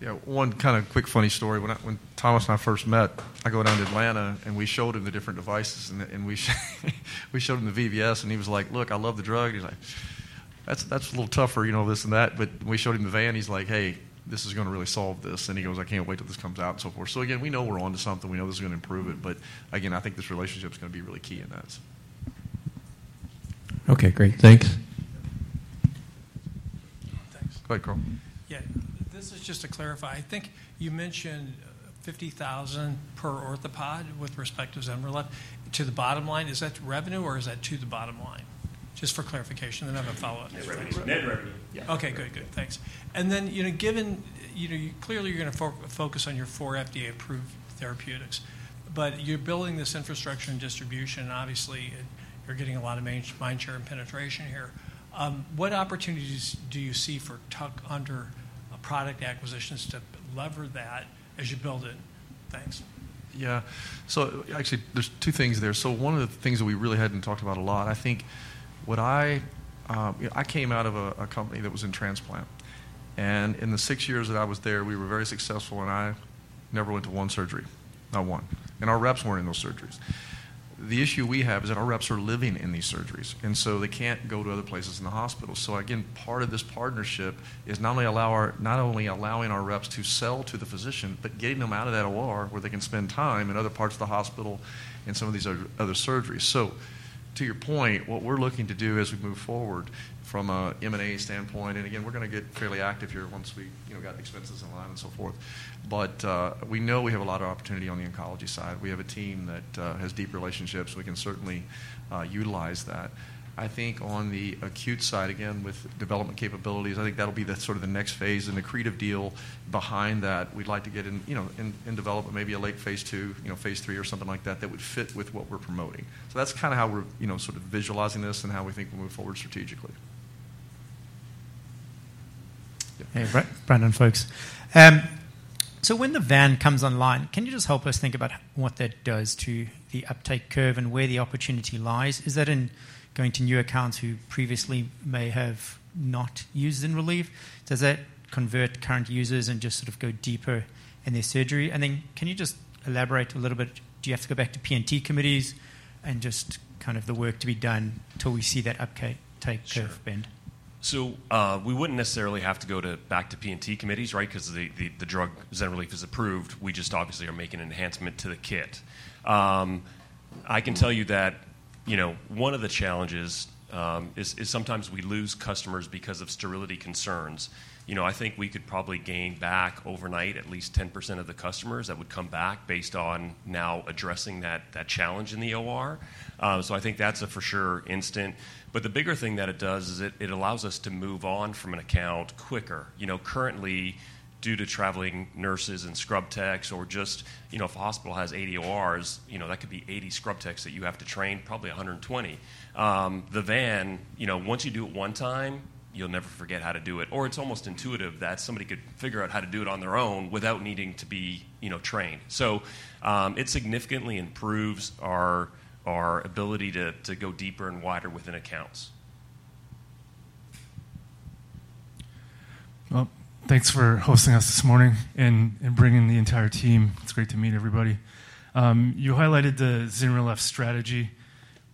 Yeah. One kind of quick funny story. When Thomas and I first met, I go down to Atlanta, and we showed him the different devices. And we showed him the VVS. And he was like, "Look, I love the drug." He's like, "That's a little tougher, this and that." But when we showed him the VAN, he's like, "Hey, this is going to really solve this." And he goes, "I can't wait till this comes out," and so forth. So again, we know we're onto something. We know this is going to improve it. But again, I think this relationship is going to be really key in that. Okay. Great. Thanks. Thanks. Go ahead, Carl. Yeah. This is just to clarify. I think you mentioned 50,000 per orthopod with respect to ZYNRELEF. To the bottom line, is that revenue, or is that to the bottom line? Just for clarification. Then I have a follow-up. Net revenue. Net revenue. Yeah. Okay. Good. Good. Thanks. And then given clearly, you're going to focus on your 4 FDA-approved therapeutics. But you're building this infrastructure and distribution. And obviously, you're getting a lot of mindshare and penetration here. What opportunities do you see for other product acquisitions to lever that as you build it? Thanks. Yeah. So actually, there's two things there. So one of the things that we really hadn't talked about a lot, I think what I came out of a company that was in transplant. And in the 6 years that I was there, we were very successful. And I never went to 1 surgery, not 1. And our Reps weren't in those surgeries. The issue we have is that our Reps are living in these surgeries. And so they can't go to other places in the hospital. So again, part of this partnership is not only allowing our Reps to sell to the Physician but getting them out of that OR where they can spend time in other parts of the hospital and some of these other surgeries. So to your point, what we're looking to do as we move forward from an M&A standpoint and again, we're going to get fairly active here once we got the expenses in line and so forth. But we know we have a lot of opportunity on the oncology side. We have a team that has deep relationships. We can certainly utilize that. I think on the acute side, again, with development capabilities, I think that'll be sort of the next phase. And the creative deal behind that, we'd like to get in development, maybe a late phase II, phase III, or something like that that would fit with what we're promoting. So that's kind of how we're sort of visualizing this and how we think we'll move forward strategically. Yeah. Hey, Brandon Folkes. So when the VAN comes online, can you just help us think about what that does to the uptake curve and where the opportunity lies? Is that in going to new accounts who previously may have not used ZYNRELEF? Does that convert current users and just sort of go deeper in their surgery? And then can you just elaborate a little bit? Do you have to go back to P&T committees and just kind of the work to be done till we see that uptake curve bend? So we wouldn't necessarily have to go back to P&T committees, right? Because the drug, ZYNRELEF, is approved. We just obviously are making an enhancement to the kit. I can tell you that one of the challenges is sometimes we lose customers because of sterility concerns. I think we could probably gain back overnight at least 10% of the customers that would come back based on now addressing that challenge in the OR. So I think that's a for sure instant. But the bigger thing that it does is it allows us to move on from an account quicker. Currently, due to traveling nurses and scrub techs or just if a hospital has 80 ORs, that could be 80 scrub techs that you have to train, probably 120. The VAN, once you do it one time, you'll never forget how to do it. Or it's almost intuitive that somebody could figure out how to do it on their own without needing to be trained. So it significantly improves our ability to go deeper and wider within accounts. Well, thanks for hosting us this morning and bringing the entire team. It's great to meet everybody. You highlighted the ZYNRELEF strategy,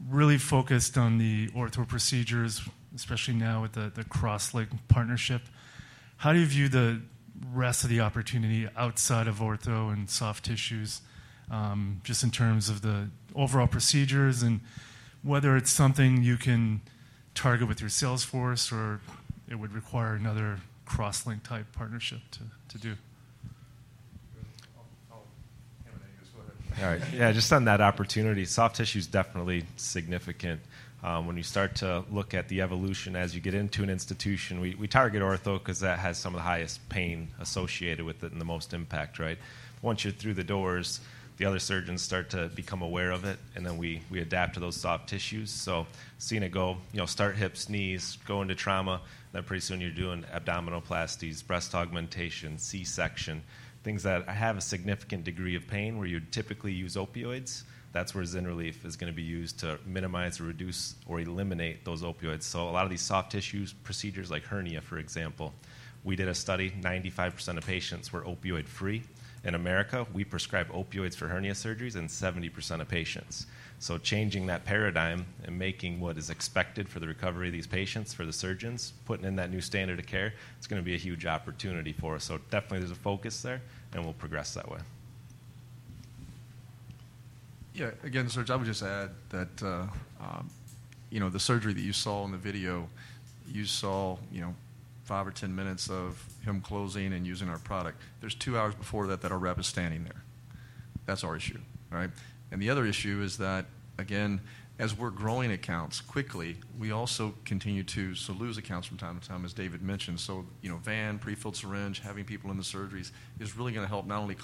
really focused on the ortho procedures, especially now with the CrossLink partnership. How do you view the rest of the opportunity outside of ortho and soft tissues just in terms of the overall procedures and whether it's something you can target with your sales force or it would require another CrossLink-type partnership to do? I'll hand it to you. Just go ahead. All right. Yeah. Just on that opportunity, soft tissue is definitely significant. When you start to look at the evolution as you get into an institution, we target ortho because that has some of the highest pain associated with it and the most impact, right? Once you're through the doors, the other Surgeons start to become aware of it. Then we adapt to those soft tissues. So seeing it go, start hips, knees, go into trauma. Then pretty soon, you're doing abdominoplasties, breast augmentation, C-section, things that have a significant degree of pain where you'd typically use opioids. That's where ZYNRELEF is going to be used to minimize or reduce or eliminate those opioids. So a lot of these soft tissues procedures like hernia, for example, we did a study. 95% of patients were opioid-free. In America, we prescribe opioids for hernia surgeries in 70% of patients. So changing that paradigm and making what is expected for the recovery of these patients, for the surgeons, putting in that new standard of care, it's going to be a huge opportunity for us. So definitely, there's a focus there. And we'll progress that way. Yeah. Again, sir, I would just add that the surgery that you saw in the video, you saw 5 or 10 minutes of him closing and using our product. There's two hours before that that our rep is standing there. That's our issue, right? And the other issue is that, again, as we're growing accounts quickly, we also continue to lose accounts from time to time, as David mentioned. So VAN, prefilled syringe, having people in the surgeries is really going to help not only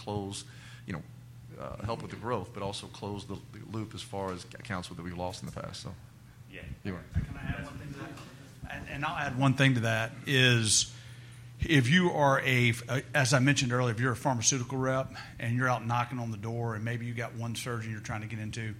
help with the growth but also close the loop as far as accounts that we've lost in the past, so. Yeah. You went. Can I add one thing to that? I'll add one thing to that is, as I mentioned earlier, if you're a pharmaceutical rep and you're out knocking on the door, and maybe you got one surgeon you're trying to get into.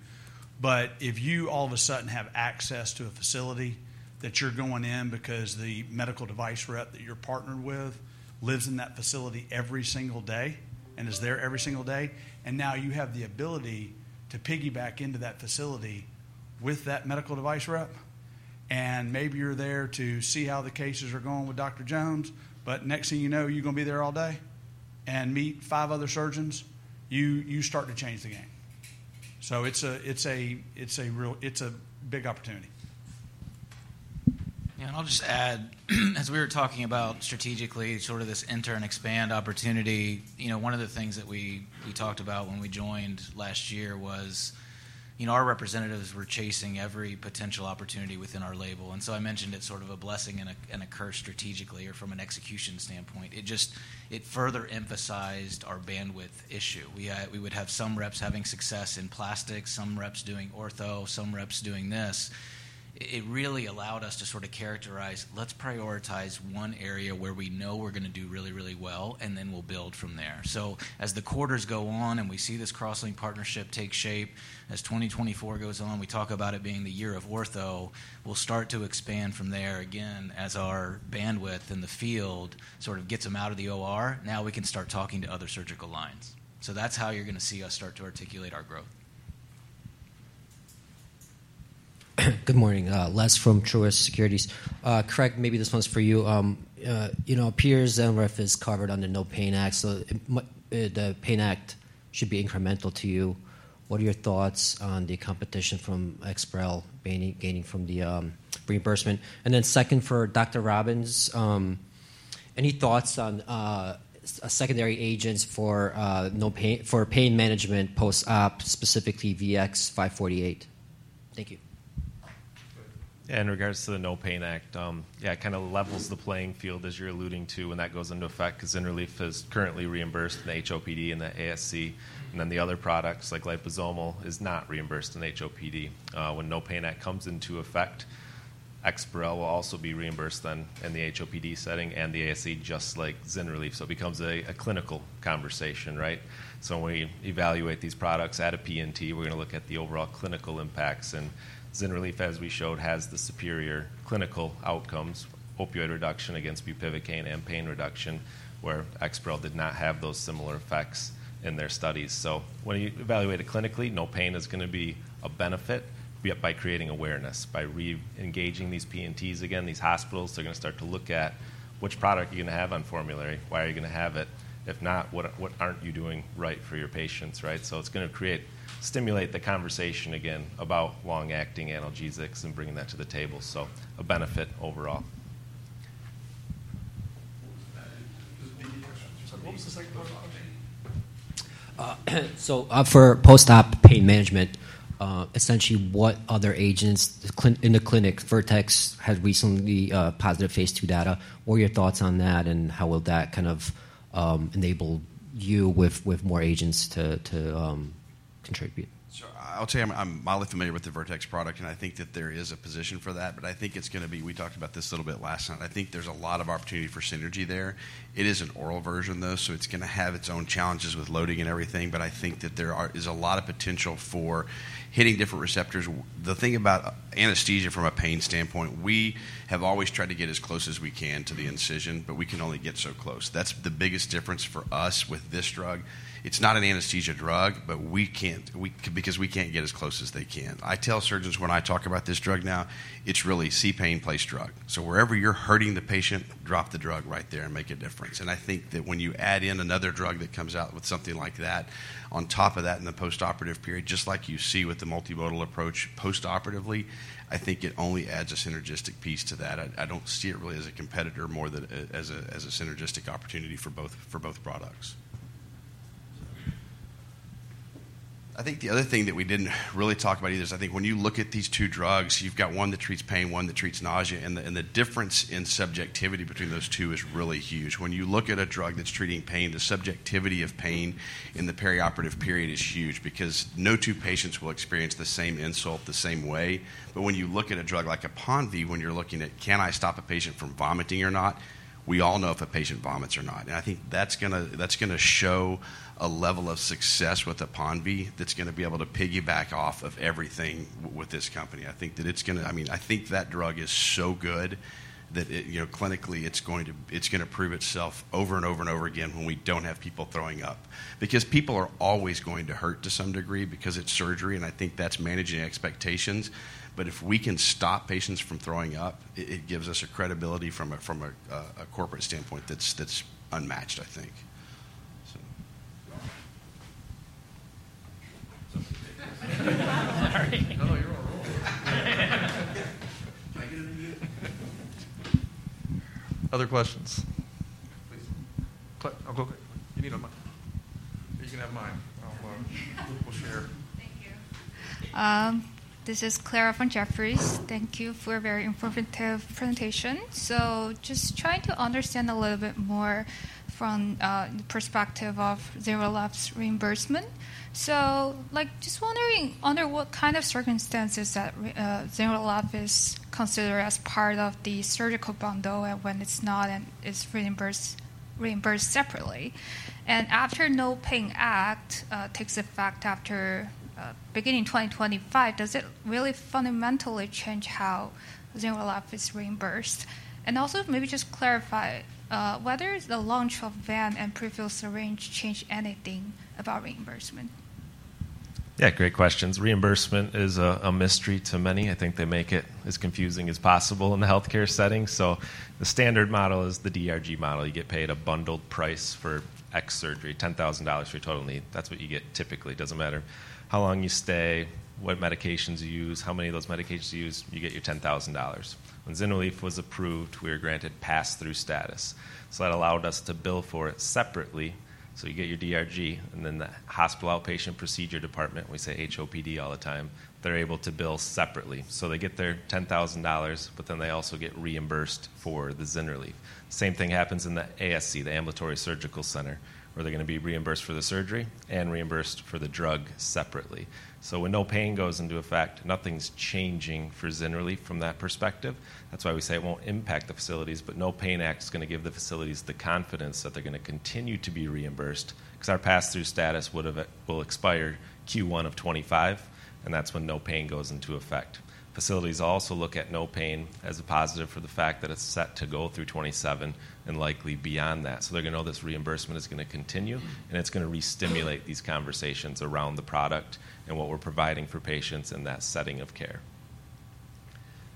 But if you all of a sudden have access to a facility that you're going in because the medical device rep that you're partnered with lives in that facility every single day and is there every single day, and now you have the ability to piggyback into that facility with that Medical Device Rep, and maybe you're there to see how the cases are going with Dr. Jones, but next thing you know, you're going to be there all day and meet five other surgeons, you start to change the game. So it's a real big opportunity. Yeah. I'll just add, as we were talking about strategically, sort of this enter and expand opportunity, one of the things that we talked about when we joined last year was our representatives were chasing every potential opportunity within our label. And so I mentioned it's sort of a blessing and a curse strategically or from an execution standpoint. It further emphasized our bandwidth issue. We would have some Reps having success in plastics, some Reps doing ortho, some Reps doing this. It really allowed us to sort of characterize, "Let's prioritize one area where we know we're going to do really, really well, and then we'll build from there." So as the quarters go on and we see this CrossLink partnership take shape, as 2024 goes on, we talk about it being the year of Ortho. We'll start to expand from there again as our bandwidth in the field sort of gets them out of the OR. Now we can start talking to other surgical lines. So that's how you're going to see us start to articulate our growth. Good morning. Les from Truist Securities. Craig, maybe this one's for you. It appears ZYNRELEF is covered under NOPAIN Act. So the NOPAIN Act should be incremental to you. What are your thoughts on the competition from Exparel, gaining from the reimbursement? And then second for Dr. Robbins, any thoughts on secondary agents for pain management post-op, specifically VX-548? Thank you. And in regards to the NOPAIN Act, yeah, it kind of levels the playing field, as you're alluding to, when that goes into effect because ZYNRELEF is currently reimbursed in the HOPD and the ASC. And then the other products like liposomal is not reimbursed in the HOPD. When NOPAIN Act comes into effect, Exparel will also be reimbursed then in the HOPD setting and the ASC just like ZYNRELEF. So it becomes a clinical conversation, right? So when we evaluate these products at a P&T, we're going to look at the overall clinical impacts. And ZYNRELEF , as we showed, has the superior clinical outcomes, opioid reduction against bupivacaine and pain reduction, where Exparel did not have those similar effects in their studies. So when you evaluate it clinically, NOPAIN Act is going to be a benefit by creating awareness, by re-engaging these P&Ts again, these hospitals. They're going to start to look at, "Which product are you going to have on formulary? Why are you going to have it? If not, what aren't you doing right for your patients," right? So it's going to stimulate the conversation again about long-acting analgesics and bringing that to the table, so a benefit overall. What was the second question? So for post-op pain management, essentially, what other agents in the clinic? Vertex had recently positive phase II data. What are your thoughts on that, and how will that kind of enable you with more agents to contribute? Sure. I'll tell you, I'm mildly familiar with the Vertex product. And I think that there is a position for that. But I think it's going to be we talked about this a little bit last night. I think there's a lot of opportunity for synergy there. It is an oral version, though. So it's going to have its own challenges with loading and everything. But I think that there is a lot of potential for hitting different receptors. The thing about anaesthesia from a pain standpoint, we have always tried to get as close as we can to the incision. But we can only get so close. That's the biggest difference for us with this drug. It's not an anaesthesia drug, but we can't because we can't get as close as they can. I tell surgeons when I talk about this drug now, it's really see pain, place drug. So wherever you're hurting the patient, drop the drug right there and make a difference. And I think that when you add in another drug that comes out with something like that on top of that in the post-operative period, just like you see with the multimodal approach post-operatively, I think it only adds a synergistic piece to that. I don't see it really as a competitor more than as a synergistic opportunity for both products. I think the other thing that we didn't really talk about either is I think when you look at these two drugs, you've got one that treats pain, one that treats nausea. And the difference in subjectivity between those two is really huge. When you look at a drug that's treating pain, the subjectivity of pain in the perioperative period is huge because no two patients will experience the same insult the same way. But when you look at a drug like APONVIE, when you're looking at, "Can I stop a patient from vomiting or not?" we all know if a patient vomits or not. And I think that's going to show a level of success with APONVIE that's going to be able to piggyback off of everything with this company. I think that it's going to—I mean, I think that drug is so good that clinically, it's going to prove itself over and over and over again when we don't have people throwing up because people are always going to hurt to some degree because it's surgery. And I think that's managing expectations. But if we can stop patients from throwing up, it gives us a credibility from a corporate standpoint that's unmatched, I think, so. Other questions? Please. This is Clara from Jefferies. Thank you for a very informative presentation. So just trying to understand a little bit more from the perspective of ZYNRELEF's reimbursement. So, just wondering under what kind of circumstances ZYNRELEF is considered as part of the surgical bundle and when it's not and it's reimbursed separately. And after the NOPAIN Act takes effect beginning 2025, does it really fundamentally change how ZYNRELEF is reimbursed? And also, maybe just clarify whether the launch of VAN and prefilled syringe changed anything about reimbursement? Yeah. Great questions. Reimbursement is a mystery to many. I think they make it as confusing as possible in the healthcare setting. So the standard model is the DRG model. You get paid a bundled price for X surgery, $10,000 for your total knee. That's what you get typically. It doesn't matter how long you stay, what medications you use, how many of those medications you use. You get your $10,000. When ZYNRELEF was approved, we were granted pass-through status. So that allowed us to bill for it separately. So you get your DRG. And then the hospital outpatient procedure department, we say HOPD all the time, they're able to bill separately. So they get their $10,000, but then they also get reimbursed for the ZYNRELEF. Same thing happens in the ASC, the Ambulatory Surgical Center, where they're going to be reimbursed for the surgery and reimbursed for the drug separately. So when NOPAIN goes into effect, nothing's changing for ZYNRELEF from that perspective. That's why we say it won't impact the facilities. But the NOPAIN Act is going to give the facilities the confidence that they're going to continue to be reimbursed because our pass-through status will expire Q1 of 2025. And that's when NOPAIN goes into effect. Facilities also look at NOPAIN as a positive for the fact that it's set to go through 2027 and likely beyond that. So they're going to know this reimbursement is going to continue. And it's going to re-stimulate these conversations around the product and what we're providing for patients in that setting of care.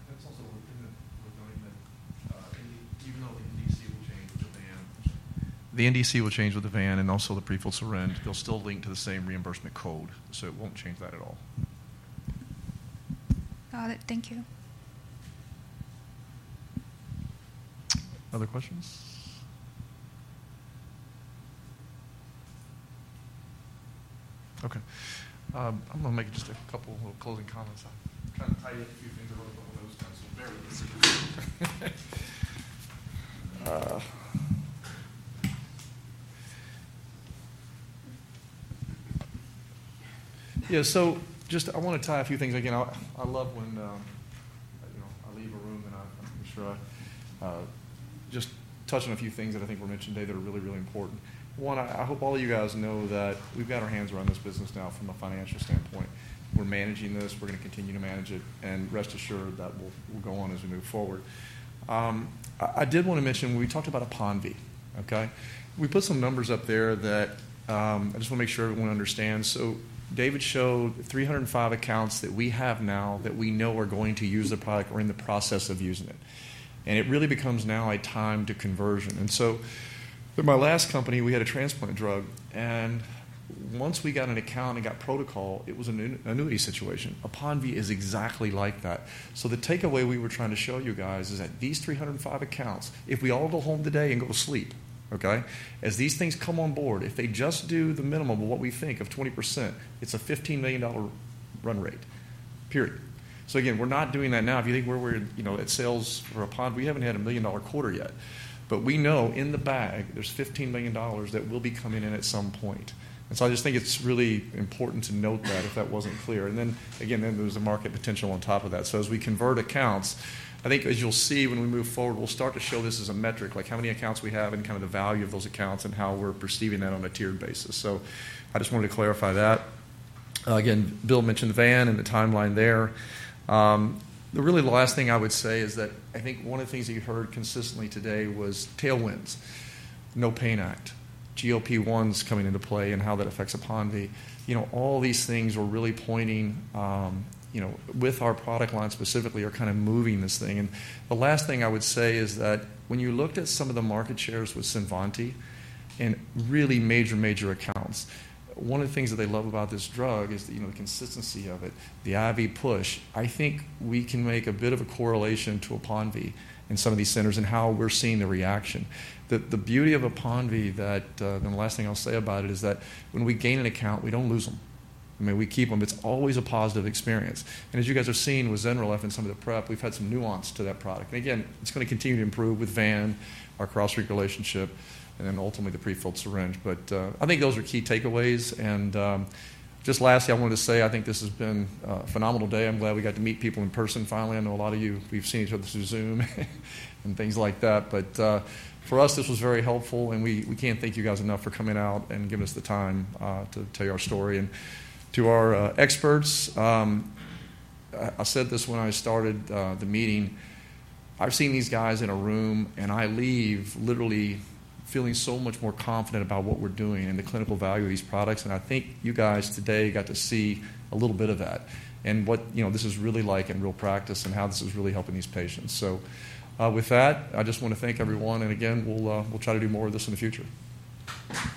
That's also within it, with knowing that even though the NDC will change with the VAN. The NDC will change with the VAN and also the prefilled syringe. They'll still link to the same reimbursement code. So it won't change that at all. Got it. Thank you. Other questions? Okay. I'm going to make just a couple of closing comments. I'm trying to tie in a few things I wrote a couple of notes down. So bear with me. Yeah. So just I want to tie a few things again. I love when I leave a room, and I'm sure I just touch on a few things that I think were mentioned today that are really, really important. One, I hope all of you guys know that we've got our hands around this business now from a financial standpoint. We're managing this. We're going to continue to manage it. And rest assured that we'll go on as we move forward. I did want to mention we talked about APONVIE, okay? We put some numbers up there that I just want to make sure everyone understands. So David showed 305 accounts that we have now that we know are going to use the product or in the process of using it. And it really becomes now a time to conversion. And so at my last company, we had a transplant drug. Once we got an account and got protocol, it was an annuity situation. APONVIE is exactly like that. So the takeaway we were trying to show you guys is that these 305 accounts, if we all go home today and go to sleep, okay, as these things come on board, if they just do the minimum of what we think of 20%, it's a $15 million run rate, period. So again, we're not doing that now. If you think where we're at sales for APONVIE, we haven't had a $1 million quarter yet. But we know in the bag, there's $15 million that will be coming in at some point. And so I just think it's really important to note that if that wasn't clear. And then again, then there's the market potential on top of that. So as we convert accounts, I think as you'll see when we move forward, we'll start to show this as a metric, like how many accounts we have and kind of the value of those accounts and how we're perceiving that on a tiered basis. So I just wanted to clarify that. Again, Bill mentioned VAN and the timeline there. The really last thing I would say is that I think one of the things that you heard consistently today was tailwinds, NOPAIN Act, GLP-1s coming into play, and how that affects APONVIE. All these things were really pointing with our product line specifically are kind of moving this thing. The last thing I would say is that when you looked at some of the market shares with CINVANTI and really major, major accounts, one of the things that they love about this drug is the consistency of it, the IV push. I think we can make a bit of a correlation to APONVIE in some of these centers and how we're seeing the reaction. The beauty of APONVIE, the last thing I'll say about it, is that when we gain an account, we don't lose them. I mean, we keep them. It's always a positive experience. And as you guys have seen with ZYNRELEF and some of the prep, we've had some nuance to that product. And again, it's going to continue to improve with VAN, our CrossLink partnership, and then ultimately the prefilled syringe. But I think those are key takeaways. Just lastly, I wanted to say I think this has been a phenomenal day. I'm glad we got to meet people in person finally. I know a lot of you, we've seen each other through Zoom and things like that. But for us, this was very helpful. And we can't thank you guys enough for coming out and giving us the time to tell you our story. And to our experts, I said this when I started the meeting. I've seen these guys in a room, and I leave literally feeling so much more confident about what we're doing and the clinical value of these products. And I think you guys today got to see a little bit of that and what this is really like in real practice and how this is really helping these patients. So with that, I just want to thank everyone. Again, we'll try to do more of this in the future.